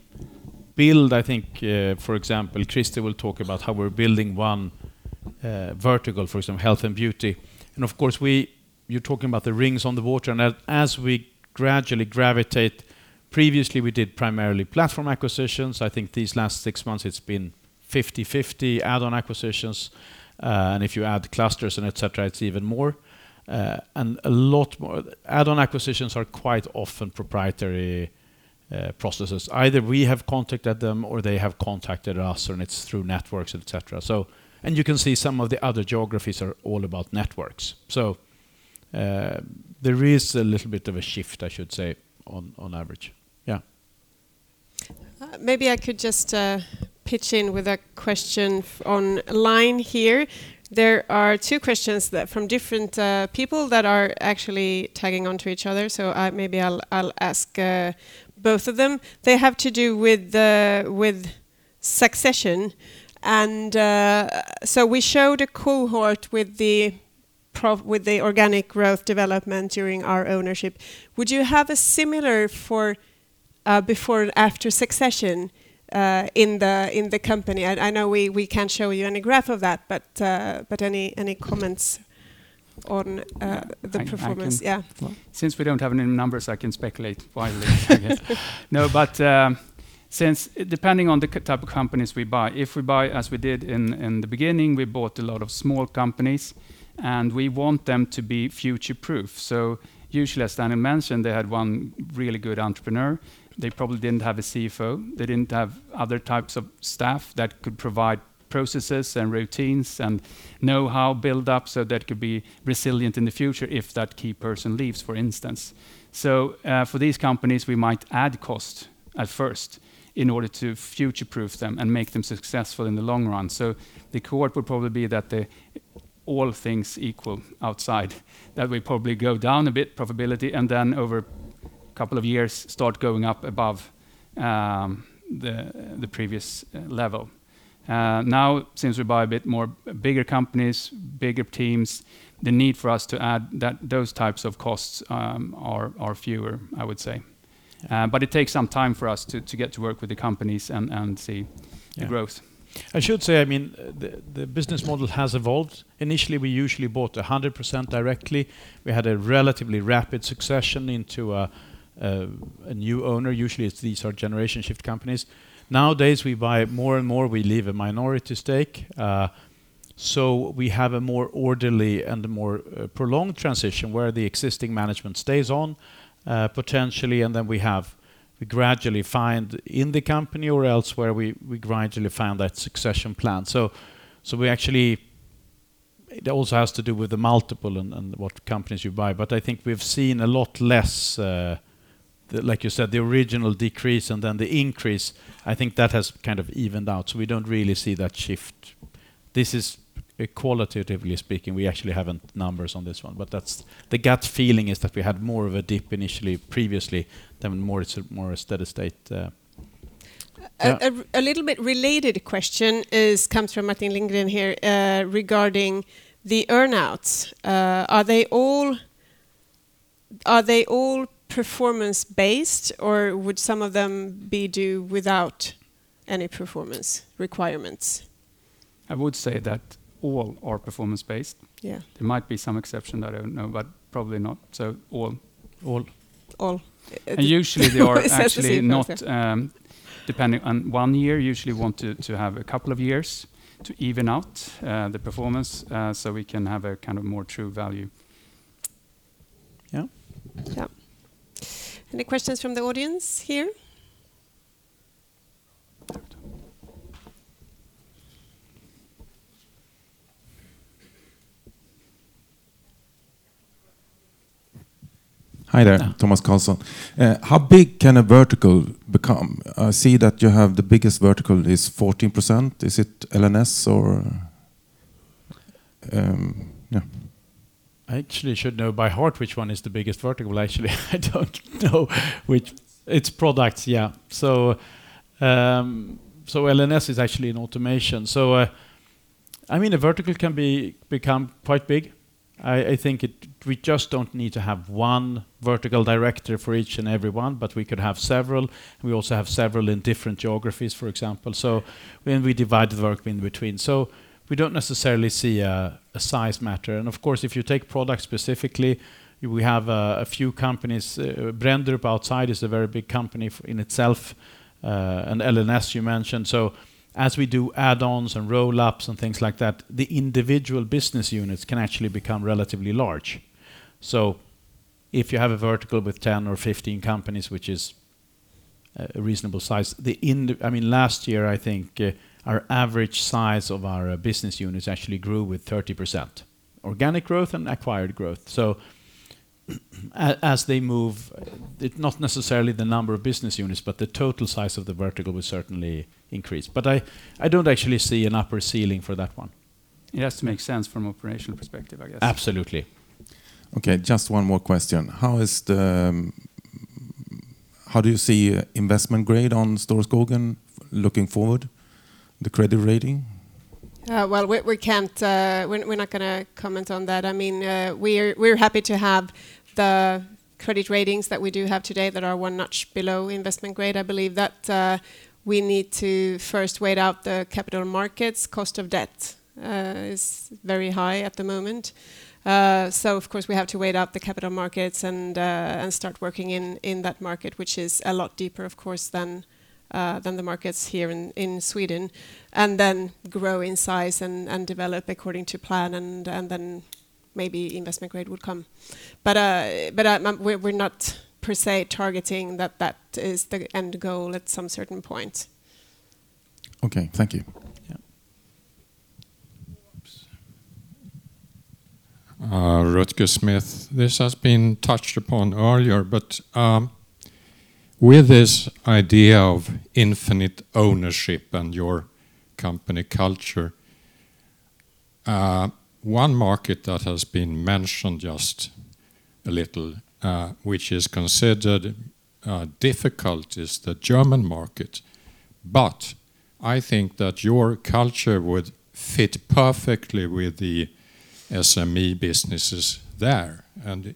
build, I think, for example, Christer will talk about how we're building one vertical for some health and beauty. Of course, you're talking about the rings on the water and as we gradually gravitate. Previously, we did primarily platform acquisitions. I think these last six months it's been 50/50 add-on acquisitions, and if you add clusters and et cetera, it's even more, and a lot more. Add-on acquisitions are quite often proprietary processes. Either we have contacted them or they have contacted us, and it's through networks, et cetera. There is a little bit of a shift, I should say, on average. Yeah. Maybe I could just pitch in with a question on line here. There are two questions that from different people that are actually tagging onto each other, so maybe I'll ask both of them. They have to do with the, with succession and, so we showed a cohort with the organic growth development during our ownership. Would you have a similar for, before and after succession, in the, in the company? I know we can't show you any graph of that, but any comments on, the performance? I can- Yeah. Since we don't have any numbers, I can speculate wildly, I guess. No, but, since depending on the type of companies we buy, if we buy, as we did in the beginning, we bought a lot of small companies, and we want them to be future-proof. Usually, as Daniel mentioned, they had one really good entrepreneur. They probably didn't have a CFO. They didn't have other types of staff that could provide processes and routines and know-how build up, so that could be resilient in the future if that key person leaves, for instance. For these companies, we might add cost at first in order to future-proof them and make them successful in the long run. The cohort would probably be that all things equal outside, that we probably go down a bit in profitability and then over a couple of years start going up above the previous level. Now since we buy a bit bigger companies, bigger teams, the need for us to add those types of costs are fewer, I would say. It takes some time for us to get to work with the companies and see the growth. I should say, I mean, the business model has evolved. Initially, we usually bought 100% directly. We had a relatively rapid succession into a new owner. Usually it's these are generation shift companies. Nowadays, we buy more and more, we leave a minority stake, so we have a more orderly and a more prolonged transition where the existing management stays on, potentially. And then we gradually find in the company or elsewhere, we gradually find that succession plan. So we actually. It also has to do with the multiple and what companies you buy, but I think we've seen a lot less, like you said, the original decrease and then the increase, I think that has kind of evened out, so we don't really see that shift. This is, qualitatively speaking, we actually haven't numbers on this one. That's the gut feeling is that we had more of a dip initially previously than more, it's more a steady state. A little bit related question comes from Martin Lindgren here, regarding the earn-outs. Are they all performance-based or would some of them be due without any performance requirements? I would say that all are performance-based. Yeah. There might be some exception that I don't know, but probably not. All. All. Usually they are actually not depending on one year. Usually want to have a couple of years to even out the performance so we can have a kind of more true value. Yeah. Yeah. Any questions from the audience here? Hi there. Yeah. How big can a vertical become? I see that you have the biggest vertical is 14%. Is it LNS or, yeah. I actually should know by heart which one is the biggest vertical. Actually, I don't know which one is the biggest vertical. It's products, yeah. LNS is actually in automation. I mean, a vertical can become quite big. I think we just don't need to have one vertical director for each and every one, but we could have several, and we also have several in different geographies, for example. When we divide the work in between. We don't necessarily see a size matter. Of course, if you take products specifically, we have a few companies. Brenderup outside is a very big company in itself, and LNS you mentioned. As we do add-ons and roll-ups and things like that, the individual business units can actually become relatively large. If you have a vertical with 10 or 15 companies, which is a reasonable size, I mean, last year, I think, our average size of our business units actually grew with 30% organic growth and acquired growth. As they move, it's not necessarily the number of business units, but the total size of the vertical will certainly increase. I don't actually see an upper ceiling for that one. It has to make sense from operational perspective, I guess. Absolutely. Okay, just one more question. How is the- How do you see investment grade on Storskogen looking forward, the credit rating? Well, we can't. We're not gonna comment on that. I mean, we're happy to have the credit ratings that we do have today that are one notch below investment grade. I believe that we need to first wait out the capital markets. Cost of debt is very high at the moment. Of course, we have to wait out the capital markets and start working in that market, which is a lot deeper of course than the markets here in Sweden. Then grow in size and develop according to plan and then maybe investment grade would come. We're not per se targeting that that is the end goal at some certain point. Okay, thank you. Yeah. Oops. Rutger Smith. This has been touched upon earlier, but with this idea of infinite ownership and your company culture, one market that has been mentioned just a little, which is considered difficult is the German market. I think that your culture would fit perfectly with the SME businesses there.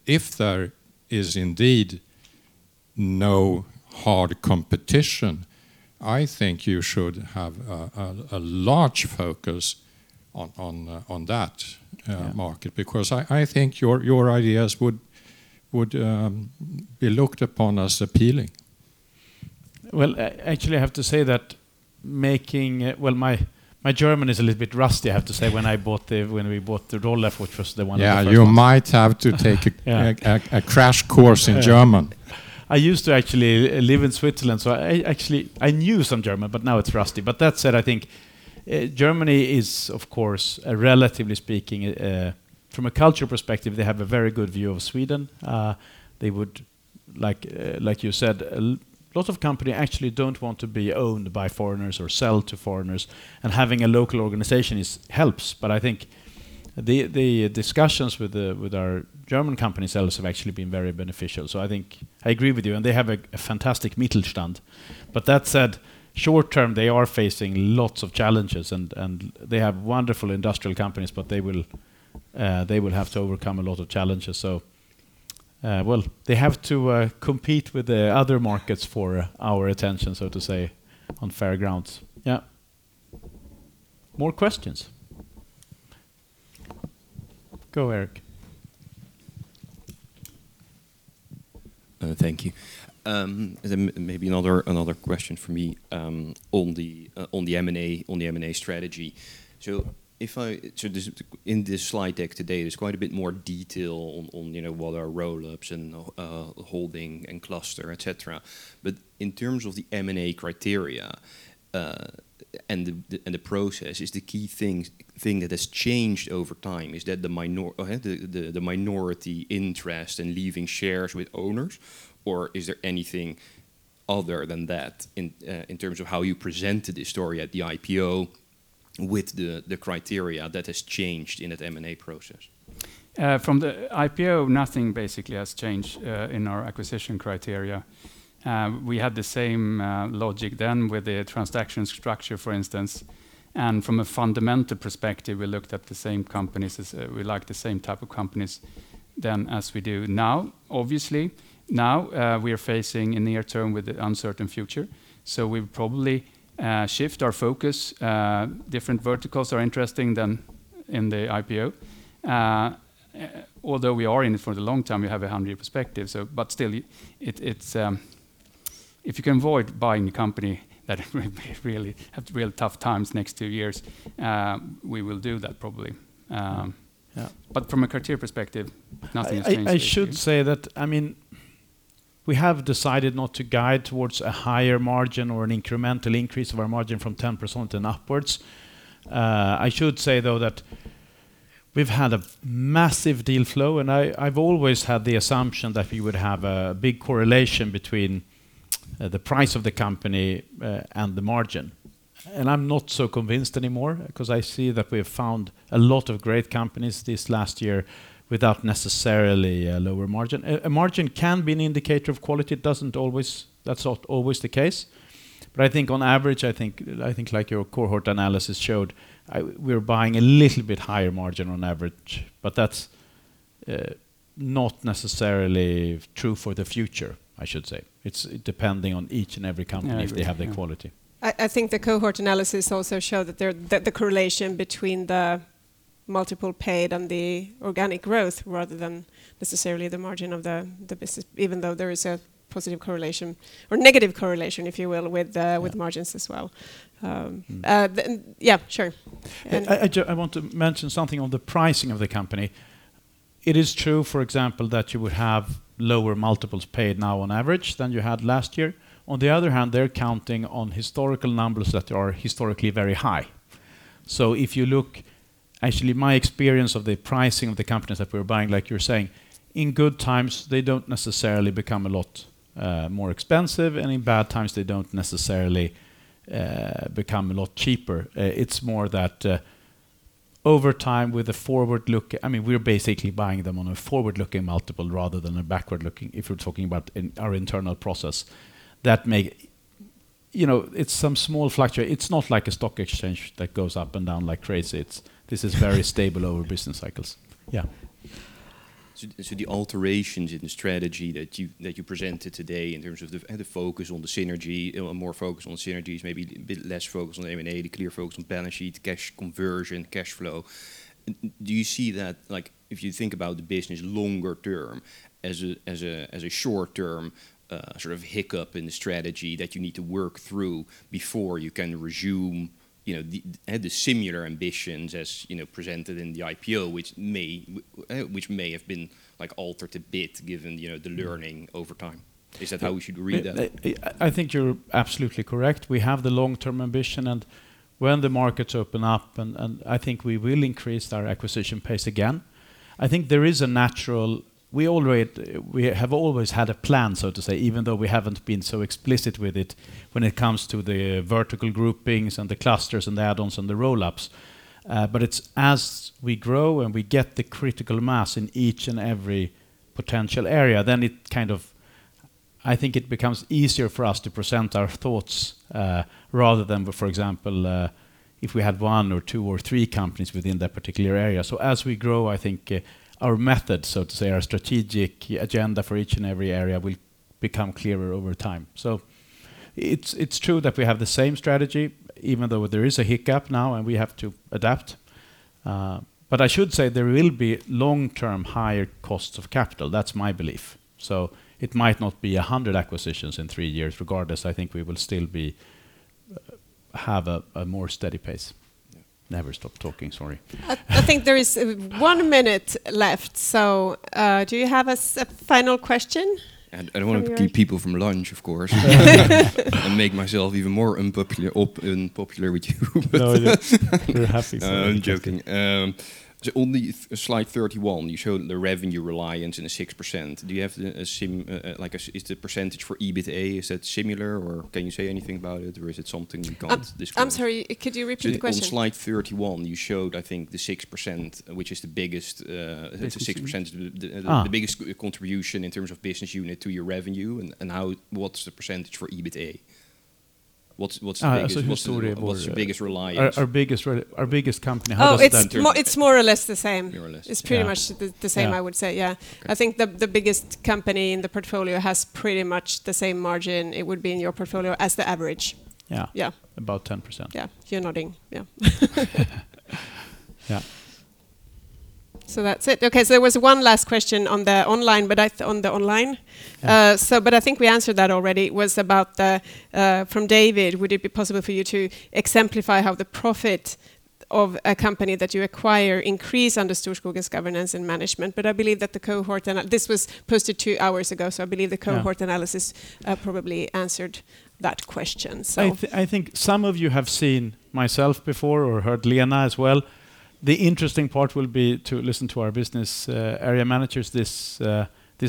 If there is indeed no hard competition, I think you should have a large focus on that. Yeah Market because I think your ideas would be looked upon as appealing. Actually, I have to say my German is a little bit rusty, I have to say, when we bought the Roleff, which was one of the first ones. Yeah. You might have to take a Yeah crash course in German. I used to actually live in Switzerland, so I, actually, I knew some German, but now it's rusty. That said, I think Germany is, of course, relatively speaking, from a culture perspective, they have a very good view of Sweden. They would like you said, a lot of companies actually don't want to be owned by foreigners or sell to foreigners, and having a local organization helps. I think the discussions with our German company sellers have actually been very beneficial. I think I agree with you, and they have a fantastic Mittelstand. That said, short-term, they are facing lots of challenges, and they have wonderful industrial companies, but they will have to overcome a lot of challenges. Well, they have to compete with the other markets for our attention, so to say, on fair grounds. Yeah. More questions. Go, Eric. Thank you. There maybe another question from me on the M&A strategy. In this slide deck today, there's quite a bit more detail on you know what are roll-ups and holding and cluster et cetera. In terms of the M&A criteria and the process, is the key thing that has changed over time the minority interest in leaving shares with owners, or is there anything other than that in terms of how you presented the story at the IPO with the criteria that has changed in that M&A process? From the IPO, nothing basically has changed in our acquisition criteria. We had the same logic then with the transaction structure, for instance. From a fundamental perspective, we looked at the same companies as we like the same type of companies then as we do now. Obviously, now we are facing a near-term with the uncertain future, so we probably shift our focus. Different verticals are interesting than in the IPO. Although we are in it for the long term, we have 100-year perspective. But still, it's if you can avoid buying a company that may really have tough times next two years, we will do that probably. Yeah From a criteria perspective, nothing has changed. I should say that, I mean, we have decided not to guide towards a higher margin or an incremental increase of our margin from 10% and upwards. I should say, though, that we've had a massive deal flow, and I've always had the assumption that we would have a big correlation between the price of the company and the margin. I'm not so convinced anymore because I see that we have found a lot of great companies this last year without necessarily a lower margin. A margin can be an indicator of quality. It doesn't always. That's not always the case. I think on average, I think like your cohort analysis showed, we're buying a little bit higher margin on average, but that's not necessarily true for the future, I should say. It's depending on each and every company. I agree. Yeah. If they have the quality. I think the cohort analysis also shows that the correlation between the multiple paid and the organic growth rather than necessarily the margin of the business even though there is a positive correlation or negative correlation, if you will, with the- Yeah With margins as well. Yeah, sure. I want to mention something on the pricing of the company. It is true, for example, that you would have lower multiples paid now on average than you had last year. On the other hand, they're counting on historical numbers that are historically very high. If you look, actually, my experience of the pricing of the companies that we're buying, like you're saying, in good times, they don't necessarily become a lot more expensive, and in bad times, they don't necessarily become a lot cheaper. It's more that over time with a forward-looking, I mean, we're basically buying them on a forward-looking multiple rather than a backward-looking, if we're talking about in our internal process that may. You know, it's some small fluctuations. It's not like a stock exchange that goes up and down like crazy. This is very stable over business cycles. Yeah. The alterations in strategy that you presented today in terms of the focus on the synergy, you know, more focus on synergies, maybe a bit less focus on M&A, the clear focus on balance sheet, cash conversion, cash flow. Do you see that like, if you think about the business longer term as a short term sort of hiccup in the strategy that you need to work through before you can resume, you know, the similar ambitions as, you know, presented in the IPO, which may have been, like, altered a bit given, you know, the learning over time. Is that how we should read that? I think you're absolutely correct. We have the long-term ambition, and when the markets open up and I think we will increase our acquisition pace again. We always have had a plan, so to say, even though we haven't been so explicit with it when it comes to the vertical groupings and the clusters and the add-ons and the roll-ups. It's as we grow and we get the critical mass in each and every potential area, then it kind of, I think, becomes easier for us to present our thoughts, rather than for example, if we had one or two or three companies within that particular area. As we grow, I think our method, so to say, our strategic agenda for each and every area will become clearer over time. It's true that we have the same strategy, even though there is a hiccup now and we have to adapt. I should say there will be long-term higher costs of capital. That's my belief. It might not be 100 acquisitions in three years. Regardless, I think we will still have a more steady pace. Never stop talking. Sorry. I think there is one minute left, so do you have a final question? I don't want to keep people from lunch, of course. Make myself even more unpopular with you. No, you're happy to see me. I'm joking. On the slide 31, you showed the revenue reliance in the 6%. Is the percentage for EBITA similar, or can you say anything about it, or is it something we can't disclose? I'm sorry. Could you repeat the question? On slide 31, you showed, I think, the 6%, which is the biggest. It's a 6%. Ah. The biggest contribution in terms of business unit to your revenue and how, what's the percentage for EBITA? What's the biggest- Historias. What's the biggest reliance? Our biggest company. How does that interpret? Oh, it's more or less the same. More or less. It's pretty much the same, I would say. Yeah. Okay. I think the biggest company in the portfolio has pretty much the same margin it would be in your portfolio as the average. Yeah. Yeah. About 10%. Yeah. You're nodding. Yeah. Yeah. That's it. Okay. There was one last question on the online, but I think we answered that already. It was about the from David, would it be possible for you to exemplify how the profit of a company that you acquire increase under Storskogen's governance and management. I believe that the cohort this was posted two hours ago. I believe the cohort- Yeah. Probably answered that question, so. I think some of you have seen myself before or heard Lena as well. The interesting part will be to listen to our business area managers this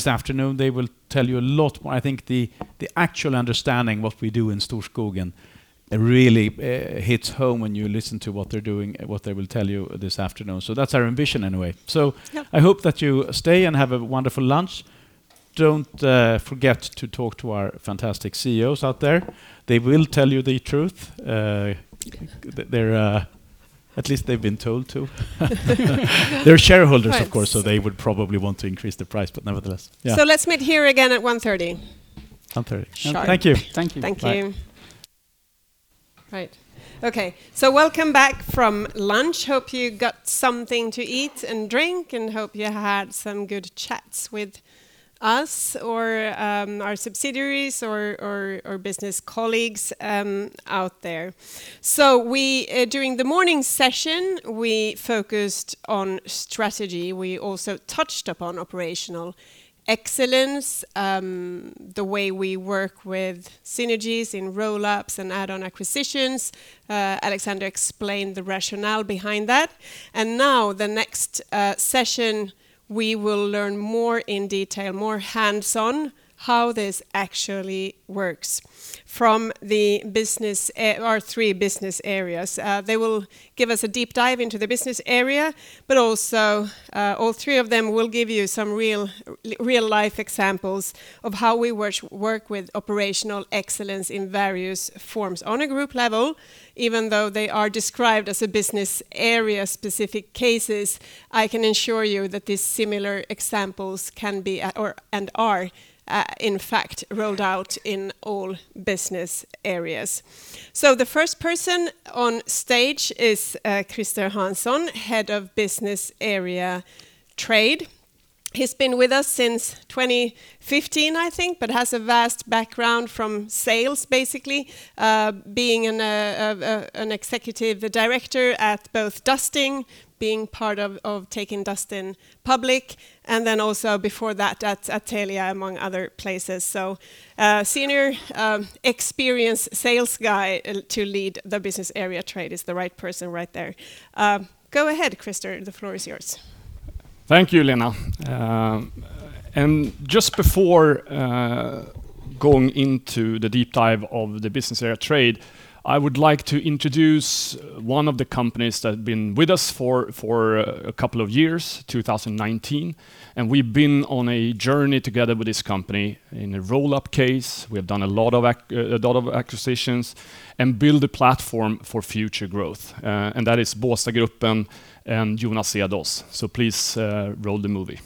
afternoon. They will tell you a lot more. I think the actual understanding what we do in Storskogen really hits home when you listen to what they're doing, what they will tell you this afternoon. That's our ambition anyway. Yeah. I hope that you stay and have a wonderful lunch. Don't forget to talk to our fantastic CEOs out there. They will tell you the truth. They're at least they've been told to. They're shareholders, of course. Right. They would probably want to increase the price, but nevertheless. Yeah. Let's meet here again at 1:30. 1:30. Sharp. Thank you. Thank you. Bye. Thank you. Right. Okay. Welcome back from lunch. Hope you got something to eat and drink, and hope you had some good chats with us or our subsidiaries or business colleagues out there. During the morning session, we focused on strategy. We also touched upon operational excellence, the way we work with synergies in roll-ups and add-on acquisitions. Alexander Bjärgård explained the rationale behind that. Now the next session, we will learn more in detail, more hands-on, how this actually works from our three business areas. They will give us a deep dive into the business area, but also, all three of them will give you some real-life examples of how we work with operational excellence in various forms. On a group level, even though they are described as a business area-specific cases, I can assure you that these similar examples can be, or are, in fact, rolled out in all business areas. The first person on stage is Christer Hansson, Head of Business Area Trade. He's been with us since 2015, I think, but has a vast background from sales, basically, being an executive director at both Dustin, being part of taking Dustin public, and then also before that at Telia, among other places. Senior experienced sales guy to lead the business area trade is the right person right there. Go ahead, Christer. The floor is yours. Thank you, Lena. Just before going into the deep dive of the business area trade, I would like to introduce one of the companies that have been with us for a couple of years, 2019. We've been on a journey together with this company in a roll-up case. We have done a lot of acquisitions and build a platform for future growth. That is Båstadgruppen and Jonas Cedås. Please, roll the movie.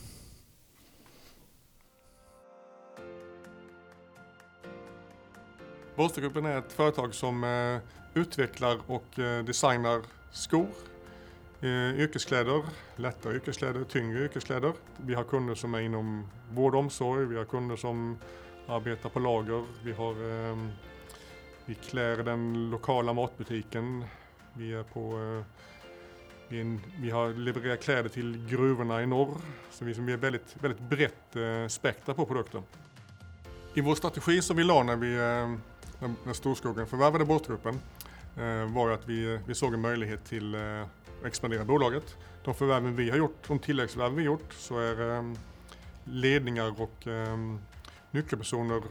Båstadgruppen är ett företag som utvecklar och designar skor, yrkeskläder, lätta yrkeskläder, tyngre yrkeskläder. Vi har kunder som är inom vård och omsorg, vi har kunder som arbetar på lager. Vi klär den lokala matbutiken. Vi har levererat kläder till gruvorna i norr. Vi är väldigt brett spektrum på produkten. I vår strategi som vi la när Storskogen förvärvade Båstadgruppen var att vi såg en möjlighet till att expandera bolaget. De förvärven vi har gjort, de tilläggsförvärv vi har gjort, så är ledningar och nyckelpersoner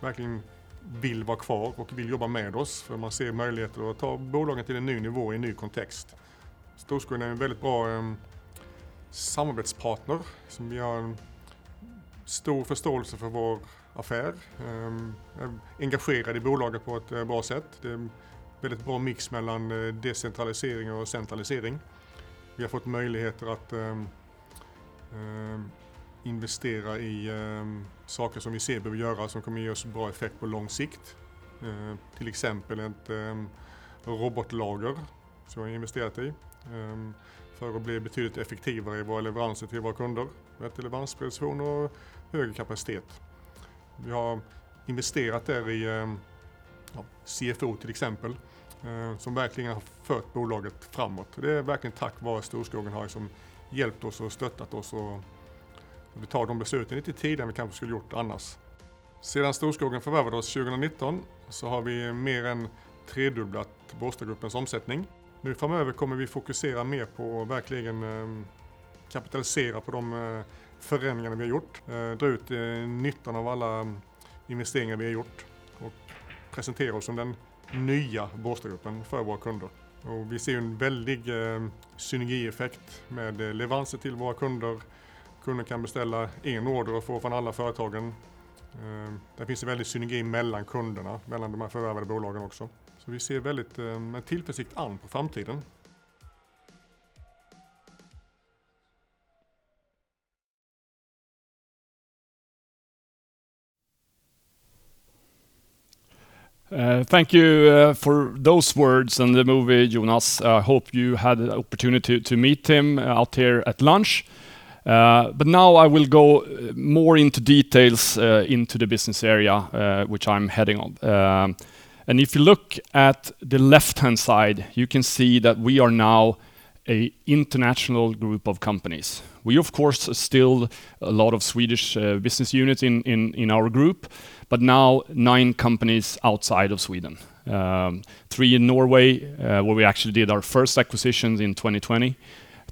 verkligen vill vara kvar och vill jobba med oss. För man ser möjligheter att ta bolagen till en ny nivå i en ny kontext. Storskogen är en väldigt bra samarbetspartner som har en stor förståelse för vår affär, engagerad i bolaget på ett bra sätt. Det är en väldigt bra mix mellan decentralisering och centralisering. Vi har fått möjligheter att investera i saker som vi ser behöver göras som kommer ge oss bra effekt på lång sikt. Till exempel ett robotlager som vi har investerat i för att bli betydligt effektivare i vår leveranser till våra kunder. Rätt leveransprecision och högre kapacitet. Vi har investerat där i, ja, CFO till exempel, som verkligen har fört bolaget framåt. Det är verkligen tack vare Storskogen har liksom hjälpt oss och stöttat oss och vi tar de besluten lite tidigare än vi kanske skulle gjort annars. Sedan Storskogen förvärvade oss 2019 så har vi mer än tredubblat Båstadgruppens omsättning. Nu framöver kommer vi fokusera mer på att verkligen kapitalisera på de förändringarna vi har gjort, dra ut nyttan av alla investeringar vi har gjort och presentera oss som den nya Båstadgruppen för våra kunder. Vi ser en väldig synergieffekt med leveranser till våra kunder. Kunden kan beställa en order och få från alla företagen. Det finns en väldig synergi mellan kunderna, mellan de här förvärvade bolagen också. Vi ser väldigt med tillförsikt an på framtiden. Thank you for those words and the movie, Jonas. I hope you had an opportunity to meet him out here at lunch. Now I will go more into details into the business area which I'm heading on. If you look at the left-hand side, you can see that we are now an international group of companies. We of course are still a lot of Swedish business units in our group, but now nine companies outside of Sweden. Three in Norway, where we actually did our first acquisitions in 2020,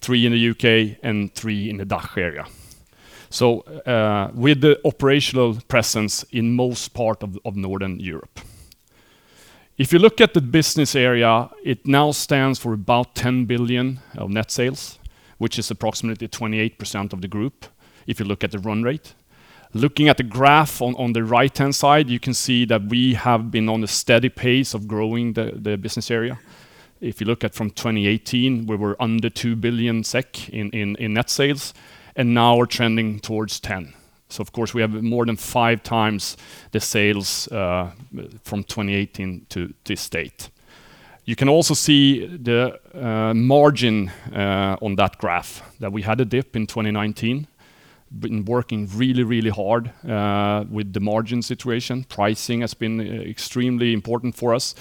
three in the UK, and three in the DACH area with the operational presence in most part of Northern Europe. If you look at the business area, it now stands for about 10 billion of net sales, which is approximately 28% of the group, if you look at the run rate. Looking at the graph on the right-hand side, you can see that we have been on a steady pace of growing the business area. If you look at from 2018, we were under 2 billion SEK in net sales, and now we're trending towards 10 billion. Of course, we have more than 5 times the sales from 2018 to this date. You can also see the margin on that graph that we had a dip in 2019. We have been working really, really hard with the margin situation. Pricing has been extremely important for us.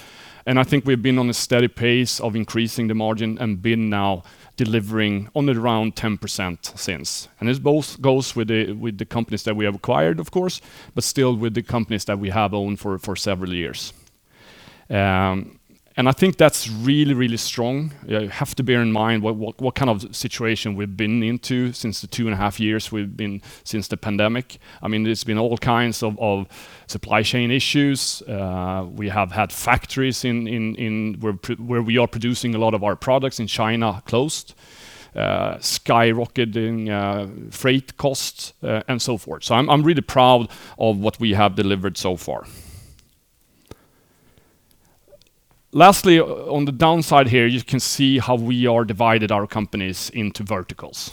I think we've been on a steady pace of increasing the margin and been now delivering only around 10% since. This both goes with the companies that we have acquired, of course, but still with the companies that we have owned for several years. I think that's really strong. You have to bear in mind what kind of situation we've been into since the 2.5 years since the pandemic. I mean, there's been all kinds of supply chain issues. We have had factories where we are producing a lot of our products in China closed, skyrocketing freight costs, and so forth. I'm really proud of what we have delivered so far. Lastly, on the downside here, you can see how we are divided our companies into verticals.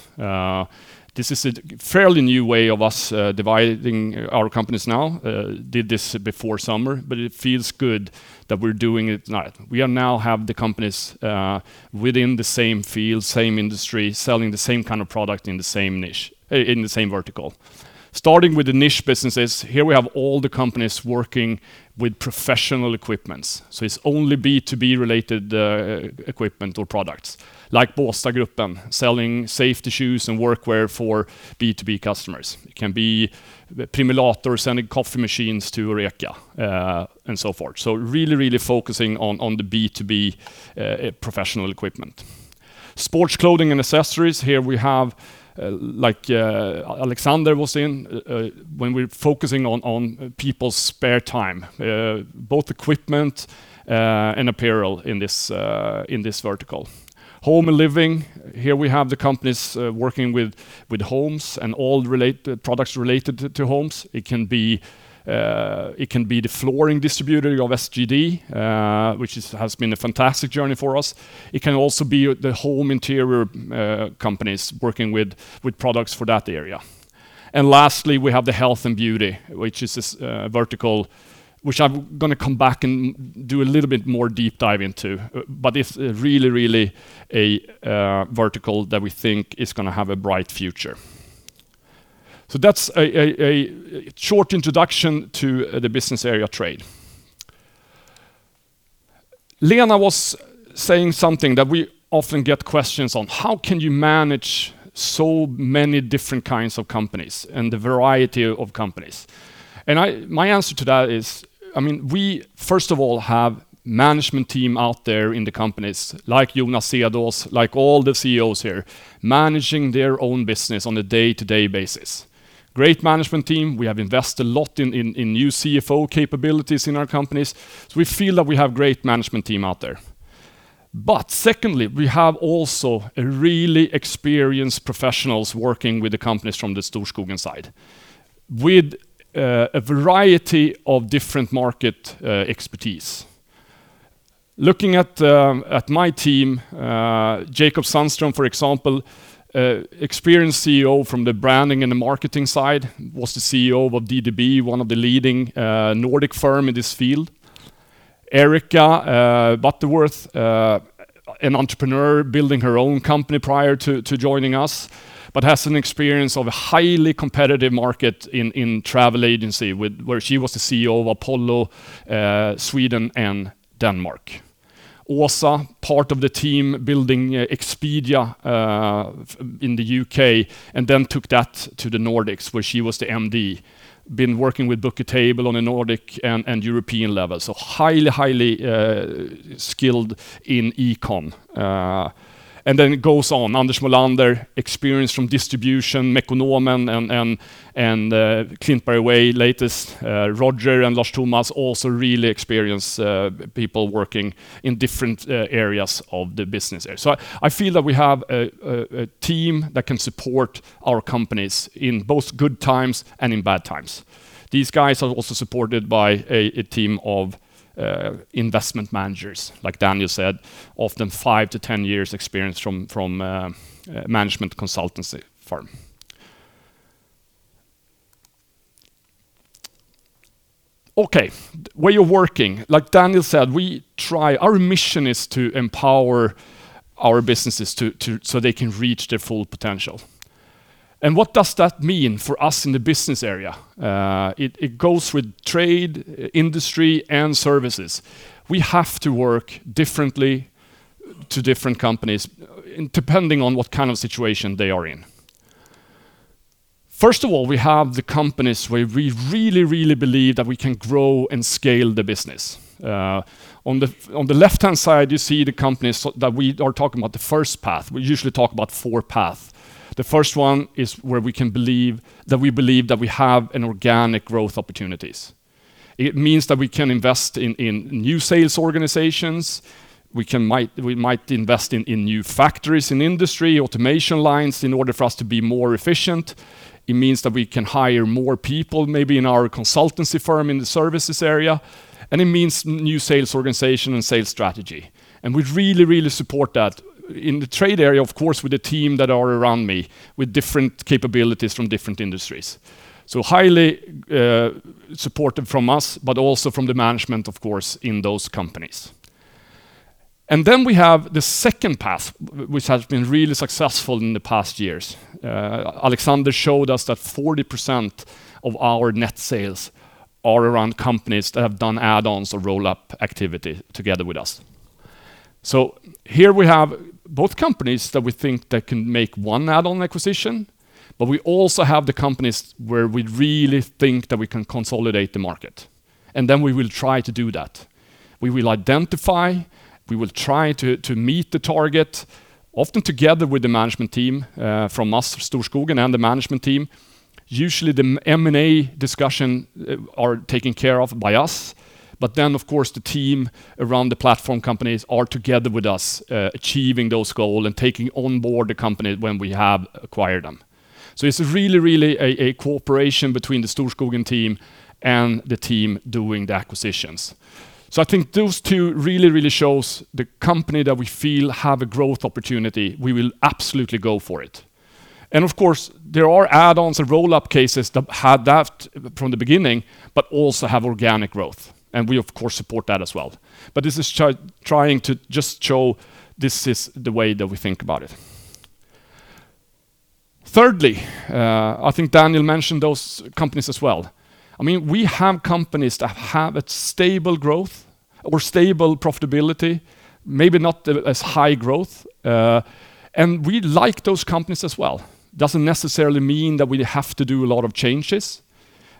This is a fairly new way of us dividing our companies now. Did this before summer, but it feels good that we're doing it now. We are now have the companies within the same field, same industry, selling the same kind of product in the same niche in the same vertical. Starting with the niche businesses, here we have all the companies working with professional equipment. It's only B2B related equipment or products, like Båstadgruppen selling safety shoes and workwear for B2B customers. It can be Primulator sending coffee machines to Oreka and so forth. Really focusing on the B2B professional equipment, sports clothing and accessories. Here we have leisure when we're focusing on people's spare time, both equipment and apparel in this vertical. Home and living, here we have the companies working with homes and all related products related to homes. It can be the flooring distributor of SGD, which has been a fantastic journey for us. It can also be the home interior companies working with products for that area. Lastly, we have the health and beauty, which is this vertical, which I'm gonna come back and do a little bit more deep dive into. But it's really a vertical that we think is gonna have a bright future. That's a short introduction to the business area Trade. Lena Glader was saying something that we often get questions on, how can you manage so many different kinds of companies and the variety of companies? My answer to that is, I mean, we, first of all, have management team out there in the companies like Jonas Cedås, like all the CEOs here, managing their own business on a day-to-day basis. Great management team. We have invested a lot in new CFO capabilities in our companies. We feel that we have great management team out there. Secondly, we have also a really experienced professionals working with the companies from the Storskogen side with a variety of different market expertise. Looking at my team, Jacob Sandström, for example, experienced CEO from the branding and the marketing side, was the CEO of DDB, one of the leading Nordic firm in this field. Erica Butterworth, an entrepreneur building her own company prior to joining us, but has an experience of a highly competitive market in travel agency where she was the CEO of Apollo Sweden and Denmark. Åsa, part of the team building Expedia in the UK and then took that to the Nordics, where she was the MD. Been working with Bookatable on a Nordic and European level. Highly skilled in econ. And then it goes on. Anders Molander, experience from distribution, Mekonomen and Clint. By the way, latest Roger and Lars Thomas, also really experienced people working in different areas of the business area. I feel that we have a team that can support our companies in both good times and in bad times. These guys are also supported by a team of investment managers, like Daniel said, often five to 10 years' experience from a management consultancy firm. Okay. Way of working. Like Daniel said, our mission is to empower our businesses so they can reach their full potential. What does that mean for us in the business area? It goes with trade, industry, and services. We have to work differently to different companies depending on what kind of situation they are in. First of all, we have the companies where we really, really believe that we can grow and scale the business. On the left-hand side, you see the companies that we are talking about the first path. We usually talk about four paths. The first one is where we believe that we have organic growth opportunities. It means that we can invest in new sales organizations. We might invest in new factories in industry, automation lines in order for us to be more efficient. It means that we can hire more people, maybe in our consultancy firm in the services area. It means new sales organization and sales strategy. We really, really support that in the trade area, of course, with the team that are around me with different capabilities from different industries. Highly supported from us, but also from the management, of course, in those companies. We have the second path, which has been really successful in the past years. Alexander showed us that 40% of our net sales are around companies that have done add-ons or roll-up activity together with us. Here we have both companies that we think that can make one add-on acquisition, but we also have the companies where we really think that we can consolidate the market, and then we will try to do that. We will identify, we will try to meet the target, often together with the management team from us, Storskogen and the management team. Usually, the M&A discussion are taken care of by us. Of course, the team around the platform companies are together with us achieving those goal and taking onboard the company when we have acquired them. It's really a cooperation between the Storskogen team and the team doing the acquisitions. I think those two really shows the company that we feel have a growth opportunity, we will absolutely go for it. Of course, there are add-ons or roll-up cases that had that from the beginning but also have organic growth, and we of course support that as well. This is trying to just show this is the way that we think about it. Thirdly, I think Daniel mentioned those companies as well. I mean, we have companies that have a stable growth or stable profitability, maybe not as high growth. We like those companies as well. Doesn't necessarily mean that we have to do a lot of changes.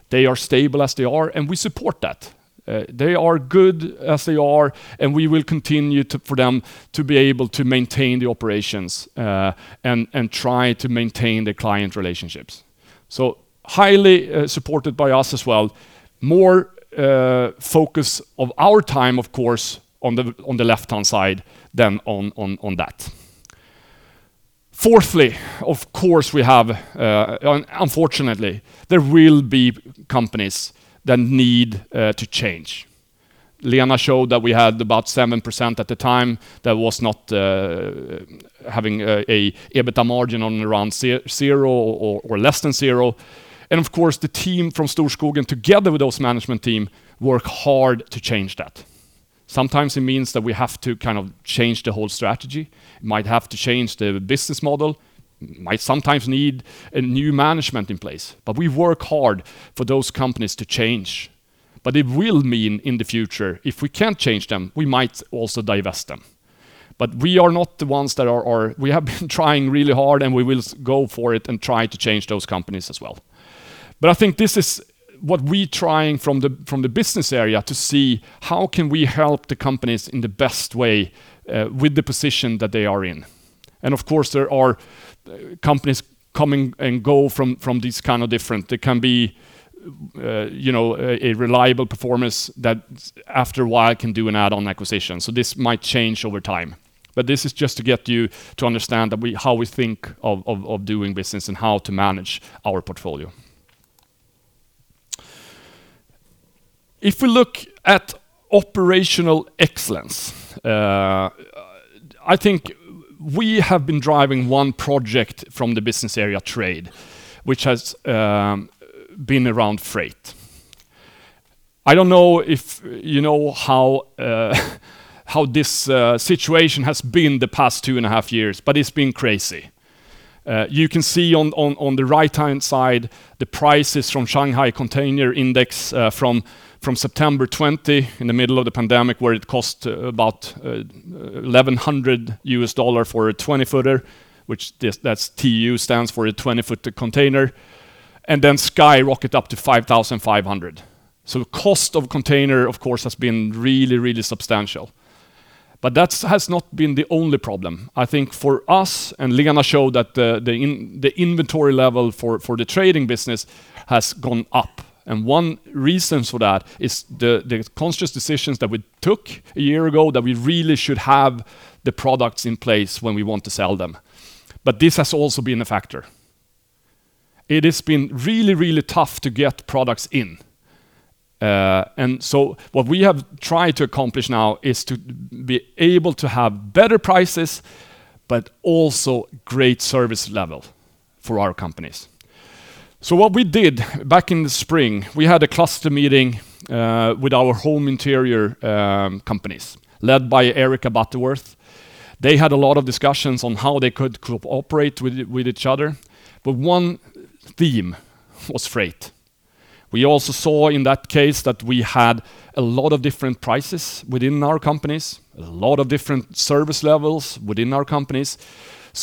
They are stable as they are, and we support that. They are good as they are, and we will continue for them to be able to maintain the operations, and try to maintain the client relationships. So highly supported by us as well. More focus of our time, of course, on the left-hand side than on that. Fourthly, of course, we have unfortunately, there will be companies that need to change. Lena showed that we had about 7% at the time that was not having a EBITDA margin on around zero or less than zero. Of course, the team from Storskogen, together with those management team, work hard to change that. Sometimes it means that we have to kind of change the whole strategy, might have to change the business model, might sometimes need a new management in place. We work hard for those companies to change. It will mean in the future, if we can't change them, we might also divest them. We are not the ones that are. We have been trying really hard, and we will go for it and try to change those companies as well. I think this is what we trying from the, from the business area to see how can we help the companies in the best way, with the position that they are in. Of course, there are companies come and go from these kind of different. They can be, you know, a reliable performance that after a while can do an add-on acquisition. This might change over time. This is just to get you to understand that how we think of doing business and how to manage our portfolio. If we look at operational excellence, I think we have been driving one project from the Business Area Trade, which has been around freight. I don't know if you know how this situation has been the past two and a half years, but it's been crazy. You can see on the right-hand side the prices from Shanghai Containerized Freight Index, from September 2020 in the middle of the pandemic, where it cost about $1,100 for a twenty-footer, which that's TEU, stands for a twenty-foot container, and then skyrocketed up to 5,500. The cost of containers, of course, has been really, really substantial. That has not been the only problem. I think for us, Lena showed that the inventory level for the trading business has gone up. One reason for that is the conscious decisions that we took a year ago that we really should have the products in place when we want to sell them. This has also been a factor. It has been really, really tough to get products in. What we have tried to accomplish now is to be able to have better prices, but also great service level for our companies. What we did back in the spring, we had a cluster meeting with our home interior companies, led by Erica Butterworth. They had a lot of discussions on how they could cooperate with each other, but one theme was freight. We also saw in that case that we had a lot of different prices within our companies, a lot of different service levels within our companies.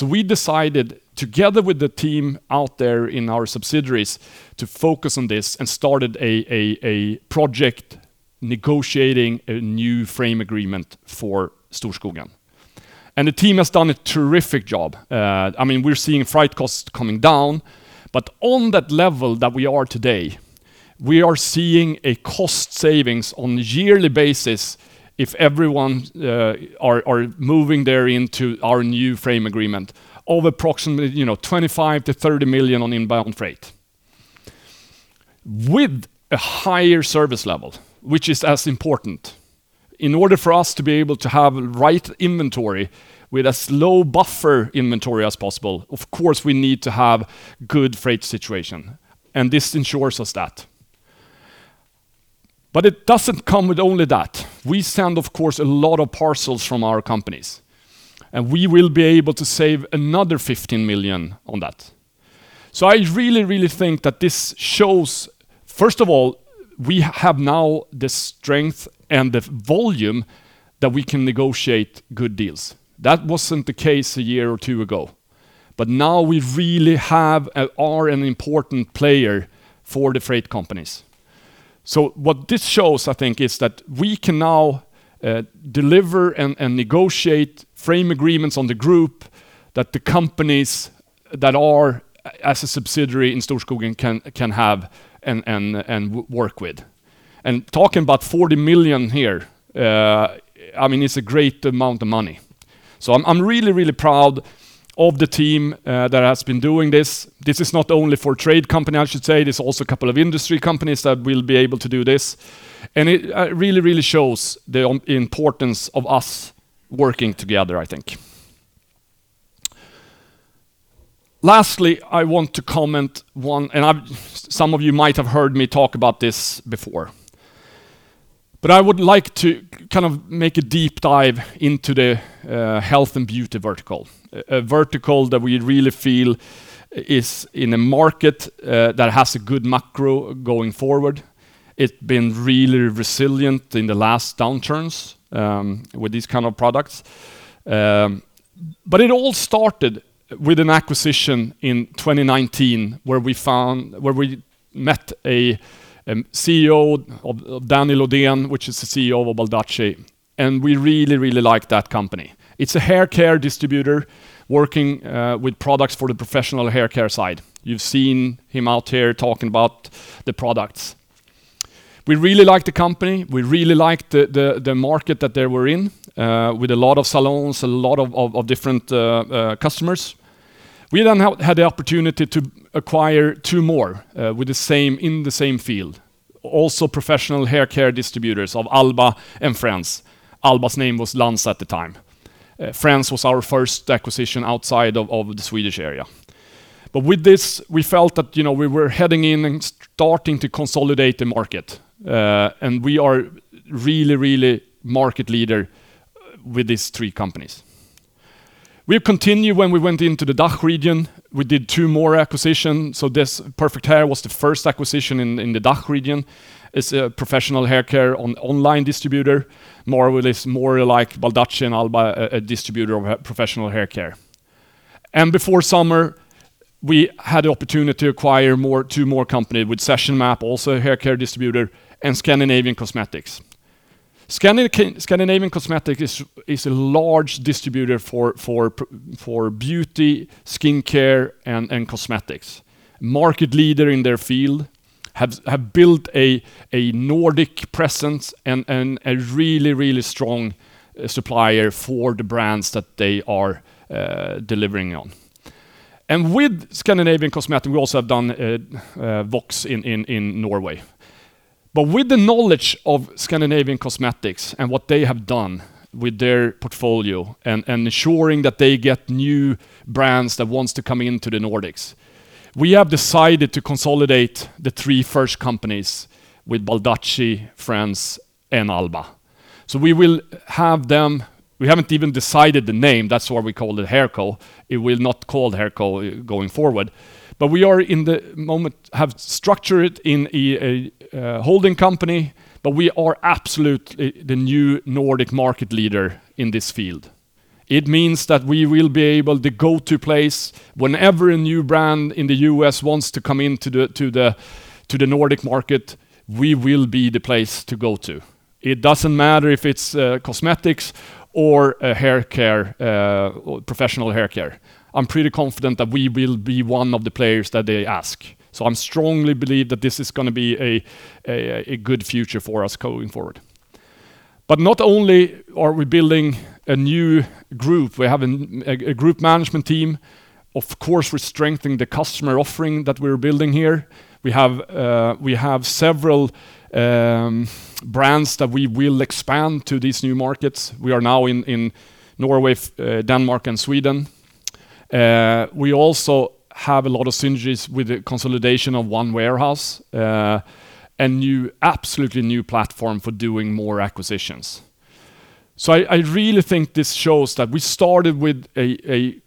We decided, together with the team out there in our subsidiaries, to focus on this and started a project negotiating a new frame agreement for Storskogen. The team has done a terrific job. I mean, we're seeing freight costs coming down, but on that level that we are today, we are seeing a cost savings on yearly basis if everyone are moving there into our new frame agreement of approximately, you know, 25-30 million on inbound freight. With a higher service level, which is as important. In order for us to be able to have right inventory with as low buffer inventory as possible, of course, we need to have good freight situation, and this ensures us that. It doesn't come with only that. We send, of course, a lot of parcels from our companies, and we will be able to save another 15 million on that. I really, really think that this shows, first of all, we have now the strength and the volume that we can negotiate good deals. That wasn't the case a year or two ago. Now we really have and are an important player for the freight companies. What this shows, I think, is that we can now deliver and negotiate frame agreements on the group that the companies that are as a subsidiary in Storskogen can have and work with. Talking about 40 million here, I mean, it's a great amount of money. I'm really proud of the team that has been doing this. This is not only for Trade company, I should say. There's also a couple of industry companies that will be able to do this. It really shows the importance of us working together, I think. Lastly, I want to comment on one, and some of you might have heard me talk about this before. I would like to kind of make a deep dive into the health and beauty vertical, a vertical that we really feel is in a market that has a good macro going forward. It's been really resilient in the last downturns with these kind of products. It all started with an acquisition in 2019 where we met a CEO of Daniel Odehn, which is the CEO of Baldacci, and we really liked that company. It's a haircare distributor working with products for the professional haircare side. You've seen him out here talking about the products. We really liked the company. We really liked the market that they were in with a lot of salons, a lot of different customers. We had the opportunity to acquire two more in the same field, also professional haircare distributors of Alba and Frends. Alba's name was Lantz at the time. Frends was our first acquisition outside of the Swedish area. With this, we felt that, you know, we were heading in and starting to consolidate the market. We are really market leader with these three companies. We continue when we went into the DACH region. We did two more acquisition. This PerfectHair.ch was the first acquisition in the DACH region. It's a professional haircare online distributor. More with this, more like Baldacci and Alba, a distributor of professional haircare. Before summer, we had the opportunity to acquire two more company with Session Mape, also a haircare distributor, and Scandinavian Cosmetics. Scandinavian Cosmetics is a large distributor for beauty, skincare, and cosmetics. Market leader in their field, have built a Nordic presence and a really strong supplier for the brands that they are delivering on. With Scandinavian Cosmetics, we also have done Vox in Norway. With the knowledge of Scandinavian Cosmetics and what they have done with their portfolio and ensuring that they get new brands that wants to come into the Nordics, we have decided to consolidate the three first companies with Baldacci, Frends, and Alba. We will have them. We haven't even decided the name. That's why we called it Hairco. It will not called Hairco going forward. We are in the moment have structured in a holding company, but we are absolutely the new Nordic market leader in this field. It means that we will be able the go-to place whenever a new brand in the US wants to come into the Nordic market, we will be the place to go to. It doesn't matter if it's cosmetics or a haircare or professional haircare. I'm pretty confident that we will be one of the players that they ask. I'm strongly believe that this is gonna be a good future for us going forward. Not only are we building a new group, we have a group management team. Of course, we're strengthening the customer offering that we're building here. We have several brands that we will expand to these new markets. We are now in Norway, Denmark, and Sweden. We also have a lot of synergies with the consolidation of one warehouse, a new, absolutely new platform for doing more acquisitions. I really think this shows that we started with a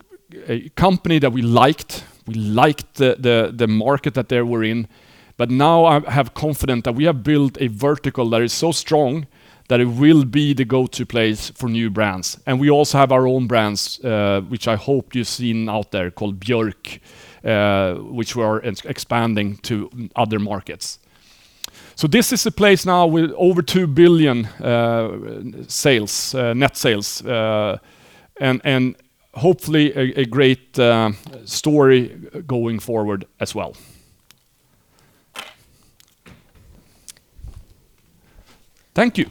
company that we liked. We liked the market that they were in. Now I am confident that we have built a vertical that is so strong that it will be the go-to place for new brands. We also have our own brands, which I hope you've seen out there called Björk, which we are expanding to other markets. This is a place now with over 2 billion net sales, and hopefully a great story going forward as well. Thank you.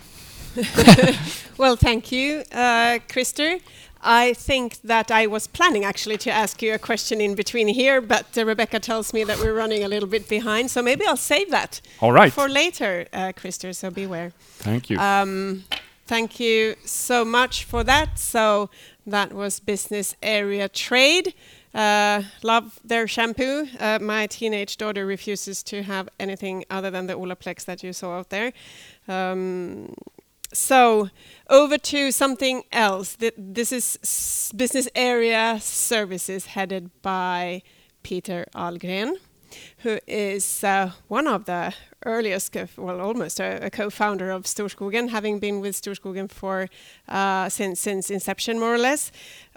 Well, thank you, Christer. I think that I was planning actually to ask you a question in between here, but Rebecca tells me that we're running a little bit behind, so maybe I'll save that. All right. For later, Christer, so beware. Thank you. Thank you so much for that. That was Business Area Trade. Love their shampoo. My teenage daughter refuses to have anything other than the OLAPLEX that you saw out there. Over to something else. This is Business Area Services headed by Peter Ahlgren, who is one of the earliest, well, almost a co-founder of Storskogen, having been with Storskogen since inception, more or less.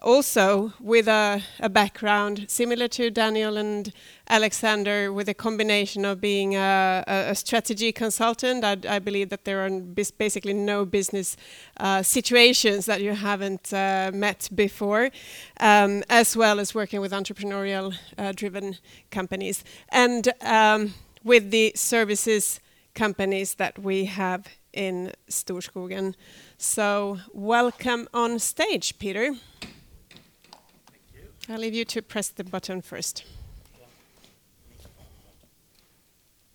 Also, with a background similar to Daniel and Alexander, with a combination of being a strategy consultant. I believe that there are basically no business situations that you haven't met before, as well as working with entrepreneurial driven companies and with the services companies that we have in Storskogen. Welcome on stage, Peter. Thank you. I'll leave you to press the button first.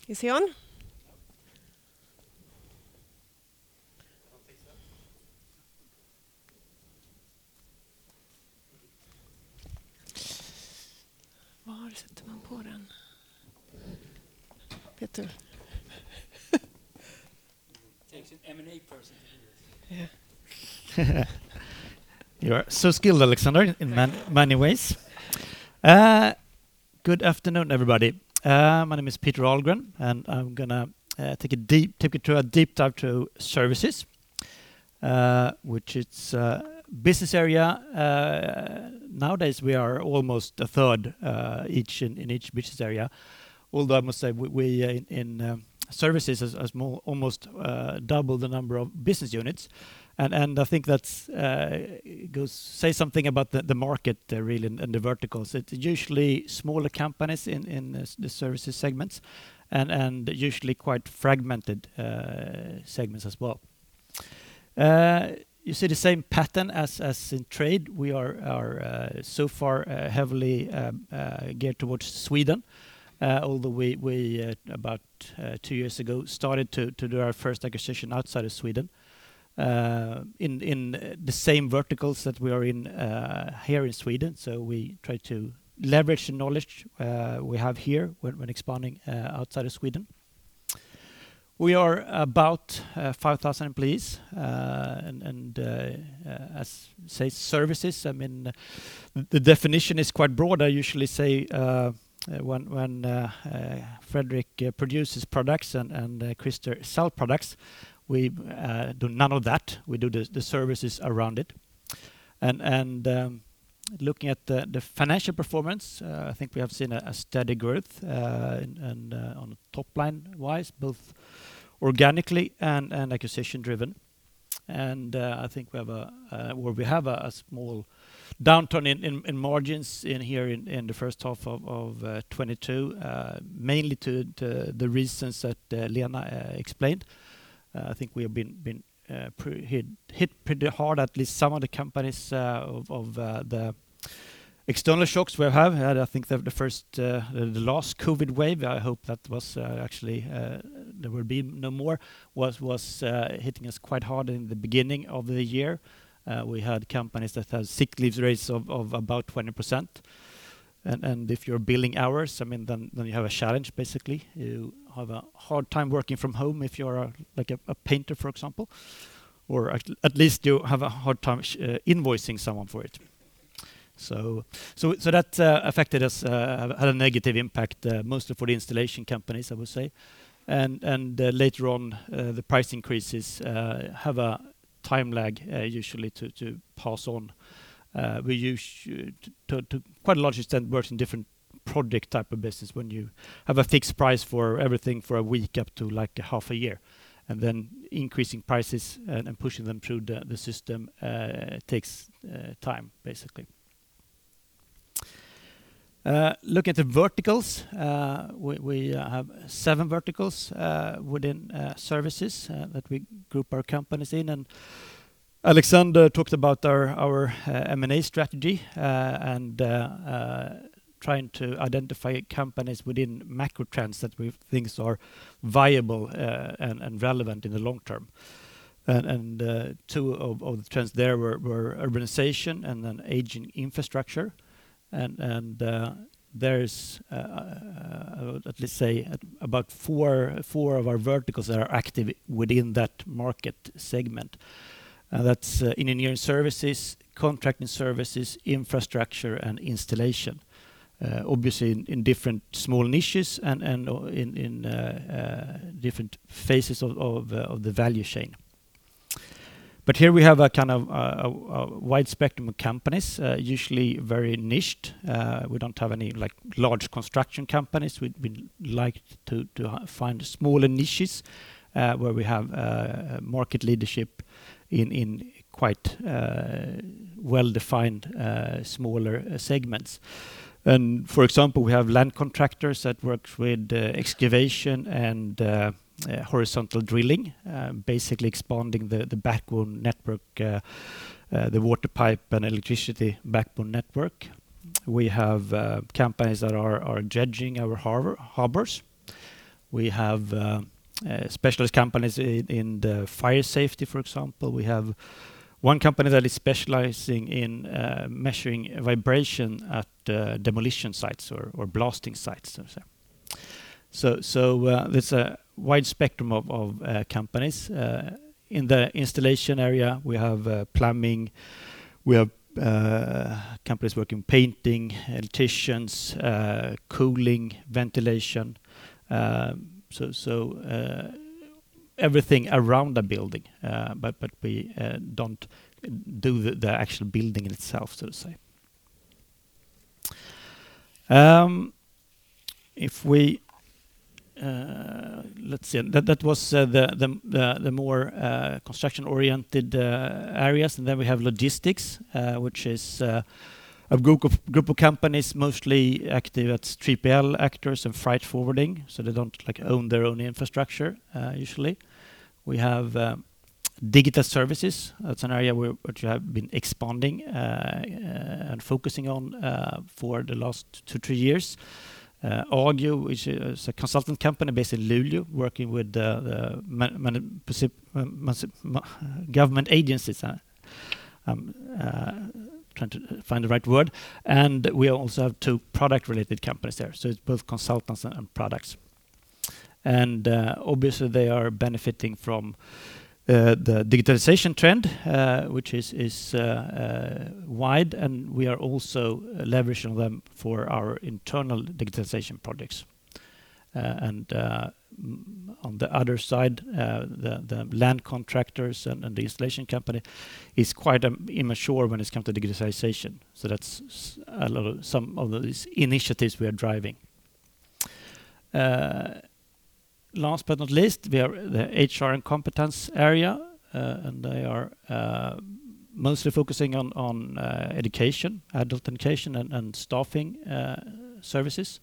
Is he on? Yeah. Takes an M&A person to do this. Yeah. You are so skilled, Alexander, in many ways. Good afternoon, everybody. My name is Peter Ahlgren, and I'm gonna take you through a deep dive to services, which is a business area. Nowadays we are almost a third each in each business area. Although I must say we in services is almost double the number of business units. I think that goes to say something about the market really and the verticals. It's usually smaller companies in the services segments and usually quite fragmented segments as well. You see the same pattern as in trade. We are so far heavily geared towards Sweden, although we about two years ago started to do our first acquisition outside of Sweden, in the same verticals that we are in here in Sweden. We try to leverage the knowledge we have here when expanding outside of Sweden. We are about 5,000 employees, and as say services, I mean, the definition is quite broad. I usually say when Fredrik produces products and Christer sell products, we do none of that. We do the services around it. Looking at the financial performance, I think we have seen a steady growth, and on top line wise, both organically and acquisition driven. I think we have a well we have a small downturn in margins here in the first half of 2022, mainly to the reasons that Lena explained. I think we have been pretty hit pretty hard, at least some of the companies of the external shocks we have had. I think the first the last COVID wave, I hope that was actually there will be no more, was hitting us quite hard in the beginning of the year. We had companies that had sick leave rates of about 20%. If you're billing hours, I mean, then you have a challenge basically. You have a hard time working from home if you're like a painter, for example, or at least you have a hard time invoicing someone for it. That affected us, had a negative impact, mostly for the installation companies, I would say. Later on, the price increases have a time lag, usually to pass on. We used to quite a large extent work in different project type of business when you have a fixed price for everything for a week up to like half a year, and then increasing prices and pushing them through the system takes time, basically. Look at the verticals. We have seven verticals within services that we group our companies in. Alexander talked about our M&A strategy and trying to identify companies within macro trends that we think are viable and relevant in the long term. Two of the trends there were urbanization and then aging infrastructure and there's let's say about four of our verticals that are active within that market segment. That's engineering services, contracting services, infrastructure and installation, obviously in different small niches and in different phases of the value chain. Here we have a kind of a wide spectrum of companies, usually very niched. We don't have any like large construction companies. We'd like to find smaller niches where we have market leadership in quite well-defined smaller segments. For example, we have land contractors that work with excavation and horizontal drilling, basically expanding the backbone network, the water pipe and electricity backbone network. We have companies that are dredging our harbors. We have specialist companies in the fire safety, for example. We have one company that is specializing in measuring vibration at demolition sites or blasting sites, so to say. There's a wide spectrum of companies. In the installation area, we have plumbing. We have companies working painting, electricians, cooling, ventilation, so everything around the building. We don't do the actual building itself, so to say. That was the more construction-oriented areas. We have logistics, which is a group of companies mostly active as 3PL actors and freight forwarding, so they don't own their own infrastructure, usually. We have digital services. That's an area which we have been expanding and focusing on for the last two years. Agio, which is a consultant company based in Luleå working with the municipal government agencies. We also have two product-related companies there. So it's both consultants and products. Obviously they are benefiting from the digitalization trend, which is wide, and we are also leveraging them for our internal digitalization projects. On the other side, the land contractors and the installation company is quite immature when it comes to digitalization. That's some of these initiatives we are driving. Last but not least, we are the HR and competence area, and they are mostly focusing on education, adult education and staffing services.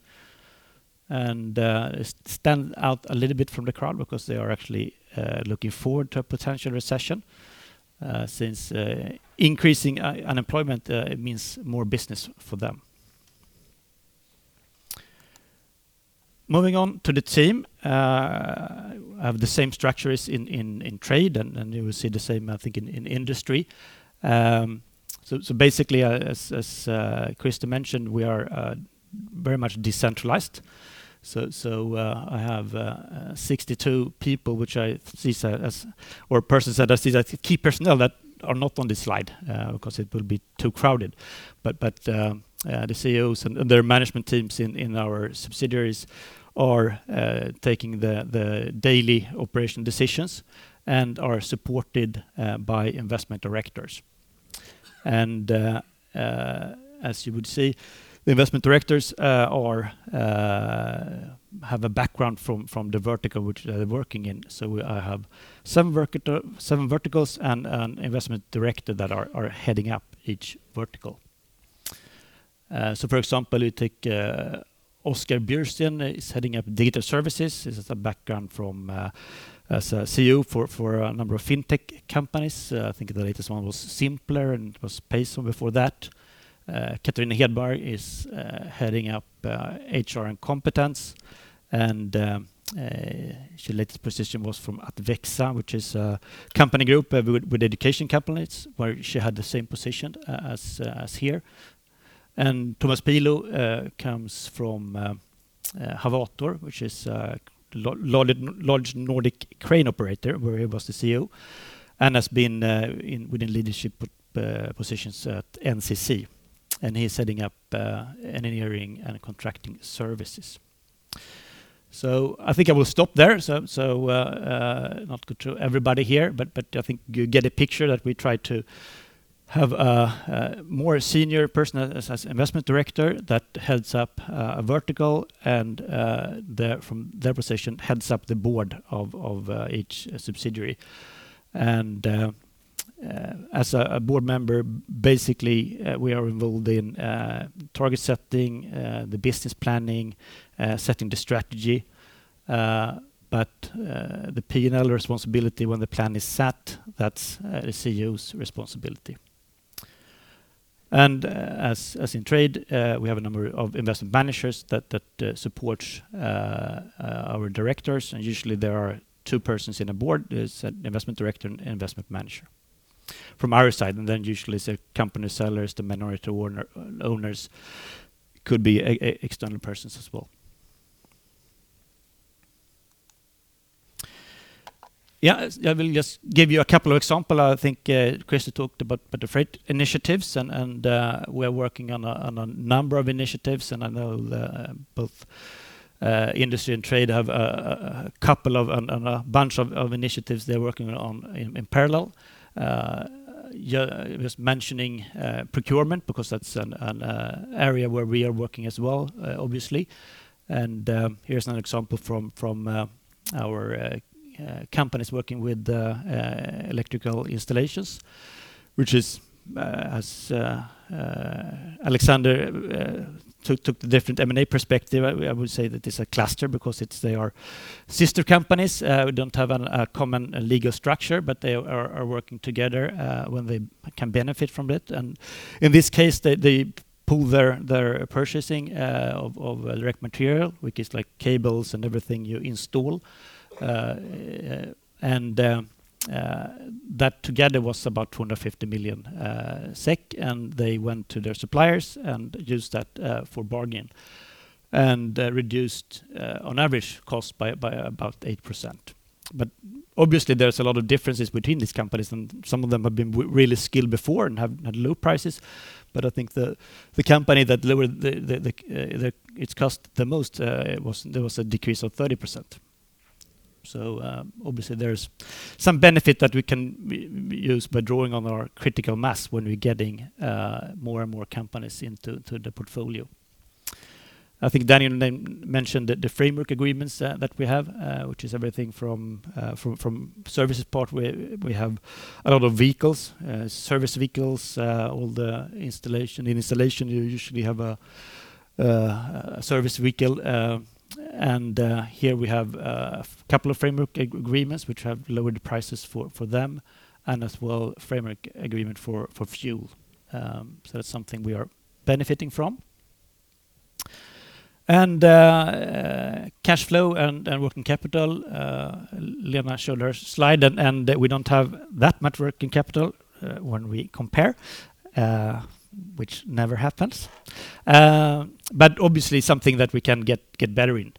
They stand out a little bit from the crowd because they are actually looking forward to a potential recession, since increasing unemployment means more business for them. Moving on to the team we have the same structures in trade and you will see the same, I think, in industry. Basically, as Christer mentioned, we are very much decentralized. I have 62 people that I see as key personnel that are not on this slide because it will be too crowded. The CEOs and their management teams in our subsidiaries are taking the daily operation decisions and are supported by investment directors. As you would see, the investment directors have a background from the vertical which they're working in. I have seven verticals and an investment director that are heading up each vertical. For example, you take Oskar Bjursten is heading up digital services. He has a background from as a CEO for a number of fintech companies. I think the latest one was Simplr and it was Payzone before that. Catharina Hedberg is heading up HR and competence. Her latest position was from Atvexa, which is a company group with education companies, where she had the same position as here. Thomas Pilo comes from Havator, which is a large Nordic crane operator, where he was the CEO, and has been in leadership positions at NCC, and he's heading up engineering and contracting services. I think I will stop there. I will not go through everybody here, but I think you get a picture that we try to have a more senior person as investment director that heads up a vertical and from their position heads up the board of each subsidiary. As a board member, basically, we are involved in target setting, the business planning, setting the strategy. The P&L responsibility when the plan is set, that's the CEO's responsibility. As in trade, we have a number of investment managers that support our directors. Usually there are two persons in a board: an investment director and investment manager from our side. Then usually it's the company sellers, the minority owner, owners could be external persons as well. Yeah, I will just give you a couple of example. I think Christer talked about the freight initiatives and we're working on a number of initiatives, and I know both industry and trade have a couple of and a bunch of initiatives they're working on in parallel. Yeah, just mentioning procurement because that's an area where we are working as well, obviously. Here's an example from our companies working with electrical installations, which is, as Alexander took the different M&A perspective, I would say that it's a cluster because they are sister companies. We don't have a common legal structure, but they are working together when they can benefit from it. In this case, they pool their purchasing of electric material, which is like cables and everything you install. That together was about 250 million SEK, and they went to their suppliers and used that for bargaining and reduced on average cost by about 8%. Obviously, there's a lot of differences between these companies, and some of them have been really skilled before and have had low prices. I think the company that lowered its cost the most, there was a decrease of 30%. Obviously there's some benefit that we can use by drawing on our critical mass when we're getting more and more companies into the portfolio. I think Daniel mentioned the framework agreements that we have, which is everything from the services part. We have a lot of vehicles, service vehicles, all the installation. In installation, you usually have a service vehicle, and here we have a couple of framework agreements which have lowered prices for them and as well framework agreement for fuel. That's something we are benefiting from. Cash flow and working capital, Lena showed her slide and we don't have that much working capital when we compare. Which never happens. Obviously something that we can get better in.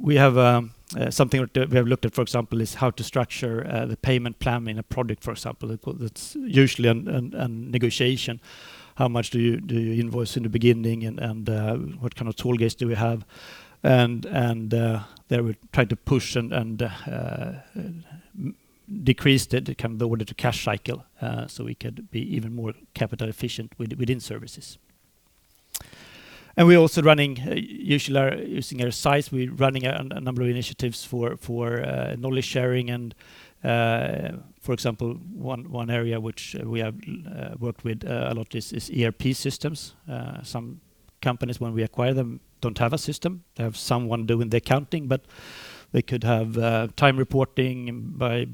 We have something that we have looked at, for example, is how to structure the payment plan in a project, for example. It's usually a negotiation. How much do you invoice in the beginning and what kind of toll gates do we have? There we try to push and decrease the kind of order to cash cycle so we could be even more capital efficient within services. We're also running, usually using our size, a number of initiatives for knowledge sharing and, for example, one area which we have worked with a lot is ERP systems. Some companies when we acquire them don't have a system. They have someone doing the accounting, but they could have time reporting by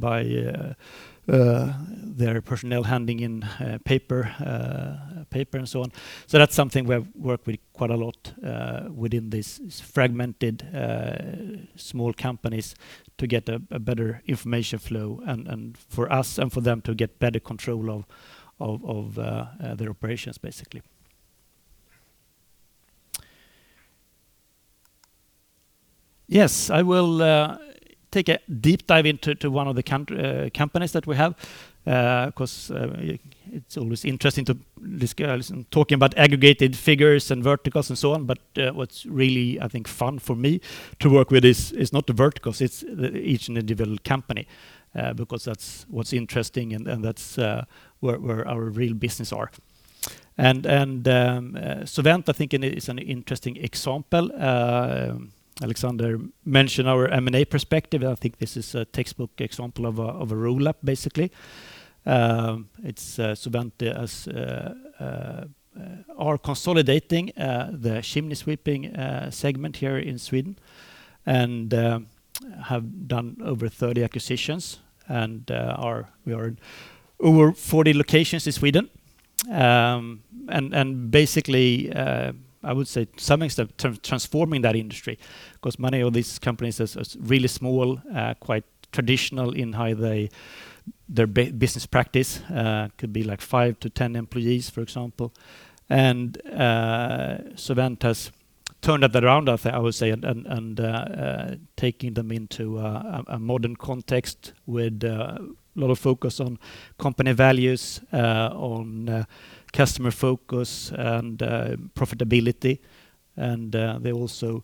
their personnel handing in paper and so on. That's something we have worked with quite a lot within these fragmented small companies to get a better information flow and for us and for them to get better control of their operations basically. Yes, I will take a deep dive into one of the companies that we have because it's always interesting to listen talking about aggregated figures and verticals and so on. What's really, I think, fun for me to work with is not the verticals, it's each individual company because that's what's interesting and that's where our real business are. SoVent I think is an interesting example. Alexander Bjärgård mentioned our M&A perspective. I think this is a textbook example of a roll-up basically. It's SoVent consolidating the chimney sweeping segment here in Sweden and have done over 30 acquisitions and we are over 40 locations in Sweden. Basically I would say to some extent transforming that industry 'cause many of these companies is really small, quite traditional in how they their business practice. Could be like five to 10 employees, for example. SoVent has turned that around, I would say, and taking them into a modern context with a lot of focus on company values, on customer focus and profitability. They also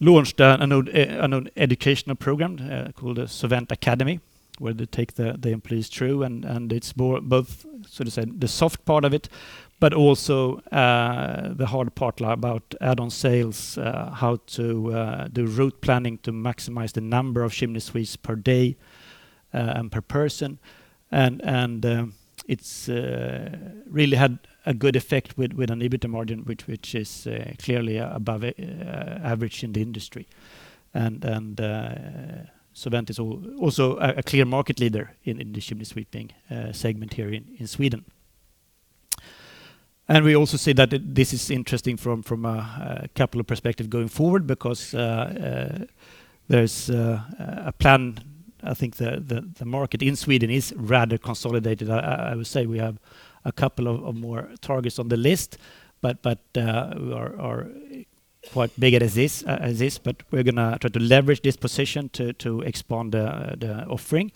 launched an educational program called SoVent Academy, where they take the employees through and it's more both, so to say, the soft part of it, but also the hard part about add-on sales, how to do route planning to maximize the number of chimney sweeps per day and per person. It's really had a good effect with an EBITDA margin which is clearly above average in the industry. SoVent is also a clear market leader in the chimney sweeping segment here in Sweden. We also see that this is interesting from a capital perspective going forward because there's a plan. I think the market in Sweden is rather consolidated. I would say we have a couple of more targets on the list, but we are quite big at this, but we're gonna try to leverage this position to expand the offering.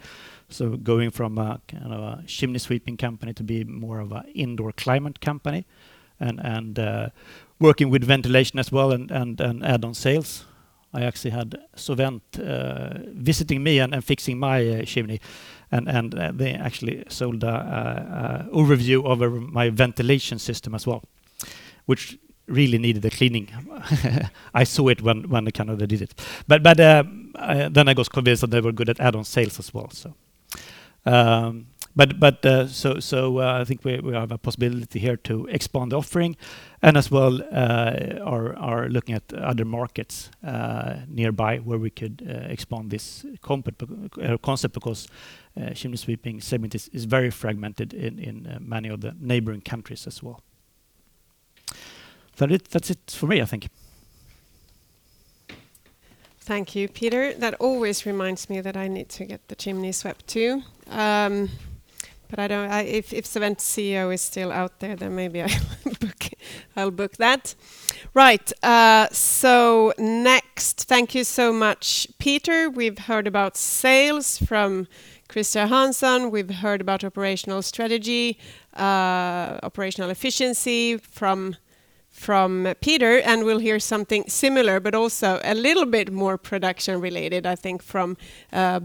Going from a kind of a chimney sweeping company to be more of an indoor climate company and working with ventilation as well and add-on sales. I actually had SoVent visiting me and fixing my chimney and they actually sold an overview of my ventilation system as well, which really needed a cleaning. I saw it when they kind of did it. Then I was convinced that they were good at add-on sales as well. I think we have a possibility here to expand the offering and as well are looking at other markets nearby where we could expand this concept because chimney sweeping segment is very fragmented in many of the neighboring countries as well. That's it for me, I think. Thank you, Peter. That always reminds me that I need to get the chimney swept too. But if SoVent CEO is still out there, then maybe I'll book that. Right. Next, thank you so much, Peter. We've heard about sales from Christer Hansson. We've heard about operational strategy, operational efficiency from Peter, and we'll hear something similar, but also a little bit more production related, I think, from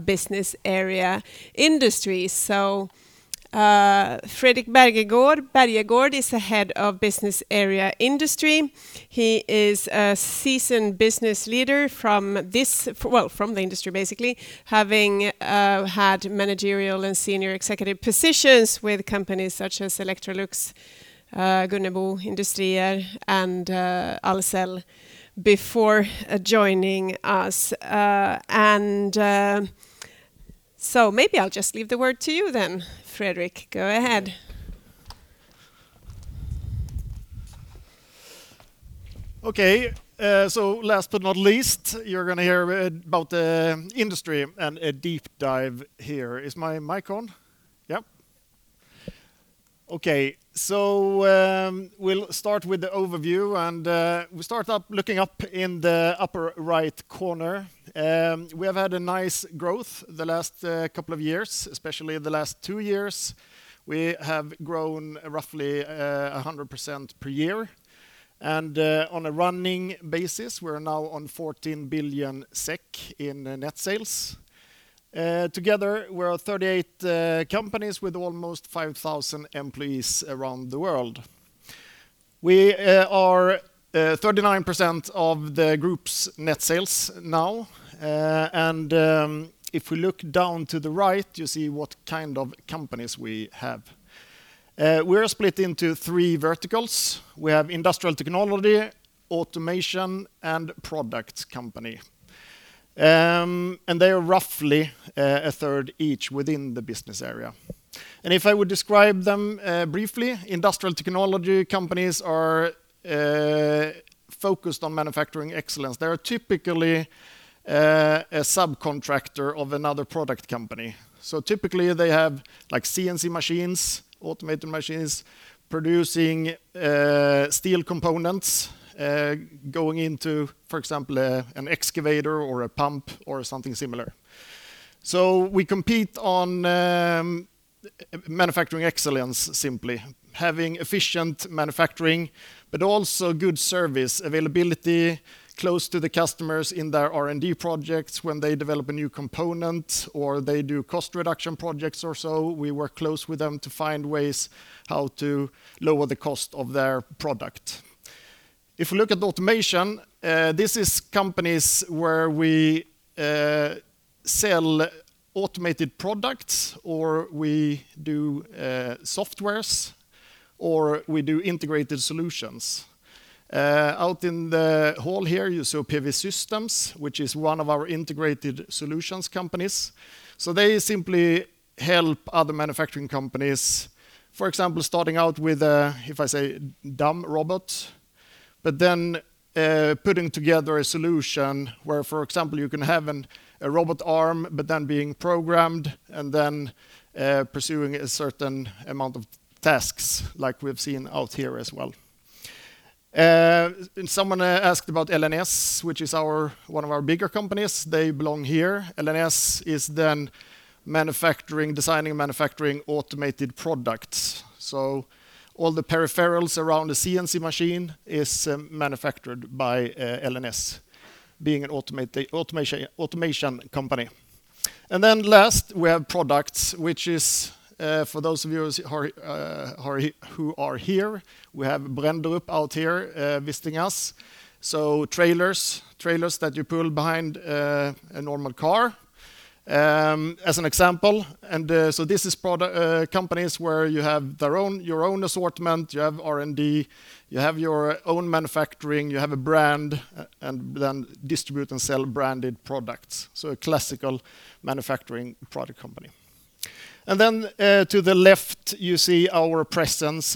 business area industry. Fredrik Bergegård is the head of business area industry. He is a seasoned business leader from the industry basically, having had managerial and senior executive positions with companies such as Electrolux, Gunnebo Industrier and Ahlsell before joining us. Maybe I'll just leave the word to you then, Fredrik. Go ahead. Okay, so last but not least, you're gonna hear about the industry and a deep dive here. Is my mic on? Yep. Okay. We'll start with the overview, and we start by looking up in the upper right corner. We have had a nice growth the last couple of years, especially the last two years. We have grown roughly 100% per year, and on a running basis, we're now on 14 billion SEK in net sales. Together, we're 38 companies with almost 5,000 employees around the world. We are 39% of the group's net sales now. If we look down to the right, you see what kind of companies we have. We're split into three verticals. We have industrial technology, automation, and product company. They are roughly a third each within the business area. If I would describe them briefly, industrial technology companies are focused on manufacturing excellence. They are typically a subcontractor of another product company. Typically they have, like CNC machines, automated machines producing steel components going into, for example, an excavator or a pump or something similar. We compete on manufacturing excellence, simply. Having efficient manufacturing, but also good service, availability close to the customers in their R&D projects when they develop a new component or they do cost reduction projects or so. We work close with them to find ways how to lower the cost of their product. If you look at automation, this is companies where we sell automated products or we do software or we do integrated solutions. Out in the hall here, you saw PV Systems, which is one of our integrated solutions companies. They simply help other manufacturing companies. For example, starting out with if I say dumb robot, but then putting together a solution where, for example, you can have a robot arm, but then being programmed and then pursuing a certain amount of tasks like we've seen out here as well. Someone asked about LNS, which is one of our bigger companies. They belong here. LNS is manufacturing, designing and manufacturing automated products. All the peripherals around the CNC machine is manufactured by LNS being an automation company. Last, for those of you who are here, we have Brenderup out here visiting us. Trailers that you pull behind a normal car, as an example. This is companies where you have your own assortment, you have R&D, you have your own manufacturing, you have a brand, and then distribute and sell branded products. A classical manufacturing product company. To the left, you see our presence.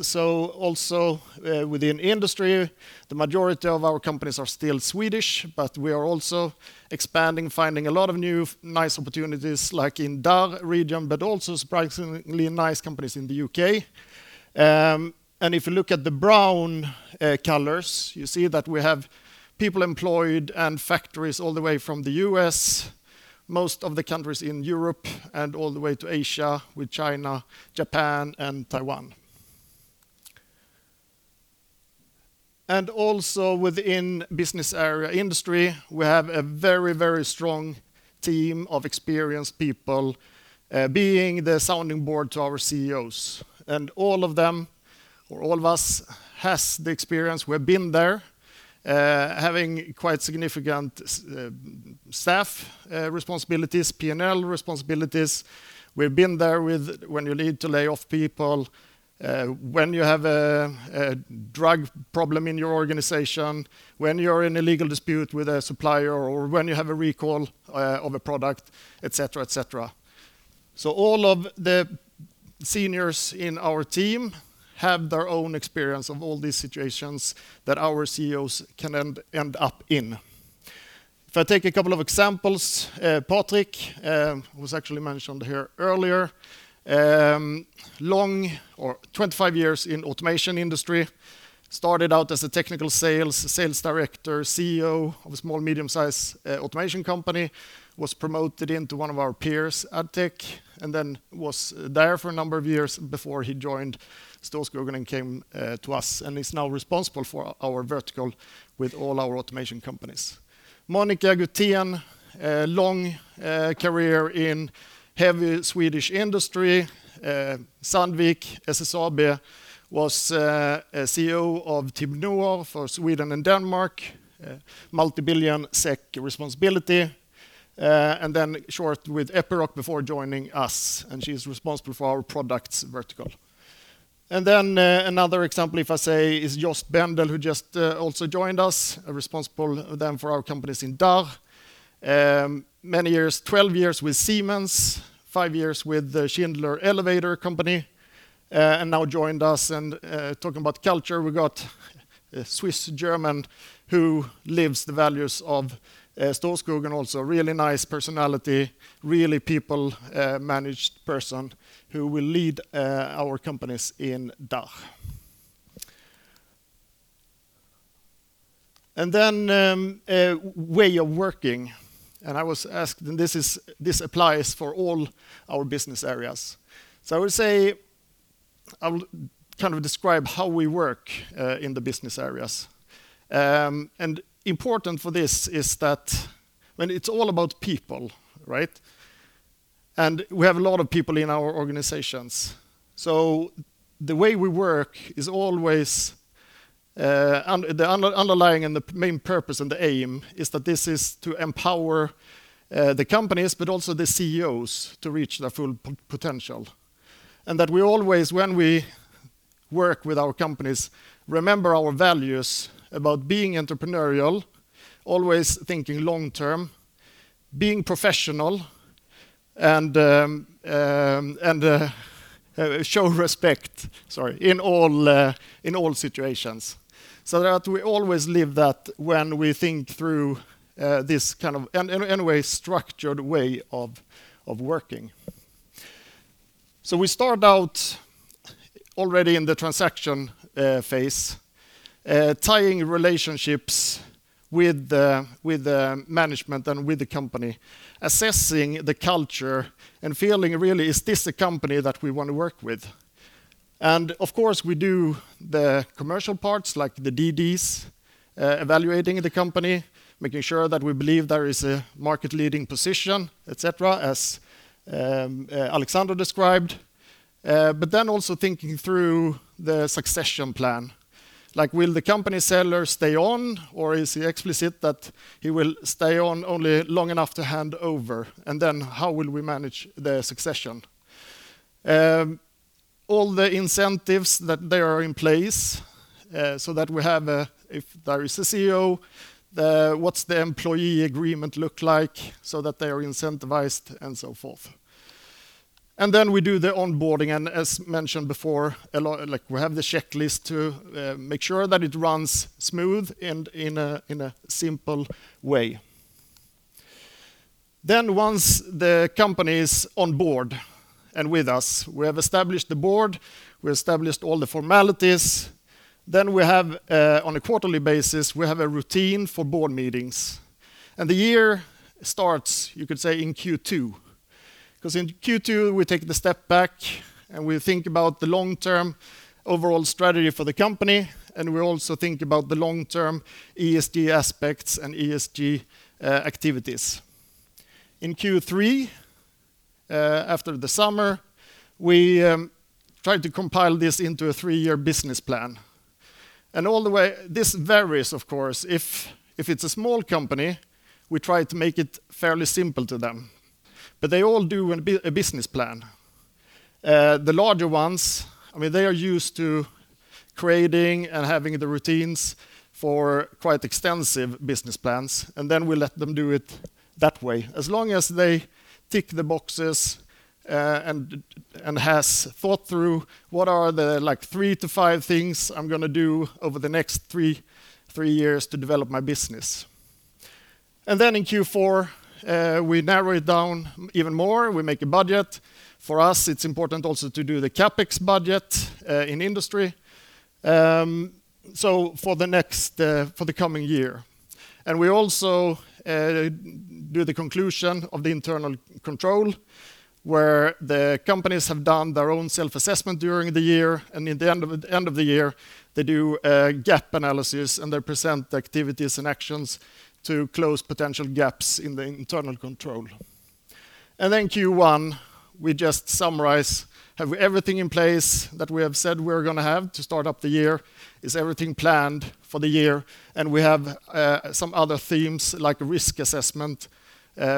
Within industry, the majority of our companies are still Swedish, but we are also expanding, finding a lot of new nice opportunities like in DACH region, but also surprisingly nice companies in the UK. If you look at the brown colors, you see that we have people employed and factories all the way from the U.S., most of the countries in Europe and all the way to Asia with China, Japan and Taiwan. Also within Business Area Industry, we have a very, very strong team of experienced people, being the sounding board to our CEOs. All of them or all of us has the experience. We've been there, having quite significant staff responsibilities, P&L responsibilities. We've been there with when you need to lay off people, when you have a drug problem in your organization, when you're in a legal dispute with a supplier or when you have a recall of a product, etc., etc. All of the seniors in our team have their own experience of all these situations that our CEOs can end up in. If I take a couple of examples, Patrik, who was actually mentioned here earlier, longer 25 years in automation industry, started out as a technical sales director, CEO of a small medium-sized automation company, was promoted into one of our peers, Addtech, and then was there for a number of years before he joined Storskogen and came to us and is now responsible for our vertical with all our automation companies. Monica Gutierrez, long career in heavy Swedish industry. Sandvik, SSAB was a CEO of Tibnor for Sweden and Denmark, multi-billion SEK responsibility, and then short with Epiroc before joining us, and she's responsible for our products vertical. Another example, if I say, is Jost Bendel, who just also joined us, responsible then for our companies in DACH. Many years, 12 years with Siemens. Five years with the Schindler Elevator Company, and now joined us. Talking about culture, we got a Swiss German who lives the values of Storskogen also. Really nice personality, really people managed person who will lead our companies in DACH. Way of working, I was asked, this applies for all our business areas. I would say, I will kind of describe how we work in the business areas. Important for this is that when it's all about people, right? We have a lot of people in our organizations. The way we work is always the underlying and the main purpose and the aim is that this is to empower the companies, but also the CEOs to reach their full potential. That we always, when we work with our companies, remember our values about being entrepreneurial, always thinking long term, being professional, and show respect in all situations. That we always live that when we think through this kind of, in a way, structured way of working. We start out already in the transaction phase, tying relationships with the management and with the company, assessing the culture and feeling really, is this a company that we wanna work with? Of course, we do the commercial parts like the DDs, evaluating the company, making sure that we believe there is a market-leading position, et cetera, as Alexander Bjärgård described. Then also thinking through the succession plan. Like, will the company seller stay on, or is he explicit that he will stay on only long enough to hand over? How will we manage the succession? All the incentives that they are in place, so that we have, if there is a CEO, what's the employee agreement look like so that they are incentivized and so forth. We do the onboarding, and as mentioned before, a lot, like, we have the checklist to make sure that it runs smooth and in a simple way. Once the company is on board and with us, we have established the board, we established all the formalities, then we have, on a quarterly basis, we have a routine for board meetings. The year starts, you could say, in Q2. 'Cause in Q2, we take the step back, and we think about the long-term overall strategy for the company, and we also think about the long-term ESG aspects and ESG activities. In Q3, after the summer, we try to compile this into a three-year business plan. This varies, of course. If it's a small company, we try to make it fairly simple to them. They all do a business plan. The larger ones, I mean, they are used to creating and having the routines for quite extensive business plans, and then we let them do it that way. As long as they tick the boxes, and has thought through what are the, like, three to five things I'm gonna do over the next three years to develop my business. In Q4, we narrow it down even more. We make a budget. For us, it's important also to do the CapEx budget in industry for the coming year. We also do the conclusion of the internal control, where the companies have done their own self-assessment during the year, and in the end of the year, they do a gap analysis, and they present the activities and actions to close potential gaps in the internal control. Q1, we just summarize, have everything in place that we have said we're gonna have to start up the year. Is everything planned for the year? We have some other themes like risk assessment,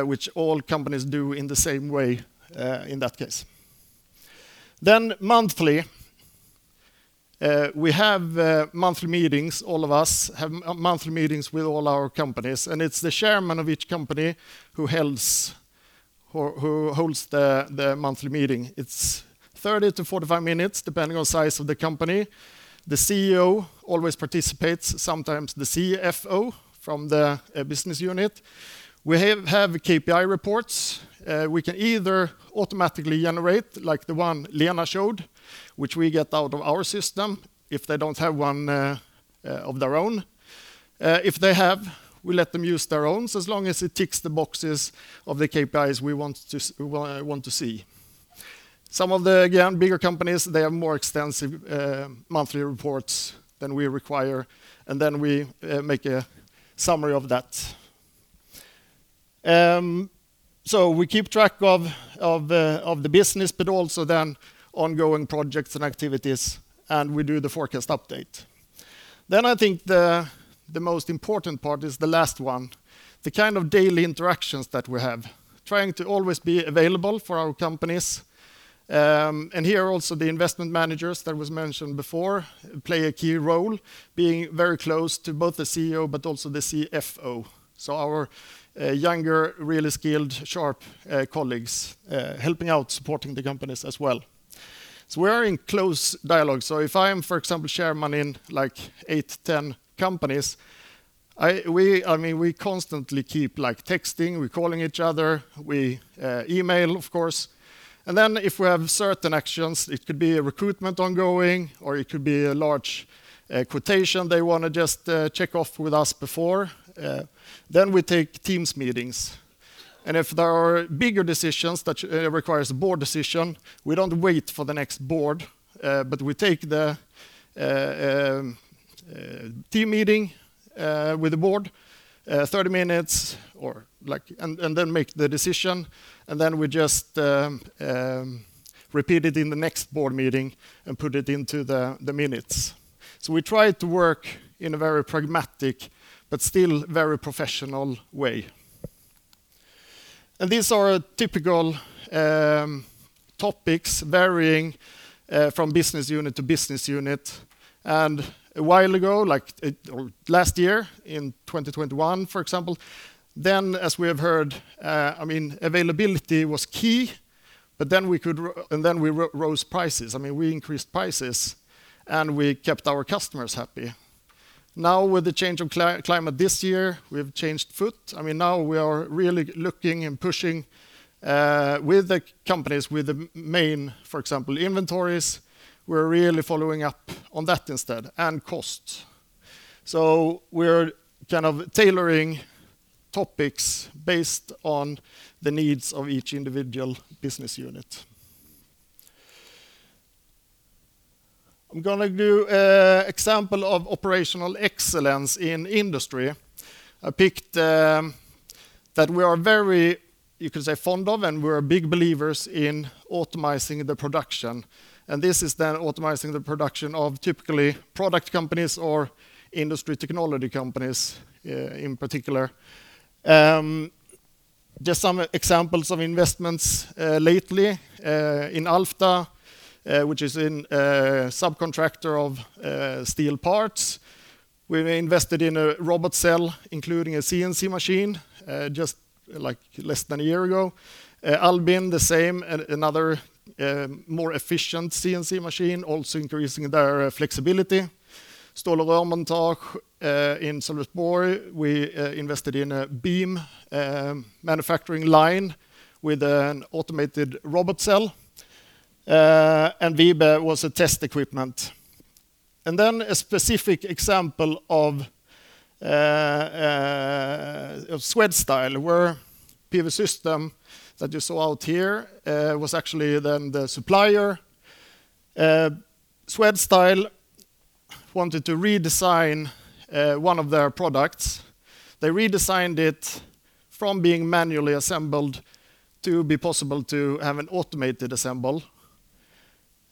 which all companies do in the same way, in that case. Monthly, we have monthly meetings. All of us have monthly meetings with all our companies, and it's the chairman of each company who holds the monthly meeting. It's 30-45 minutes, depending on size of the company. The CEO always participates, sometimes the CFO from the business unit. We have KPI reports. We can either automatically generate, like the one Lena showed, which we get out of our system if they don't have one of their own. If they have, we let them use their own, so as long as it ticks the boxes of the KPIs we want to see. Some of the, again, bigger companies, they have more extensive monthly reports than we require, and then we make a summary of that. We keep track of the business, but also ongoing projects and activities, and we do the forecast update. I think the most important part is the last one, the kind of daily interactions that we have, trying to always be available for our companies. Here also the investment managers that was mentioned before play a key role being very close to both the CEO but also the CFO. Our younger, really skilled, sharp, colleagues helping out supporting the companies as well. We are in close dialogue. If I'm, for example, chairman in like 8, 10 companies, we, I mean, we constantly keep like texting, we're calling each other, we email, of course. If we have certain actions, it could be a recruitment ongoing, or it could be a large quotation they wanna just check off with us before, then we take Teams meetings. If there are bigger decisions that requires a board decision, we don't wait for the next board, but we take the team meeting with the board, 30 minutes or like, and then make the decision, and then we just repeat it in the next board meeting and put it into the minutes. We try to work in a very pragmatic but still very professional way. These are typical topics varying from business unit to business unit. A while ago, like, or last year in 2021, for example, then as we have heard, I mean, availability was key, but then we raised prices. I mean, we increased prices, and we kept our customers happy. Now, with the change of climate this year, we've changed tack. I mean, now we are really looking and pushing with the companies with the main, for example, inventories. We're really following up on that instead, and costs. We're kind of tailoring topics based on the needs of each individual business unit. I'm gonna do an example of operational excellence in industry. I picked that we are very, you could say, fond of, and we're big believers in optimizing the production, and this is then optimizing the production of typically product companies or industry technology companies in particular. Just some examples of investments lately in Alfta, which is a subcontractor of steel parts. We've invested in a robot cell, including a CNC machine, just like less than a year ago. Albin, the same, another more efficient CNC machine, also increasing their flexibility. Stål & Rörmontage in Sollefteå, we invested in a beam manufacturing line with an automated robot cell. Wibe was a test equipment. A specific example of Swedstyle, where PV Systems that you saw out here was actually the supplier. Swedstyle wanted to redesign one of their products. They redesigned it from being manually assembled to be possible to have an automated assembly,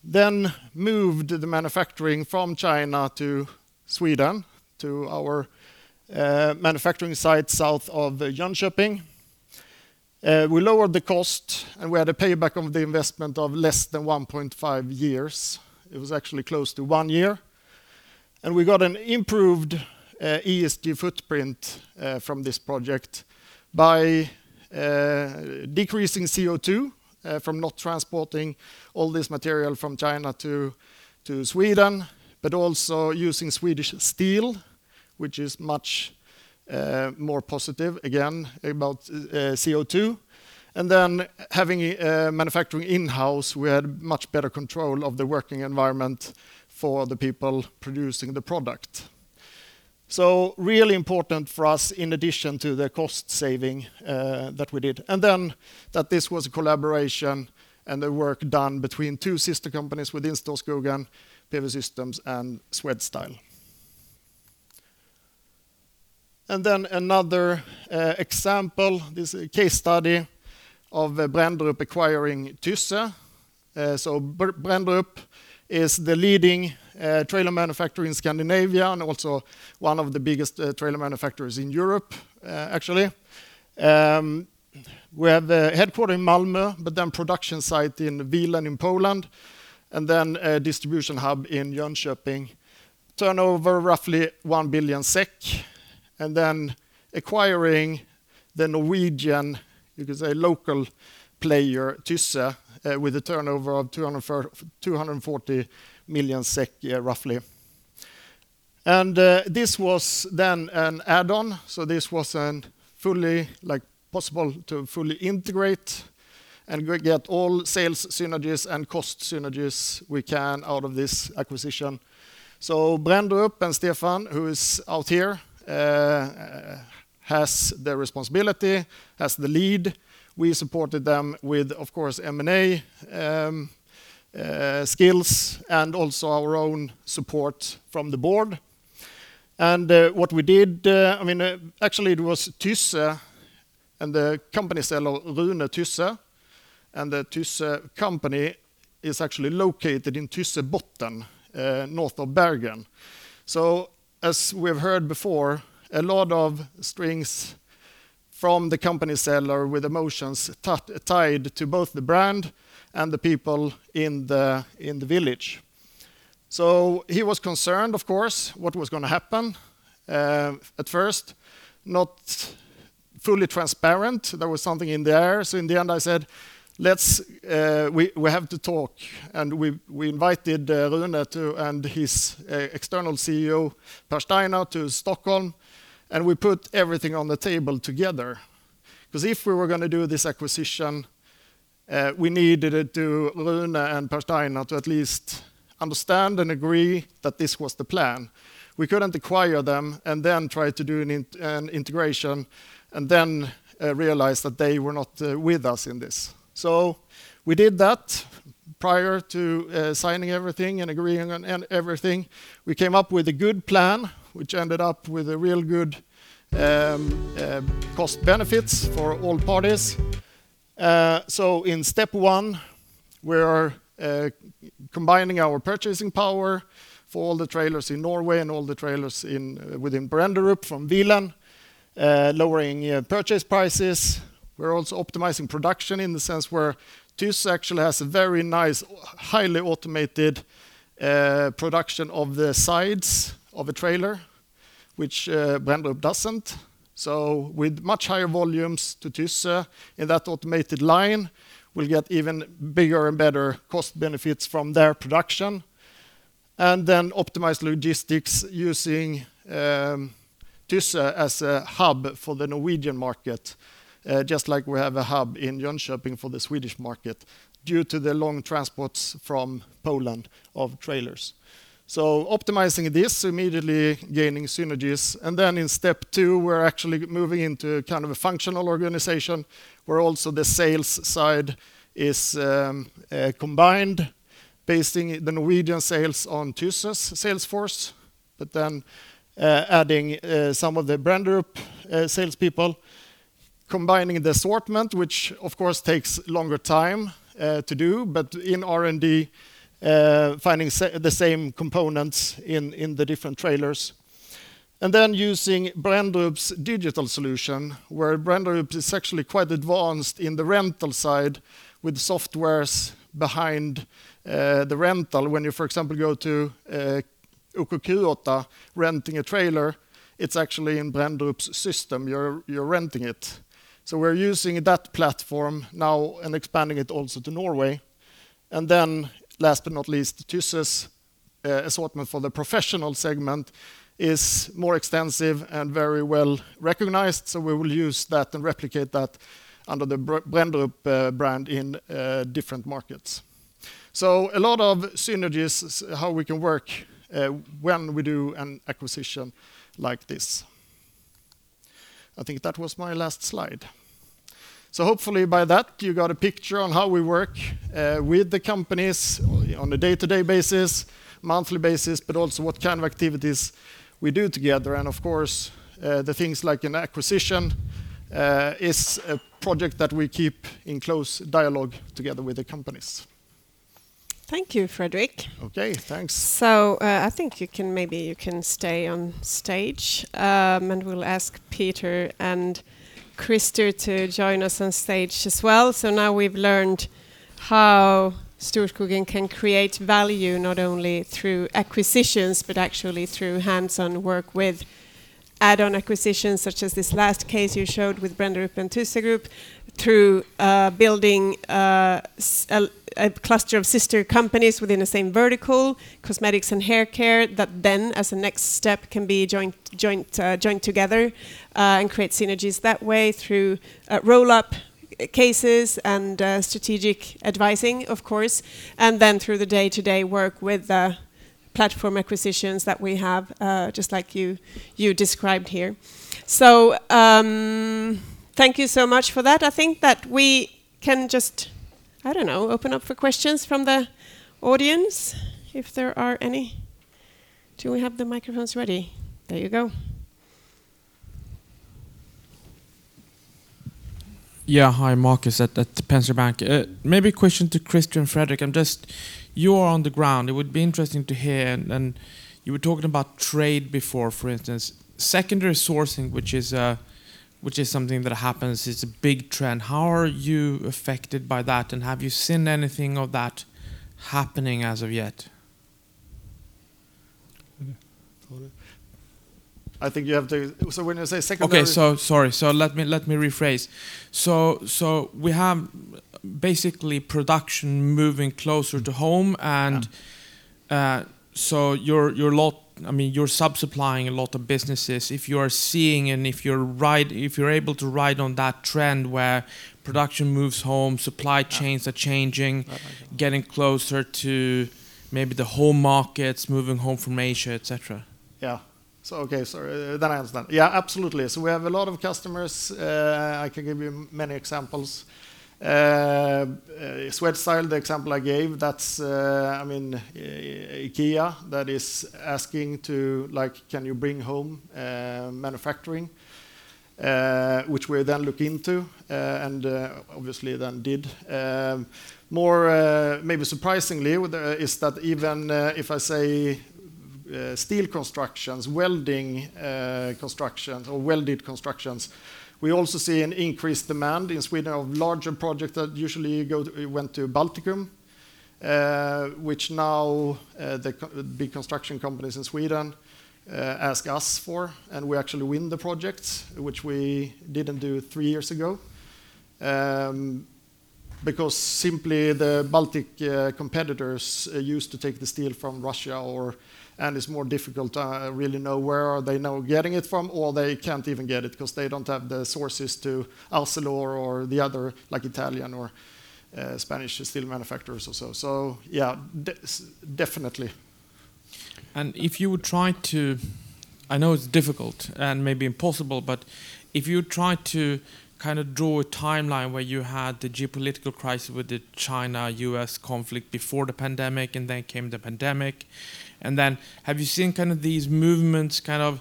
then moved the manufacturing from China to Sweden, to our manufacturing site south of Jönköping. We lowered the cost, and we had a payback of the investment of less than 1.5 years. It was actually close to 1 year. We got an improved ESG footprint from this project by decreasing CO2 from not transporting all this material from China to Sweden, but also using Swedish steel, which is much more positive, again, about CO2. Having manufacturing in-house, we had much better control of the working environment for the people producing the product. Really important for us in addition to the cost saving that we did. This was a collaboration and the work done between two sister companies within Storskogen, PV Systems and Swedstyle. Another example, this case study of Brenderup acquiring Tysse. Brenderup is the leading trailer manufacturer in Scandinavia and also one of the biggest trailer manufacturers in Europe, actually. We have the headquarters in Malmö, but then production site in Wieleń in Poland, and then a distribution hub in Jönköping. Turnover roughly 1 billion SEK, and then acquiring the Norwegian, you could say, local player, Tysse, with a turnover of 240 million SEK, roughly. This was then an add-on, so this was a fully, like, possible to fully integrate and get all sales synergies and cost synergies we can out of this acquisition. Brenderup and Stefan, who is out here, has the responsibility, has the lead. We supported them with, of course, M&A skills and also our own support from the board. What we did, I mean, actually it was Tysse and the company seller, Rune Tysse. The Tysse company is actually located in Tyssebottnn, north of Bergen. As we've heard before, a lot of strings from the company seller with emotions tied to both the brand and the people in the village. He was concerned, of course, what was gonna happen. At first, not fully transparent. There was something in the air. In the end, I said, "Let's, we have to talk." We invited Rune and his external CEO, Per Steinar, to Stockholm, and we put everything on the table together. 'Cause if we were gonna do this acquisition, we needed it to Rune and Per Steinar to at least understand and agree that this was the plan. We couldn't acquire them and then try to do an integration and then realize that they were not with us in this. We did that prior to signing everything and agreeing on everything. We came up with a good plan, which ended up with a real good cost benefits for all parties. In step one, we are combining our purchasing power for all the trailers in Norway and all the trailers in within Brenderup from Wieleń lowering purchase prices. We're also optimizing production in the sense where Tysse actually has a very nice, highly automated production of the sides of a trailer, which Brenderup doesn't. With much higher volumes to Tysse in that automated line, we'll get even bigger and better cost benefits from their production. Optimize logistics using Tysse as a hub for the Norwegian market, just like we have a hub in Jönköping for the Swedish market due to the long transports from Poland of trailers. Optimizing this, immediately gaining synergies. In step two, we're actually moving into kind of a functional organization where also the sales side is combined, basing the Norwegian sales on Tysse's sales force, but then adding some of the Brenderup salespeople. Combining the assortment, which of course takes longer time to do, but in R&D, finding the same components in the different trailers. Using Brenderup's digital solution, where Brenderup is actually quite advanced in the rental side with softwares behind the rental. When you, for example, go to OKQ8 renting a trailer, it's actually in Brenderup's system you're renting it. We're using that platform now and expanding it also to Norway. Then last but not least, Tysse's assortment for the professional segment is more extensive and very well-recognized, so we will use that and replicate that under the Brenderup brand in different markets. A lot of synergies, how we can work when we do an acquisition like this. I think that was my last slide. Hopefully by that, you got a picture on how we work with the companies on a day-to-day basis, monthly basis, but also what kind of activities we do together. Of course, the things like an acquisition is a project that we keep in close dialogue together with the companies. Thank you, Fredrik. Okay, thanks. I think you can, maybe you can stay on stage. We'll ask Peter and Christer to join us on stage as well. Now we've learned how Storskogen can create value not only through acquisitions, but actually through hands-on work with add-on acquisitions, such as this last case you showed with Brenderup and Tysse Group, through building a cluster of sister companies within the same vertical, cosmetics and haircare, that then, as a next step, can be joined together and create synergies that way through roll-up cases and strategic advising, of course. Through the day-to-day work with the platform acquisitions that we have, just like you described here. Thank you so much for that. I think that we can just, I don't know, open up for questions from the audience, if there are any. Do we have the microphones ready? There you go. Yeah. Hi, Markus at the Erik Penser Bank. Maybe a question to Christer and Fredrik. You are on the ground. It would be interesting to hear, and you were talking about trade before, for instance. Secondary sourcing, which is something that happens. It's a big trend. How are you affected by that, and have you seen anything of that happening as of yet? When you say secondary Sorry. Let me rephrase. We have basically production moving closer to home, and- Yeah ... you're sub-supplying a lot of businesses. If you are seeing and if you're able to ride on that trend where production moves home, supply chains are changing- I see. getting closer to maybe the home markets, moving home from Asia, et cetera. Yeah, absolutely. We have a lot of customers. I can give you many examples. Swedstyle, the example I gave, that's, I mean, IKEA that is asking to, like, can you bring home manufacturing? Which we then look into, and obviously then did. More, maybe surprisingly, is that even if I say steel constructions, welding, constructions or welded constructions. We also see an increased demand in Sweden of larger project that usually went to the Baltics, which now the big construction companies in Sweden ask us for, and we actually win the projects, which we didn't do three years ago. Because simply the Baltic competitors used to take the steel from Russia and it's more difficult to really know where are they now getting it from, or they can't even get it because they don't have the sources to ArcelorMittal or the other, like Italian or Spanish steel manufacturers or so. Yeah, definitely. I know it's difficult and maybe impossible, but if you try to kinda draw a timeline where you had the geopolitical crisis with the China-US conflict before the pandemic, and then came the pandemic, and then have you seen kind of these movements kind of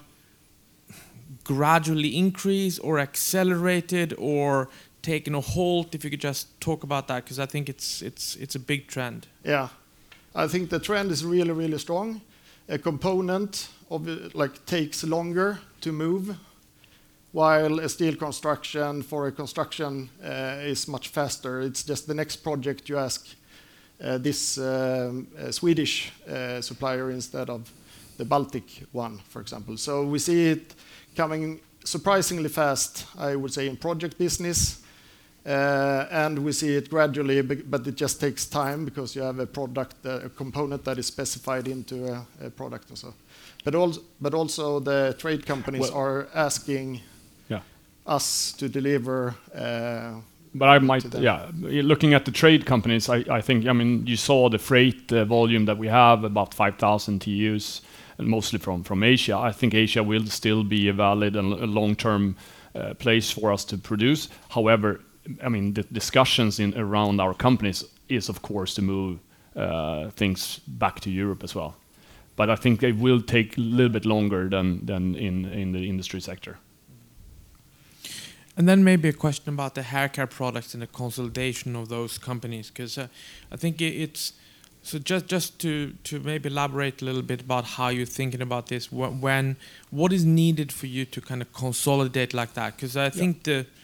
gradually increase or accelerated or taken a halt? If you could just talk about that, 'cause I think it's a big trend. Yeah. I think the trend is really, really strong. A component of, like, takes longer to move, while a steel construction for a construction, is much faster. It's just the next project you ask, this, Swedish, supplier instead of the Baltic one, for example. We see it coming surprisingly fast, I would say, in project business. We see it gradually but it just takes time because you have a product, component that is specified into a product or so. Also the trade companies are asking- Well- us to deliver I might. To them. Looking at the trade companies, I think, I mean, you saw the freight volume that we have about 5,000 TEUs, and mostly from Asia. I think Asia will still be a valid and long-term place for us to produce. However, I mean, the discussions in and around our companies is, of course, to move things back to Europe as well. I think it will take a little bit longer than in the industry sector. Maybe a question about the haircare products and the consolidation of those companies, 'cause I think it is. Just to maybe elaborate a little bit about how you're thinking about this. What is needed for you to kind of consolidate like that? 'Cause I think the Yeah.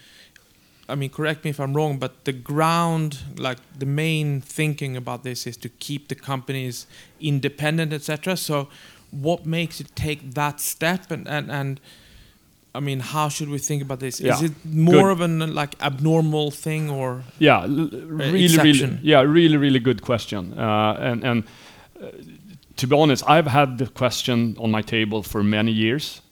I mean, correct me if I'm wrong, but the ground, like the main thinking about this is to keep the companies independent, et cetera. What makes you take that step? I mean, how should we think about this? Yeah. Good. Is it more of an like abnormal thing or? Yeah. -exception? Yeah, really, really good question. To be honest, I've had the question on my table for many years,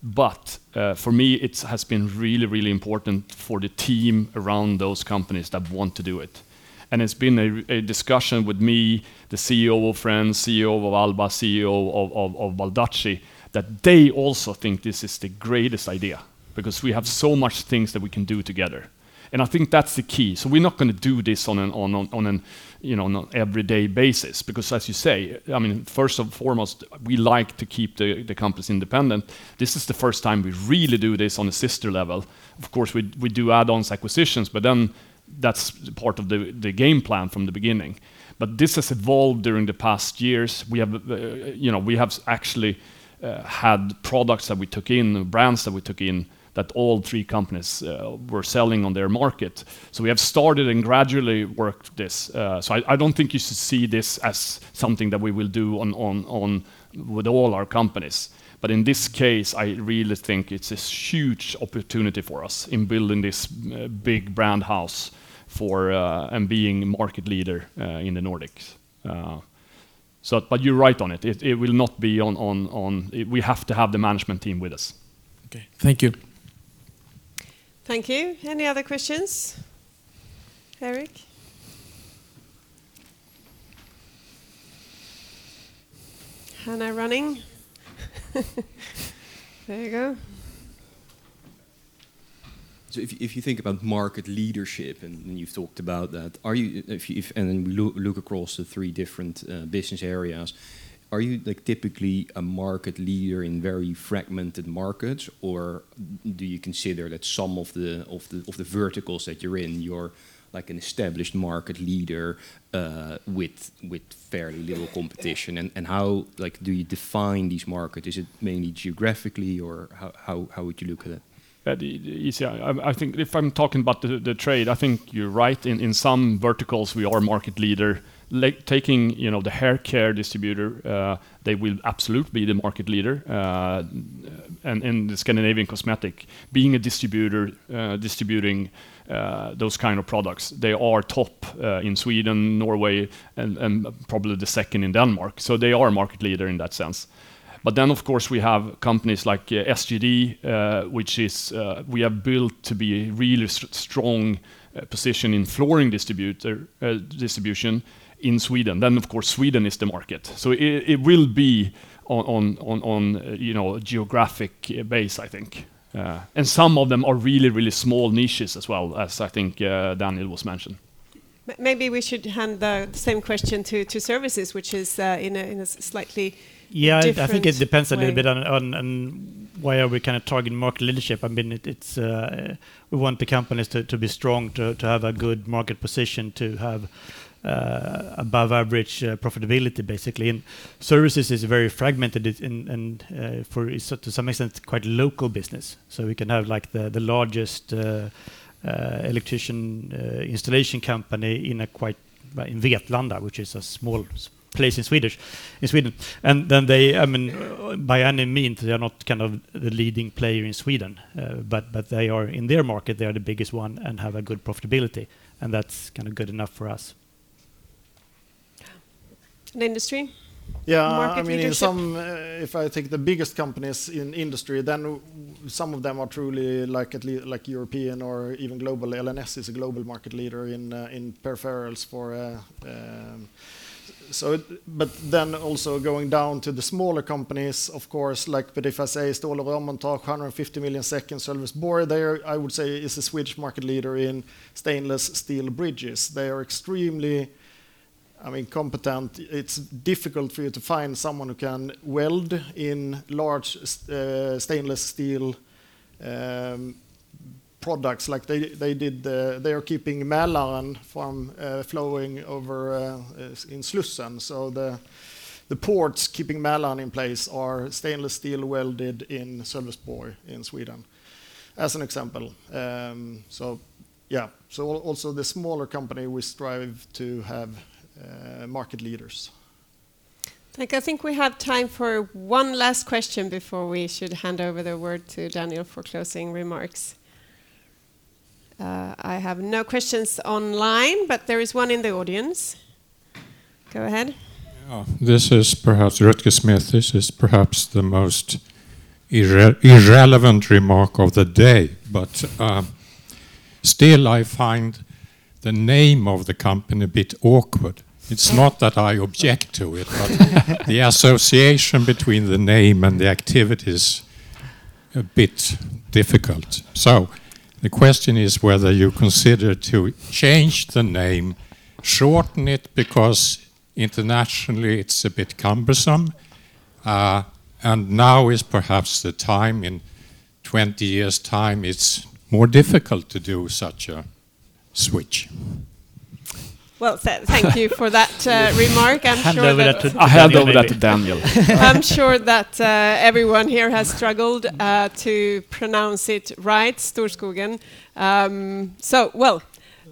but, for me, it has been really, really important for the team around those companies that want to do it. It's been a discussion with me, the CEO of Frends, CEO of Alba, CEO of Baldacci, that they also think this is the greatest idea because we have so much things that we can do together. I think that's the key. We're not gonna do this on an, you know, on an everyday basis because, as you say, I mean, first and foremost, we like to keep the companies independent. This is the first time we really do this on a sister level. Of course, we do add-ons acquisitions, but then that's part of the game plan from the beginning. This has evolved during the past years. We have, you know, we have actually had products that we took in, brands that we took in, that all three companies were selling on their market. We have started and gradually worked this. I don't think you should see this as something that we will do on with all our companies. In this case, I really think it's this huge opportunity for us in building this big brand house for and being a market leader in the Nordics. You're right on it. It will not be on. We have to have the management team with us. Okay. Thank you. Thank you. Any other questions? Eric? Hannah running. There you go. If you think about market leadership, and you've talked about that, look across the three different business areas, are you like typically a market leader in very fragmented markets, or do you consider that some of the verticals that you're in, you're like an established market leader with fairly little competition? And how, like, do you define these markets? Is it mainly geographically, or how would you look at it? I think if I'm talking about the trade, I think you're right. In some verticals, we are a market leader. Like taking, you know, the haircare distributor, they will absolutely be the market leader in Scandinavian Cosmetics. Being a distributor, distributing those kind of products, they are top in Sweden, Norway, and probably the second in Denmark. They are a market leader in that sense. Of course, we have companies like SGD, which is, we have built to be a really strong position in flooring distribution in Sweden. Of course, Sweden is the market. It will be on, you know, a geographic base, I think. Some of them are really, really small niches as well, as I think Daniel was mentioning. Maybe we should hand the same question to services, which is in a slightly different- Yeah, I think it depends a little bit on. Why are we kind of targeting market leadership? I mean, we want the companies to be strong, to have a good market position, to have above average profitability basically. Services is very fragmented, so to some extent it's quite local business. We can have like the largest electrician installation company in Vetlanda, which is a small place in Sweden. Then they, I mean, by any means, they are not kind of the leading player in Sweden, but they are in their market, they are the biggest one and have a good profitability, and that's kinda good enough for us. Industry? Yeah. Market leadership. I mean, if I take the biggest companies in industry, then some of them are truly like European or even global. LNS is a global market leader in peripherals for. Then also going down to the smaller companies, of course, like but if I say Stål & Rörmontage, 150 million turnover there, I would say is a Swedish market leader in stainless steel bridges. They are extremely, I mean, competent. It's difficult for you to find someone who can weld in large stainless steel products like they are keeping Mälaren from flowing over in Slussen. The parts keeping Mälaren in place are stainless steel welded in Sweden, as an example. Yeah. also the smaller company we strive to have, market leaders. Like, I think we have time for one last question before we should hand over the word to Daniel for closing remarks. I have no questions online, but there is one in the audience. Go ahead. Yeah. This is perhaps Rutger Smith. This is perhaps the most irrelevant remark of the day, but still I find the name of the company a bit awkward. It's not that I object to it, but the association between the name and the activity is a bit difficult. The question is whether you consider to change the name, shorten it, because internationally it's a bit cumbersome, and now is perhaps the time. In 20 years' time, it's more difficult to do such a switch. Well, thank you for that remark. I'm sure that. Hand over that to Daniel maybe. I hand over that to Daniel. I'm sure that everyone here has struggled to pronounce it right, Storskogen. Well,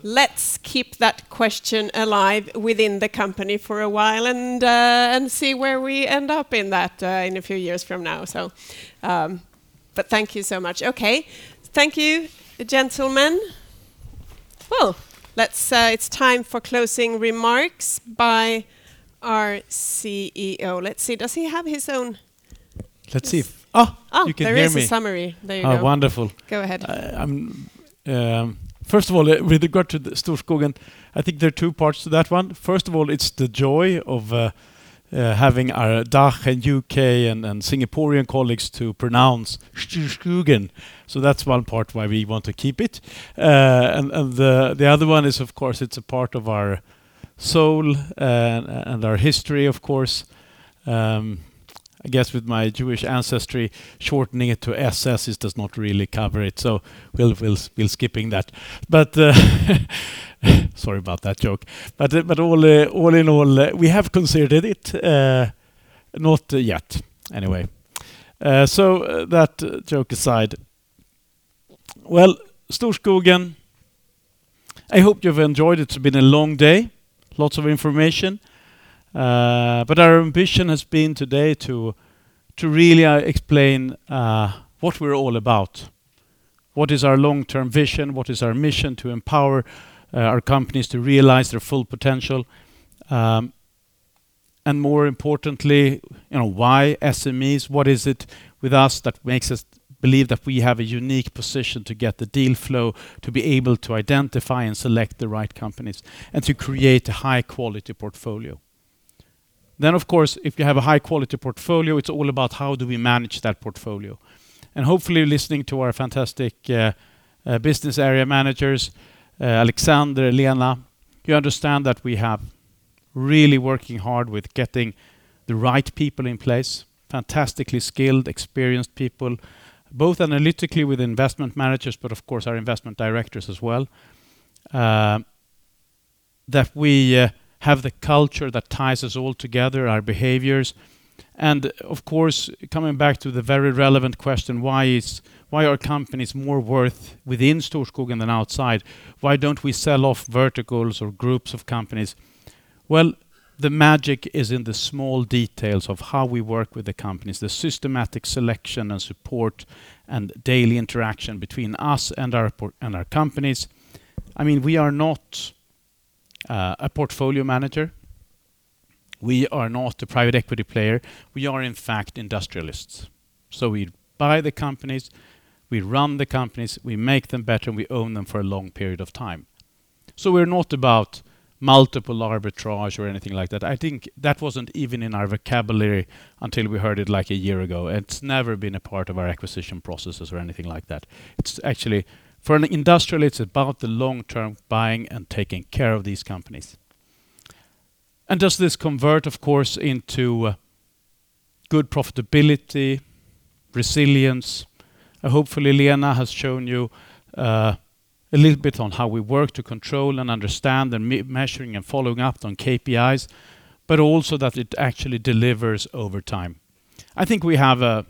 let's keep that question alive within the company for a while and see where we end up in that in a few years from now, but thank you so much. Okay. Thank you, gentlemen. Well, it's time for closing remarks by our CEO. Let's see. Does he have his own- Let's see. Oh. Oh. You can hear me. There is a summary. There you go. Oh, wonderful. Go ahead. I'm First of all, with regard to the Storskogen, I think there are two parts to that one. First of all, it's the joy of having our DACH, and UK, and Singaporean colleagues to pronounce Storskogen. That's one part why we want to keep it. The other one is, of course, it's a part of our soul and our history, of course. I guess with my Jewish ancestry, shortening it to SS, it does not really cover it, so we'll skip that. Sorry about that joke. All in all, we have considered it, not yet, anyway. That joke aside, Storskogen, I hope you've enjoyed. It's been a long day, lots of information, but our ambition has been today to really explain what we're all about. What is our long-term vision? What is our mission to empower our companies to realize their full potential? More importantly, you know, why SMEs? What is it with us that makes us believe that we have a unique position to get the deal flow, to be able to identify and select the right companies, and to create a high-quality portfolio? Of course, if you have a high-quality portfolio, it's all about how do we manage that portfolio. Hopefully, listening to our fantastic business area managers, Alexander, Lena, you understand that we have really working hard with getting the right people in place, fantastically skilled, experienced people, both analytically with investment managers, but of course our investment directors as well. That we have the culture that ties us all together, our behaviors. Of course, coming back to the very relevant question, why are companies more worth within Storskogen than outside? Why don't we sell off verticals or groups of companies? Well, the magic is in the small details of how we work with the companies, the systematic selection and support and daily interaction between us and our companies. I mean, we are not a portfolio manager. We are not a private equity player. We are, in fact, industrialists. We buy the companies, we run the companies, we make them better, and we own them for a long period of time. We're not about multiple arbitrage or anything like that. I think that wasn't even in our vocabulary until we heard it like a year ago. It's never been a part of our acquisition processes or anything like that. It's actually, for an industrial, it's about the long-term buying and taking care of these companies. Does this convert, of course, into good profitability, resilience? Hopefully, Lena has shown you a little bit on how we work to control and understand and measuring and following up on KPIs, but also that it actually delivers over time. I think we have a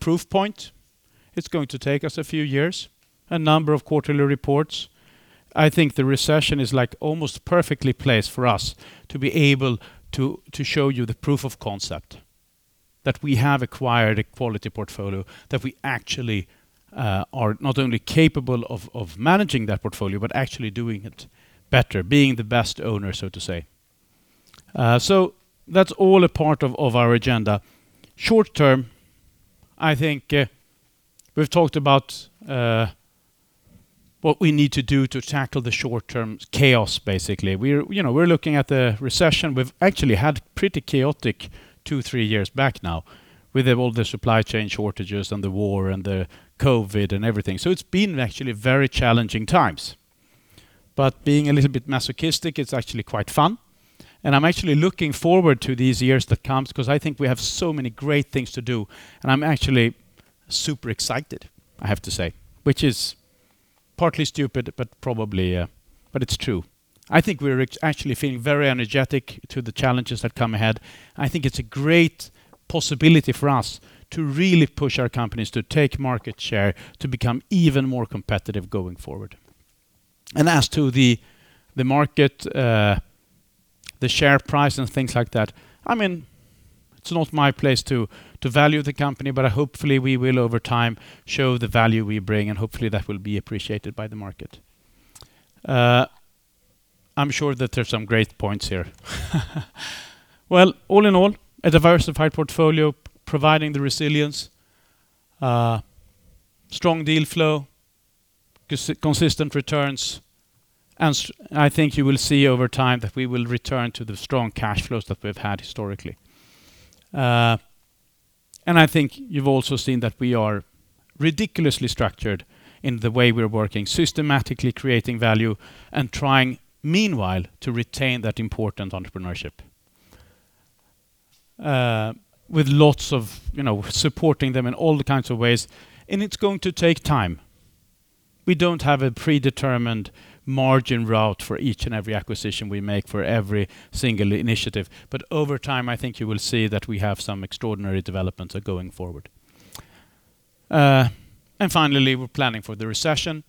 proof point. It's going to take us a few years, a number of quarterly reports. I think the recession is like almost perfectly placed for us to be able to show you the proof of concept that we have acquired a quality portfolio that we actually are not only capable of managing that portfolio, but actually doing it better, being the best owner, so to say. That's all a part of our agenda. Short-term, I think, we've talked about what we need to do to tackle the short-term chaos, basically. We're, you know, we're looking at the recession. We've actually had pretty chaotic 2-3 years back now with all the supply chain shortages and the war and the COVID and everything. It's been actually very challenging times. Being a little bit masochistic, it's actually quite fun, and I'm actually looking forward to these years that comes 'cause I think we have so many great things to do, and I'm actually super excited, I have to say, which is partly stupid, but probably, but it's true. I think we're actually feeling very energetic to the challenges that come ahead, and I think it's a great possibility for us to really push our companies to take market share to become even more competitive going forward. As to the market, the share price, and things like that, I mean, it's not my place to value the company, but hopefully we will over time show the value we bring, and hopefully that will be appreciated by the market. I'm sure that there's some great points here. Well, all in all, a diversified portfolio providing the resilience, strong deal flow, consistent returns, and I think you will see over time that we will return to the strong cash flows that we've had historically. I think you've also seen that we are ridiculously structured in the way we're working, systematically creating value and trying meanwhile to retain that important entrepreneurship, with lots of, you know, supporting them in all the kinds of ways, and it's going to take time. We don't have a predetermined margin route for each and every acquisition we make for every single initiative. Over time, I think you will see that we have some extraordinary developments are going forward. Finally, we're planning for the recession.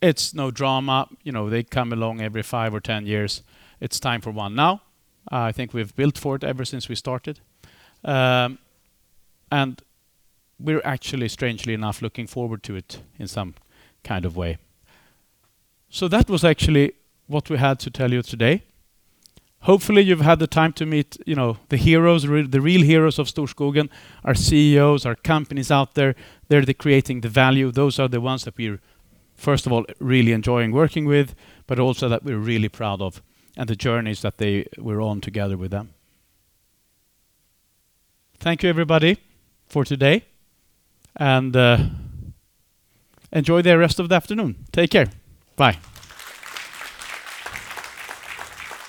It's no drama. You know, they come along every five or ten years. It's time for one now. I think we've built for it ever since we started. We're actually, strangely enough, looking forward to it in some kind of way. That was actually what we had to tell you today. Hopefully, you've had the time to meet, you know, the heroes, the real heroes of Storskogen, our CEOs, our companies out there. They're the creating the value. Those are the ones that we're, first of all, really enjoying working with, but also that we're really proud of and the journeys that we're on together with them. Thank you, everybody, for today, and, enjoy the rest of the afternoon. Take care. Bye.